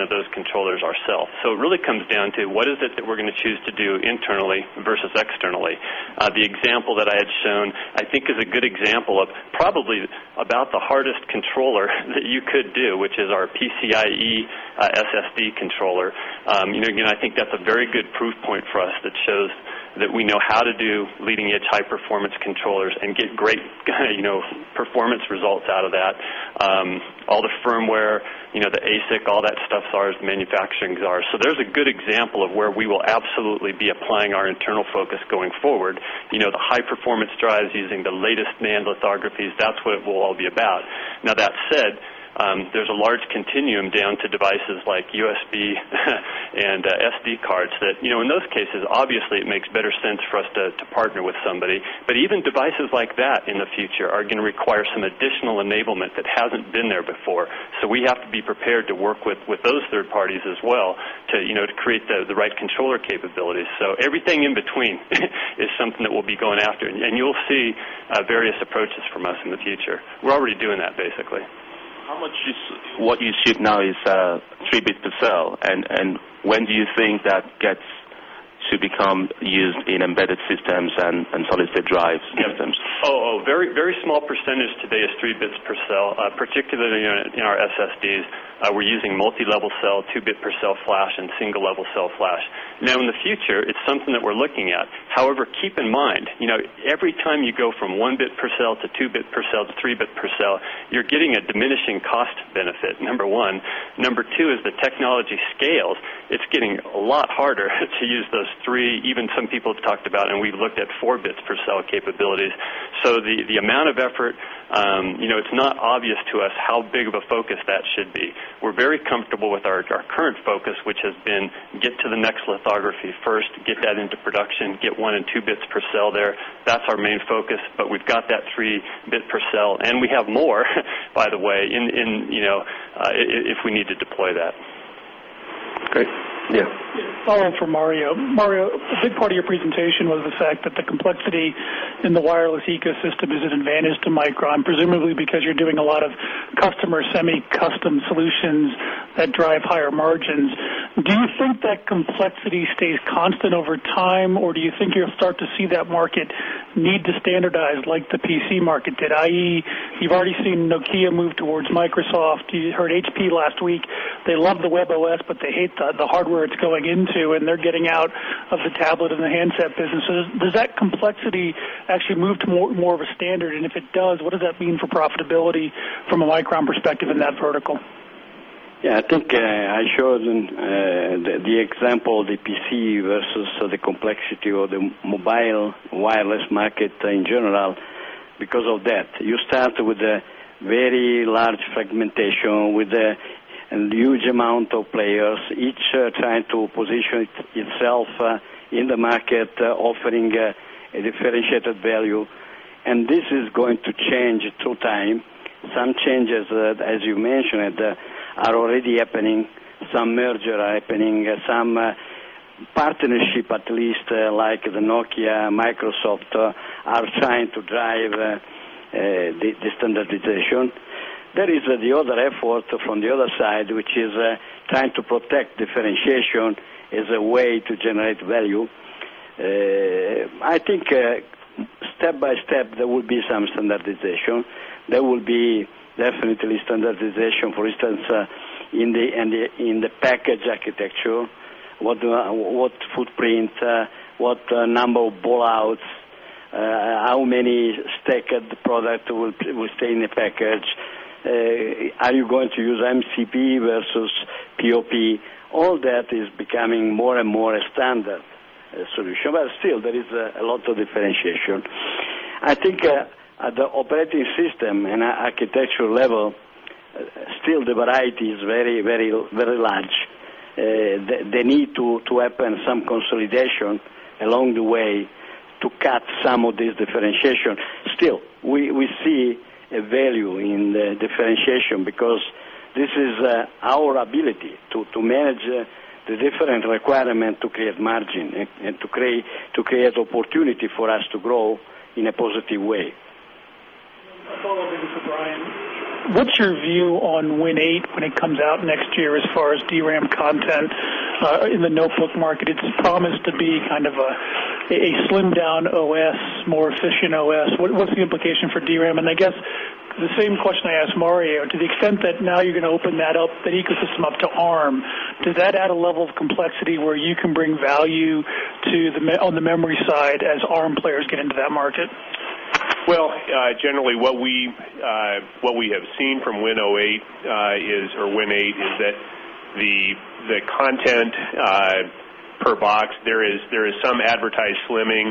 of those controllers ourselves. It really comes down to what is it that we're going to choose to do internally versus externally. The example that I had shown, I think, is a good example of probably about the hardest controller that you could do, which is our PCIe SSD controller. I think that's a very good proof point for us that shows that we know how to do leading-edge high-performance controllers and get great performance results out of that. All the firmware, the ASIC, all that stuff, SARS, manufacturing SARS. There's a good example of where we will absolutely be applying our internal focus going forward. The high-performance drives using the latest NAND lithographies, that's what it will all be about. That said, there's a large continuum down to devices like USB and SD cards that, in those cases, obviously, it makes better sense for us to partner with somebody. Even devices like that in the future are going to require some additional enablement that hasn't been there before. We have to be prepared to work with those third parties as well to create the right controller capabilities. Everything in between is something that we'll be going after. You'll see various approaches from us in the future. We're already doing that, basically. How much is what you see now is three bits per cell? When do you think that gets to become used in embedded systems and solid state drives? Systems? A very, very small percentage today is three bits per cell, particularly in our SSDs. We're using multi-level cell, two-bit per cell flash, and single-level cell flash. In the future, it's something that we're looking at. However, keep in mind, every time you go from one bit per cell to two bit per cell to three bit per cell, you're getting a diminishing cost benefit, number one. Number two is the technology scales. It's getting a lot harder to use those three. Even some people have talked about, and we've looked at, four bits per cell capabilities. The amount of effort, it's not obvious to us how big of a focus that should be. We're very comfortable with our current focus, which has been get to the next lithography first, get that into production, get one and two bits per cell there. That's our main focus. We've got that three bit per cell, and we have more, by the way, if we need to deploy that. Okay. Yeah. Yeah. A follow-up for Mario. Mario, a big part of your presentation was the fact that the complexity in the wireless ecosystem is an advantage to Micron, presumably because you're doing a lot of customer semi-custom solutions that drive higher margins. Do you think that complexity stays constant over time, or do you think you'll start to see that market need to standardize like the PC market? That is, you've already seen Nokia move towards Microsoft. You heard HP last week. They love the web OS, but they hate the hardware it's going into, and they're getting out of the tablet and the handset business. Does that complexity actually move to more of a standard? If it does, what does that mean for profitability from a Micron perspective in that vertical? Yeah. I think I showed in the example of the PC versus the complexity of the mobile wireless market in general because of that. You start with a very large fragmentation with a huge amount of players, each trying to position itself in the market, offering a differentiated value. This is going to change through time. Some changes that, as you mentioned, are already happening. Some mergers are happening. Some partnership at least, like the Nokia, Microsoft, are trying to drive the standardization. There is the other effort from the other side, which is trying to protect differentiation as a way to generate value. I think, step by step, there will be some standardization. There will be definitely standardization. For instance, in the package architecture, what footprint, what number of ballouts, how many stacked products will stay in the package. Are you going to use MCP versus POP? All that is becoming more and more a standard solution. Still, there is a lot of differentiation. I think at the operating system and architecture level, still the variety is very, very, very large. They need to happen, some consolidation along the way to cut some of these differentiations. Still, we see a value in the differentiation because this is our ability to manage the different requirement to create margin and to create opportunity for us to grow in a positive way. Follow up, Brian. What's your view on Win 8 when it comes out next year as far as DRAM content in the notebook market? It's promised to be kind of a slimmed-down OS, more efficient OS. What's the implication for DRAM? I guess the same question I asked Mario. To the extent that now you're going to open that up, that ecosystem up to ARM, does that add a level of complexity where you can bring value to the memory side as ARM players get into that market? What we have seen from Win 8 is that the content per box, there is some advertised slimming.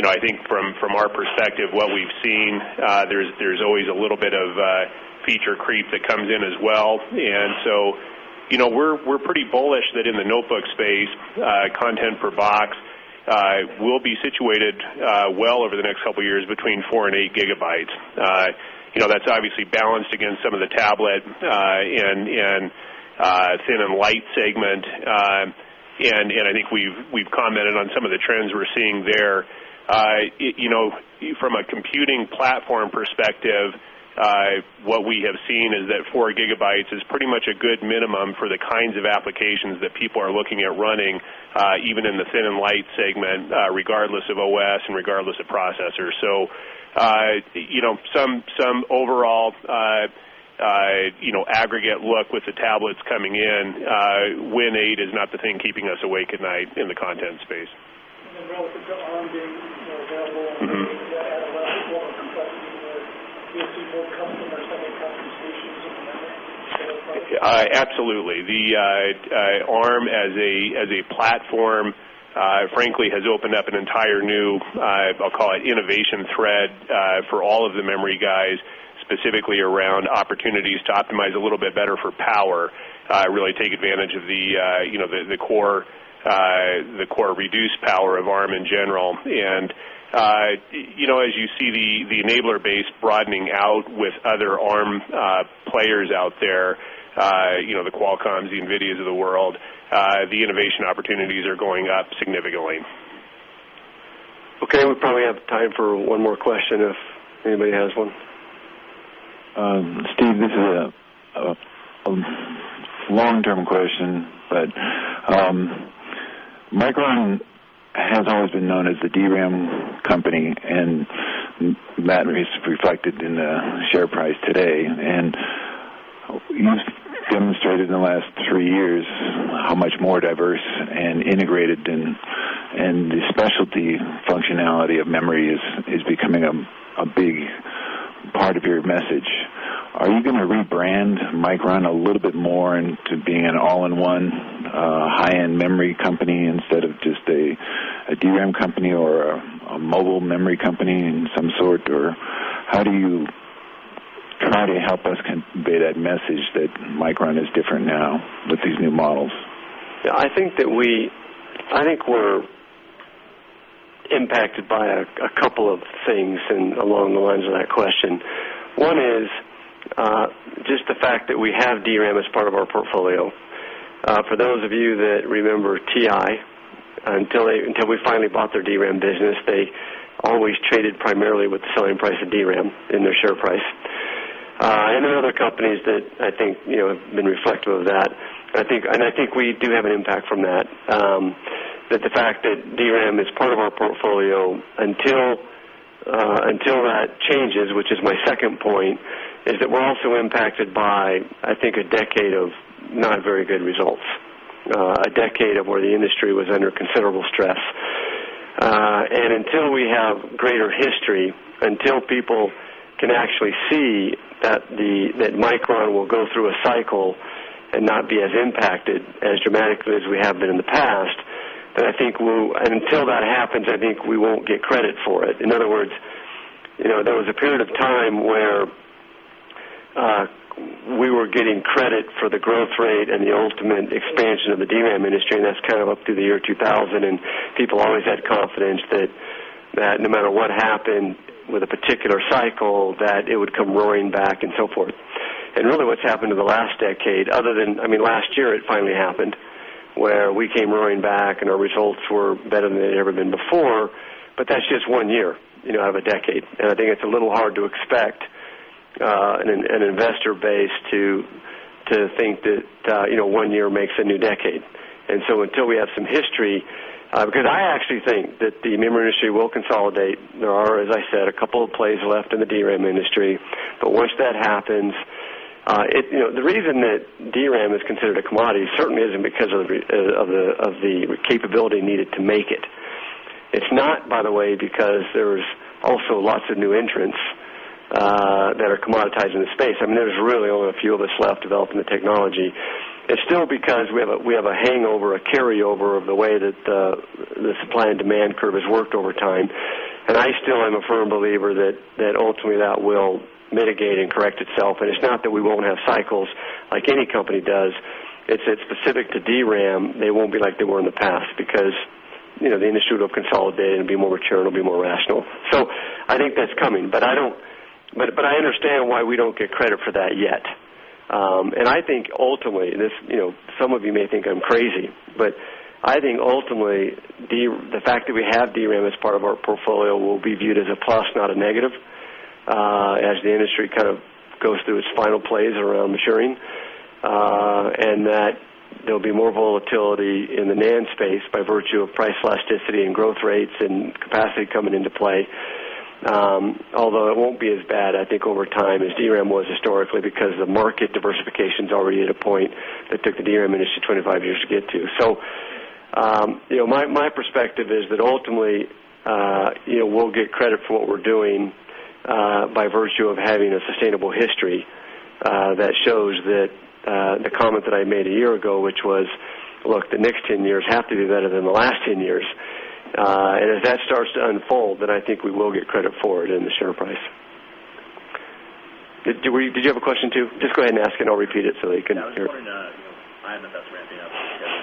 I think from our perspective, what we've seen, there's always a little bit of feature creep that comes in as well. We're pretty bullish that in the notebook space, content per box will be situated well over the next couple of years between 4 GB and 8 GB. That's obviously balanced against some of the tablet and thin and light segment. I think we've commented on some of the trends we're seeing there. From a computing platform perspective, what we have seen is that 4 GB is pretty much a good minimum for the kinds of applications that people are looking at running, even in the thin and light segment, regardless of OS and regardless of processor. Some overall aggregate look with the tablets coming in, Win 8 is not the thing keeping us awake at night in the content space. [Are they available? Is that another goal of complexity? Do you think your company does any compensation in the other?] Absolutely. ARM as a platform, frankly, has opened up an entire new, I'll call it innovation thread, for all of the memory guys, specifically around opportunities to optimize a little bit better for power, really take advantage of the core reduced power of ARM in general. As you see the enabler base broadening out with other ARM players out there, you know, the Qualcomms, the NVIDIAs of the world, the innovation opportunities are going up significantly. Okay, we probably have time for one more question if anybody has one. Steve, this is a long-term question, but Micron has always been known as a DRAM company, and that is reflected in the share price today. You know, it's demonstrated in the last three years how much more diverse and integrated, and the specialty functionality of memory is becoming a big part of your message. Are you going to rebrand Micron a little bit more into being an all-in-one, high-end memory company instead of just a DRAM company or a mobile memory company in some sort? How do you help us convey that message that Micron is different now with these new models? Yeah. I think we're impacted by a couple of things along the lines of that question. One is just the fact that we have DRAM as part of our portfolio. For those of you that remember TI, until we finally bought their DRAM business, they always traded primarily with the selling price of DRAM in their share price. Other companies, I think, have been reflective of that. I think we do have an impact from that. The fact that DRAM is part of our portfolio, until that changes, which is my second point, is that we're also impacted by, I think, a decade of not very good results, a decade where the industry was under considerable stress. Until we have greater history, until people can actually see that Micron will go through a cycle and not be as impacted as dramatically as we have been in the past, then I think until that happens, we won't get credit for it. In other words, there was a period of time where we were getting credit for the growth rate and the ultimate expansion of the DRAM industry. That's kind of up to the year 2000. People always had confidence that no matter what happened with a particular cycle, it would come roaring back and so forth. Really, what's happened in the last decade, other than last year, it finally happened where we came roaring back and our results were better than they'd ever been before. That's just one year out of a decade. I think it's a little hard to expect an investor base to think that one year makes a new decade. Until we have some history, because I actually think that the memory industry will consolidate. There are, as I said, a couple of plays left in the DRAM industry. Once that happens, the reason that DRAM is considered a commodity certainly isn't because of the capability needed to make it. It's not, by the way, because there's also lots of new entrants that are commoditizing the space. There's really only a few of us left developing the technology. It's still because we have a hangover, a carryover of the way that the supply and demand curve has worked over time. I still am a firm believer that ultimately that will mitigate and correct itself. It's not that we won't have cycles like any company does. It's that specific to DRAM, they won't be like they were in the past because, you know, the industry will consolidate and be more mature and will be more rational. I think that's coming. I understand why we don't get credit for that yet. I think ultimately, and this, you know, some of you may think I'm crazy, but I think ultimately, the fact that we have DRAM as part of our portfolio will be viewed as a plus, not a negative, as the industry kind of goes through its final plays around maturing. There'll be more volatility in the NAND space by virtue of price elasticity and growth rates and capacity coming into play, although it won't be as bad, I think, over time as DRAM was historically because the market diversification is already at a point that took the DRAM industry 25 years to get to. My perspective is that ultimately, you know, we'll get credit for what we're doing, by virtue of having a sustainable history, that shows that, the comment that I made a year ago, which was, look, the next ten years have to be better than the last ten years. As that starts to unfold, then I think we will get credit for it in the share price. Did you have a question too? Just go ahead and ask, and I'll repeat it so they can hear it. I was just wondering, you know, IMFS ramping up [with Inotera].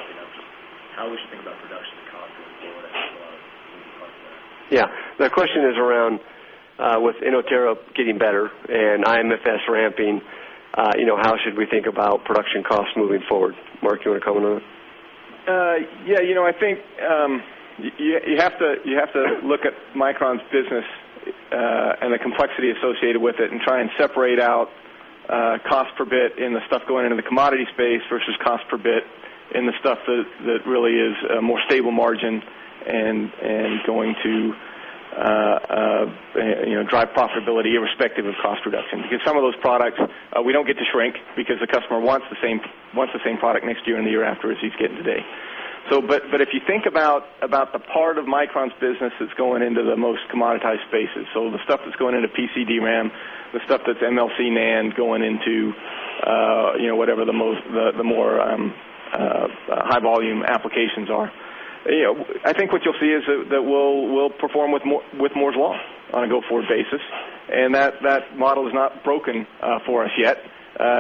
How we should think about production to come? Yeah. The question is around, with Inotera getting better and IMFS ramping, you know, how should we think about production costs moving forward? Mark, do you wanna comment on it? Yeah. I think you have to look at Micron's business and the complexity associated with it and try to separate out cost per bit in the stuff going into the commodity space versus cost per bit in the stuff that really is a more stable margin and going to drive profitability irrespective of cost reduction. Because some of those products, we don't get to shrink because the customer wants the same product next year and the year after as he's getting today. If you think about the part of Micron's business that's going into the most commoditized spaces, the stuff that's going into PC DRAM, the stuff that's MLC NAND going into whatever the more high volume applications are, I think what you'll see is that we'll perform with Moore's Law on a go-forward basis. That model is not broken for us yet,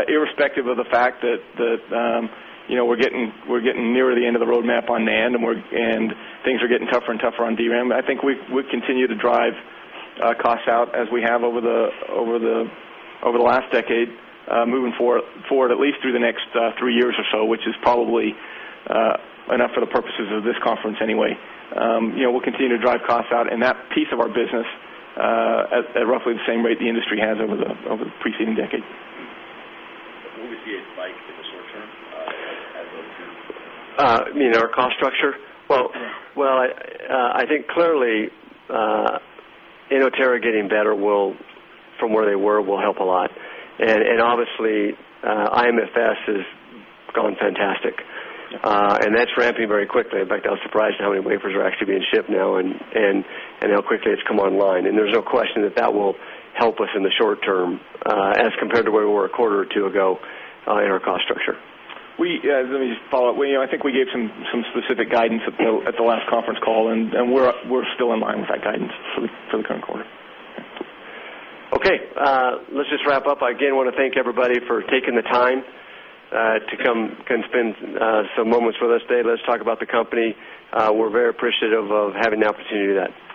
irrespective of the fact that we're getting nearer the end of the roadmap on NAND and things are getting tougher and tougher on DRAM. I think we continue to drive costs out as we have over the last decade, moving forward at least through the next three years or so, which is probably enough for the purposes of this conference anyway. We'll continue to drive costs out in that piece of our business at roughly the same rate the industry has over the preceding decade. What would you see as bite to the short term? I mean, our cost structure? I think clearly, Inotera getting better from where they were will help a lot. Obviously, IMFS has gone fantastic, and that's ramping very quickly. In fact, I was surprised at how many wafers are actually being shipped now and how quickly it's come online. There's no question that will help us in the short term, as compared to where we were a quarter or two ago, in our cost structure. Let me just follow up. I think we gave some specific guidance at the last conference call, and we're still in line with that guidance for the current quarter. Okay. Let's just wrap up. I again want to thank everybody for taking the time to come spend some moments with us today. Let's talk about the company. We're very appreciative of having the opportunity to do that.